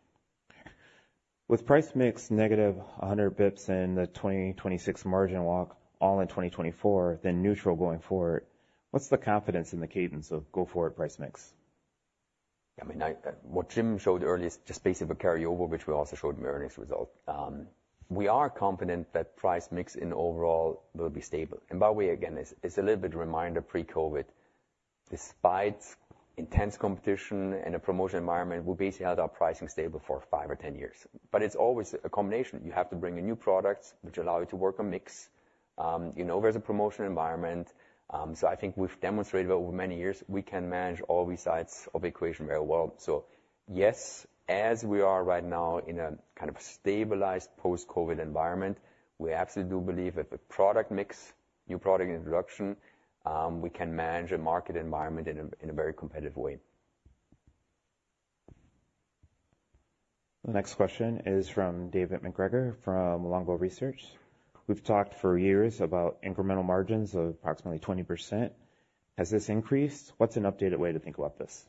With price mix negative 100 basis points in the 2026 margin walk all in 2024, then neutral going forward, what's the confidence in the cadence of go forward price mix? I mean, I, what Jim showed earlier is just basically a carryover, which we also showed in our earnings result. We are confident that price mix in overall will be stable. And by the way, again, it's a little bit reminder pre-COVID, despite intense competition and a promotion environment, we basically held our pricing stable for five or 10 years. But it's always a combination. You have to bring in new products, which allow you to work on mix. You know, there's a promotional environment, so I think we've demonstrated over many years we can manage all these sides of the equation very well. So yes, as we are right now in a kind of stabilized post-COVID environment, we absolutely do believe that the product mix, new product introduction, we can manage a market environment in a very competitive way. The next question is from David McGregor from Longbow Research. We've talked for years about incremental margins of approximately 20%. Has this increased? What's an updated way to think about this?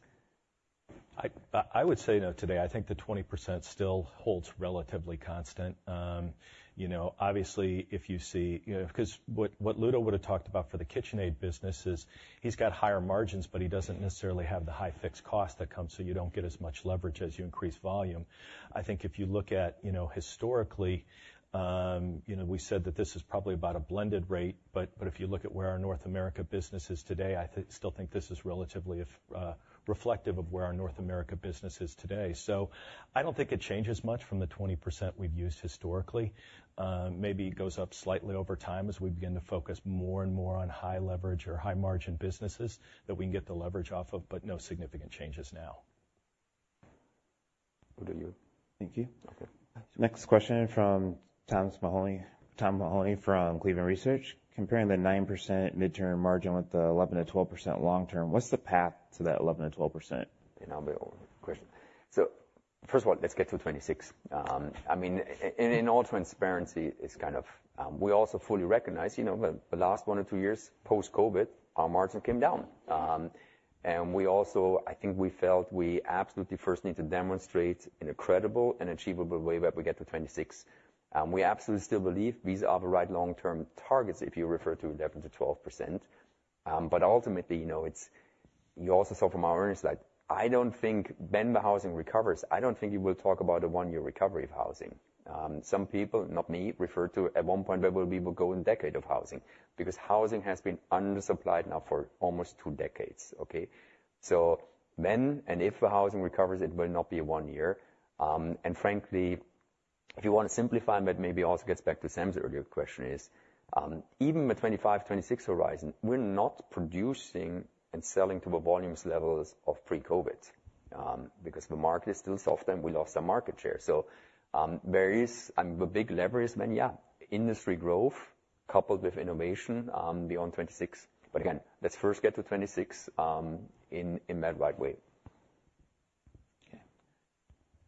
I would say, though, today, I think the 20% still holds relatively constant. You know, obviously, if you see... You know, 'cause what Ludo would have talked about for the KitchenAid business is he's got higher margins, but he doesn't necessarily have the high fixed cost that comes, so you don't get as much leverage as you increase volume. I think if you look at, you know, historically, you know, we said that this is probably about a blended rate, but if you look at where our North America business is today, I still think this is relatively reflective of where our North America business is today. So I don't think it changes much from the 20% we've used historically. Maybe it goes up slightly over time as we begin to focus more and more on high leverage or high-margin businesses that we can get the leverage off of, but no significant changes now. Over to you. Thank you. Okay. Next question from Tom Mahoney. Tom Mahoney from Cleveland Research. Comparing the 9% midterm margin with the 11%-12% long term, what's the path to that 11%-12%? You know, good question. So first of all, let's get to 26. I mean, in all transparency, it's kind of, we also fully recognize, you know, the last one or two years, post-COVID, our margin came down. And we also, I think we absolutely first need to demonstrate in a credible and achievable way that we get to 26. We absolutely still believe these are the right long-term targets, if you refer to 11%-12%. But ultimately, you know, it's. You also saw from our earnings that I don't think when the housing recovers, I don't think you will talk about a one-year recovery of housing. Some people, not me, refer to at one point, where we will go in decade of housing, because housing has been undersupplied now for almost two decades, okay? So when and if the housing recovers, it will not be one year. And frankly, if you want to simplify, but maybe also gets back to Sam's earlier question is, even the 25, 26 horizon, we're not producing and selling to the volumes levels of pre-COVID, because the market is still soft, and we lost some market share. So, there is, and the big lever is when, yeah, industry growth coupled with innovation, beyond 2026. But again, let's first get to 2026, in that right way.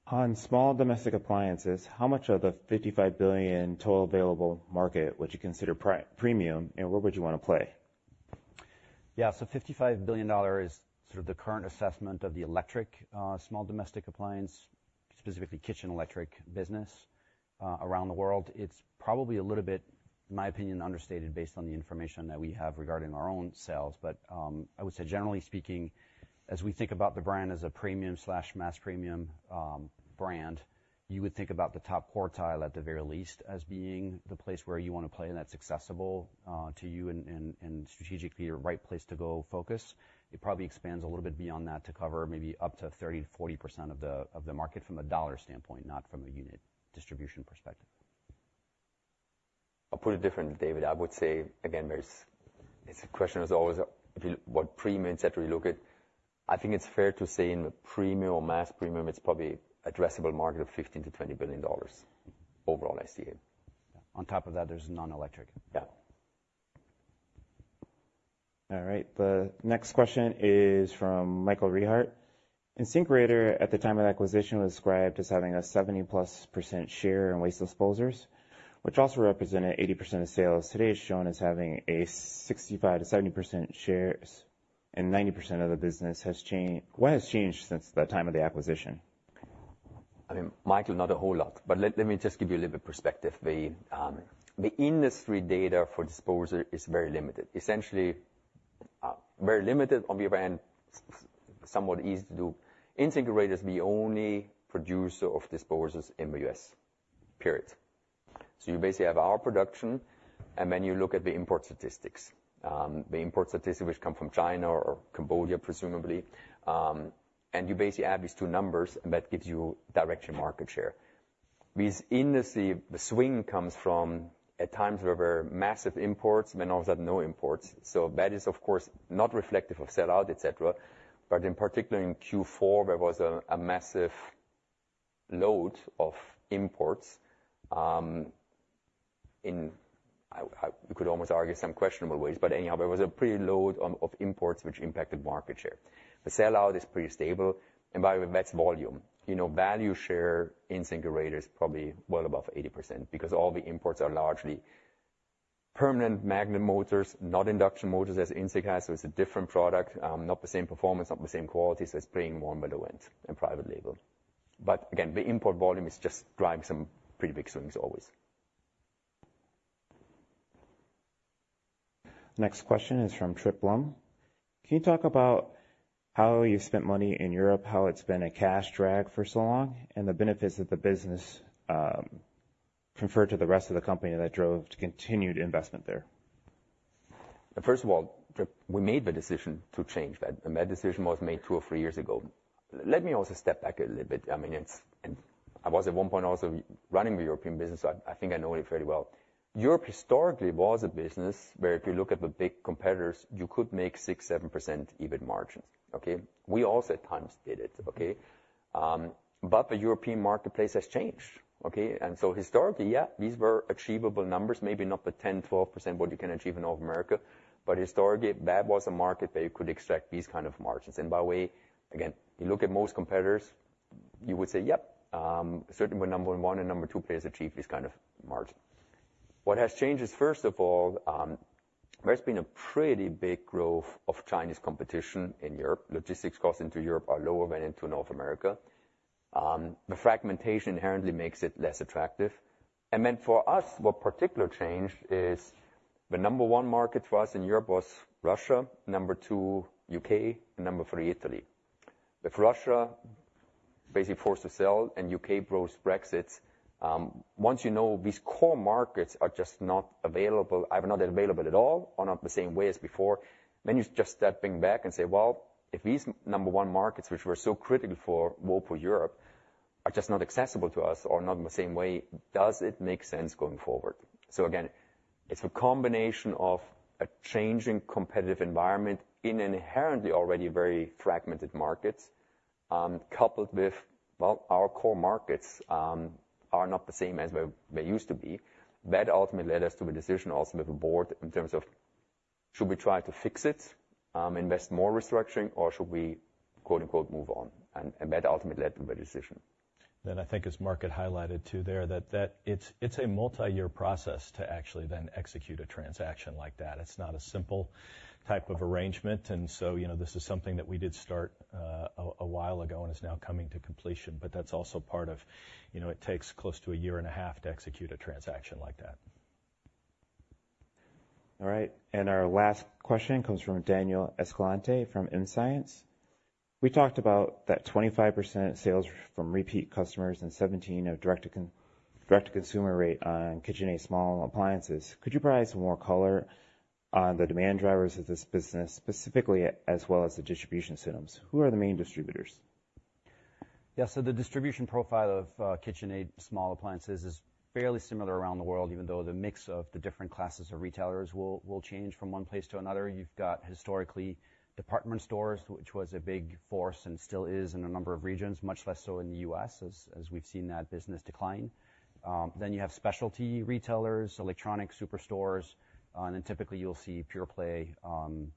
Okay. On small domestic appliances, how much of the $55 billion total available market would you consider premium, and where would you wanna play? Yeah, so $55 billion is sort of the current assessment of the electric, small domestic appliance, specifically kitchen electric business, around the world. It's probably a little bit, in my opinion, understated, based on the information that we have regarding our own sales. But, I would say, generally speaking, as we think about the brand as a premium slash mass premium, brand, you would think about the top quartile, at the very least, as being the place where you wanna play, and that's accessible, to you and strategically the right place to go focus. It probably expands a little bit beyond that to cover maybe up to 30%-40% of the market from a dollar standpoint, not from a unit distribution perspective. I'll put it different, David. I would say, again, it's a question is always, if you, what premium et cetera you look at. I think it's fair to say in the premium or mass premium, it's probably addressable market of $15 billion-$20 billion overall, I see it. On top of that, there's non-electric. Yeah. All right, the next question is from Michael Reheart. InSinkErator, at the time of acquisition, was described as having a 70%+ share in waste disposers, which also represented 80% of sales. Today, it's shown as having a 65%-70% shares, and 90% of the business has changed. What has changed since the time of the acquisition? I mean, Michael, not a whole lot, but let me just give you a little bit perspective. The industry data for disposer is very limited. Essentially, very limited, on the other hand, somewhat easy to do. InSinkErator is the only producer of disposers in the U.S., period. So you basically have our production, and then you look at the import statistics. The import statistics, which come from China or Cambodia, presumably. And you basically add these two numbers, and that gives you direction market share. This industry, the swing comes from, at times, there were massive imports, and then, all of a sudden, no imports. So that is, of course, not reflective of sellout, et cetera. But in particular, in Q4, there was a massive load of imports. You could almost argue some questionable ways. But anyhow, there was a pretty load on of imports which impacted market share. The sellout is pretty stable, and by the way, that's volume. You know, value share InSinkErator is probably well above 80% because all the imports are largely permanent magnet motors, not induction motors as InSinkErator, so it's a different product, not the same performance, not the same quality, so it's playing more by the wind and private label. But again, the import volume is just driving some pretty big swings, always. Next question is from Trip Plum. Can you talk about how you spent money in Europe, how it's been a cash drag for so long, and the benefits that the business conferred to the rest of the company that drove to continued investment there? First of all, Trip, we made the decision to change that, and that decision was made 2 or 3 years ago. Let me also step back a little bit. I mean, it's- and I was, at one point, also running the European business, so I, I think I know it fairly well. Europe historically was a business where if you look at the big competitors, you could make 6%-7% EBIT margins, okay? We also at times did it, okay? But the European marketplace has changed, okay? And so historically, yeah, these were achievable numbers, maybe not the 10%-12% what you can achieve in North America, but historically, that was a market that you could extract these kind of margins. By the way, again, you look at most competitors, you would say, "Yep, certainly we're number one and number two players achieve this kind of margin." What has changed is, first of all, there's been a pretty big growth of Chinese competition in Europe. Logistics costs into Europe are lower than into North America. The fragmentation inherently makes it less attractive. And then, for us, what particular changed is the number one market for us in Europe was Russia, number two, UK, and number three, Italy. With Russia, basically forced to sell and U.K. goes Brexit, once you know these core markets are just not available, either not available at all or not the same way as before, then you're just stepping back and say: Well, if these number one markets, which were so critical for Whirlpool Europe, are just not accessible to us or not in the same way, does it make sense going forward? So again, it's a combination of a changing competitive environment in inherently already very fragmented markets, coupled with, well, our core markets, are not the same as they used to be. That ultimately led us to a decision also with the board in terms of should we try to fix it, invest more restructuring, or should we, quote, unquote, "move on?" And that ultimately led to the decision. Then I think as Market highlighted, too, that it's a multi-year process to actually then execute a transaction like that. It's not a simple type of arrangement, and so, you know, this is something that we did start a while ago and is now coming to completion, but that's also part of, you know, it takes close to a year and a half to execute a transaction like that. All right, and our last question comes from Daniel Escalante, from Insigence. We talked about that 25% sales from repeat customers and 17% direct-to-consumer rate on KitchenAid small appliances. Could you provide some more color on the demand drivers of this business, specifically, as well as the distribution centers? Who are the main distributors? Yeah, so the distribution profile of KitchenAid small appliances is fairly similar around the world, even though the mix of the different classes of retailers will change from one place to another. You've got historically department stores, which was a big force and still is in a number of regions, much less so in the U.S., as we've seen that business decline. Then you have specialty retailers, electronic superstores, and then typically, you'll see pure play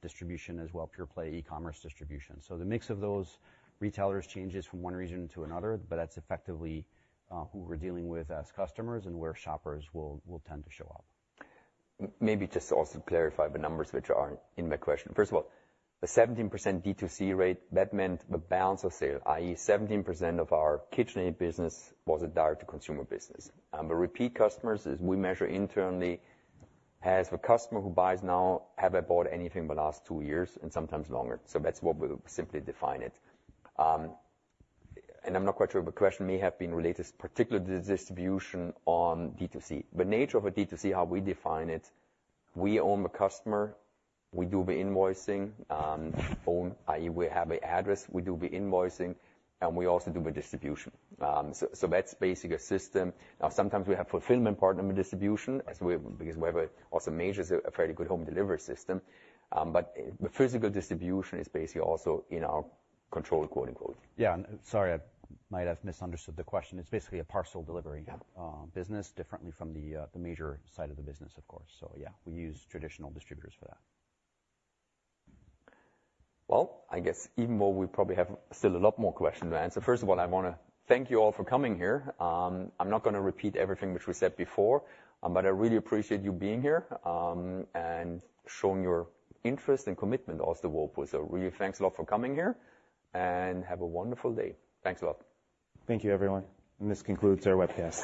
distribution as well, pure play e-commerce distribution. So the mix of those retailers changes from one region to another, but that's effectively who we're dealing with as customers and where shoppers will tend to show up. Maybe just to also clarify the numbers which are in my question. First of all, the 17% D2C rate, that meant the balance of sale, i.e., 17% of our KitchenAid business was a direct-to-consumer business. The repeat customers, as we measure internally, as a customer who buys now, haven't bought anything in the last two years and sometimes longer. So that's what we simply define it. And I'm not quite sure, but the question may have been related particularly to the distribution on D2C. The nature of a D2C, how we define it, we own the customer, we do the invoicing, own, i.e., we have an address, we do the invoicing, and we also do the distribution. So that's basically a system. Now, sometimes we have fulfillment partner distribution, because we have a also major a fairly good home delivery system. But the physical distribution is basically also in our control, quote, unquote. Yeah, and sorry, I might have misunderstood the question. It's basically a parcel delivery- Yeah... business, differently from the major side of the business, of course. So yeah, we use traditional distributors for that. Well, I guess even though we probably have still a lot more questions to answer, first of all, I wanna thank you all for coming here. I'm not gonna repeat everything which we said before, but I really appreciate you being here, and showing your interest and commitment as to Whirlpool. So really, thanks a lot for coming here, and have a wonderful day. Thanks a lot. Thank you, everyone, and this concludes our webcast.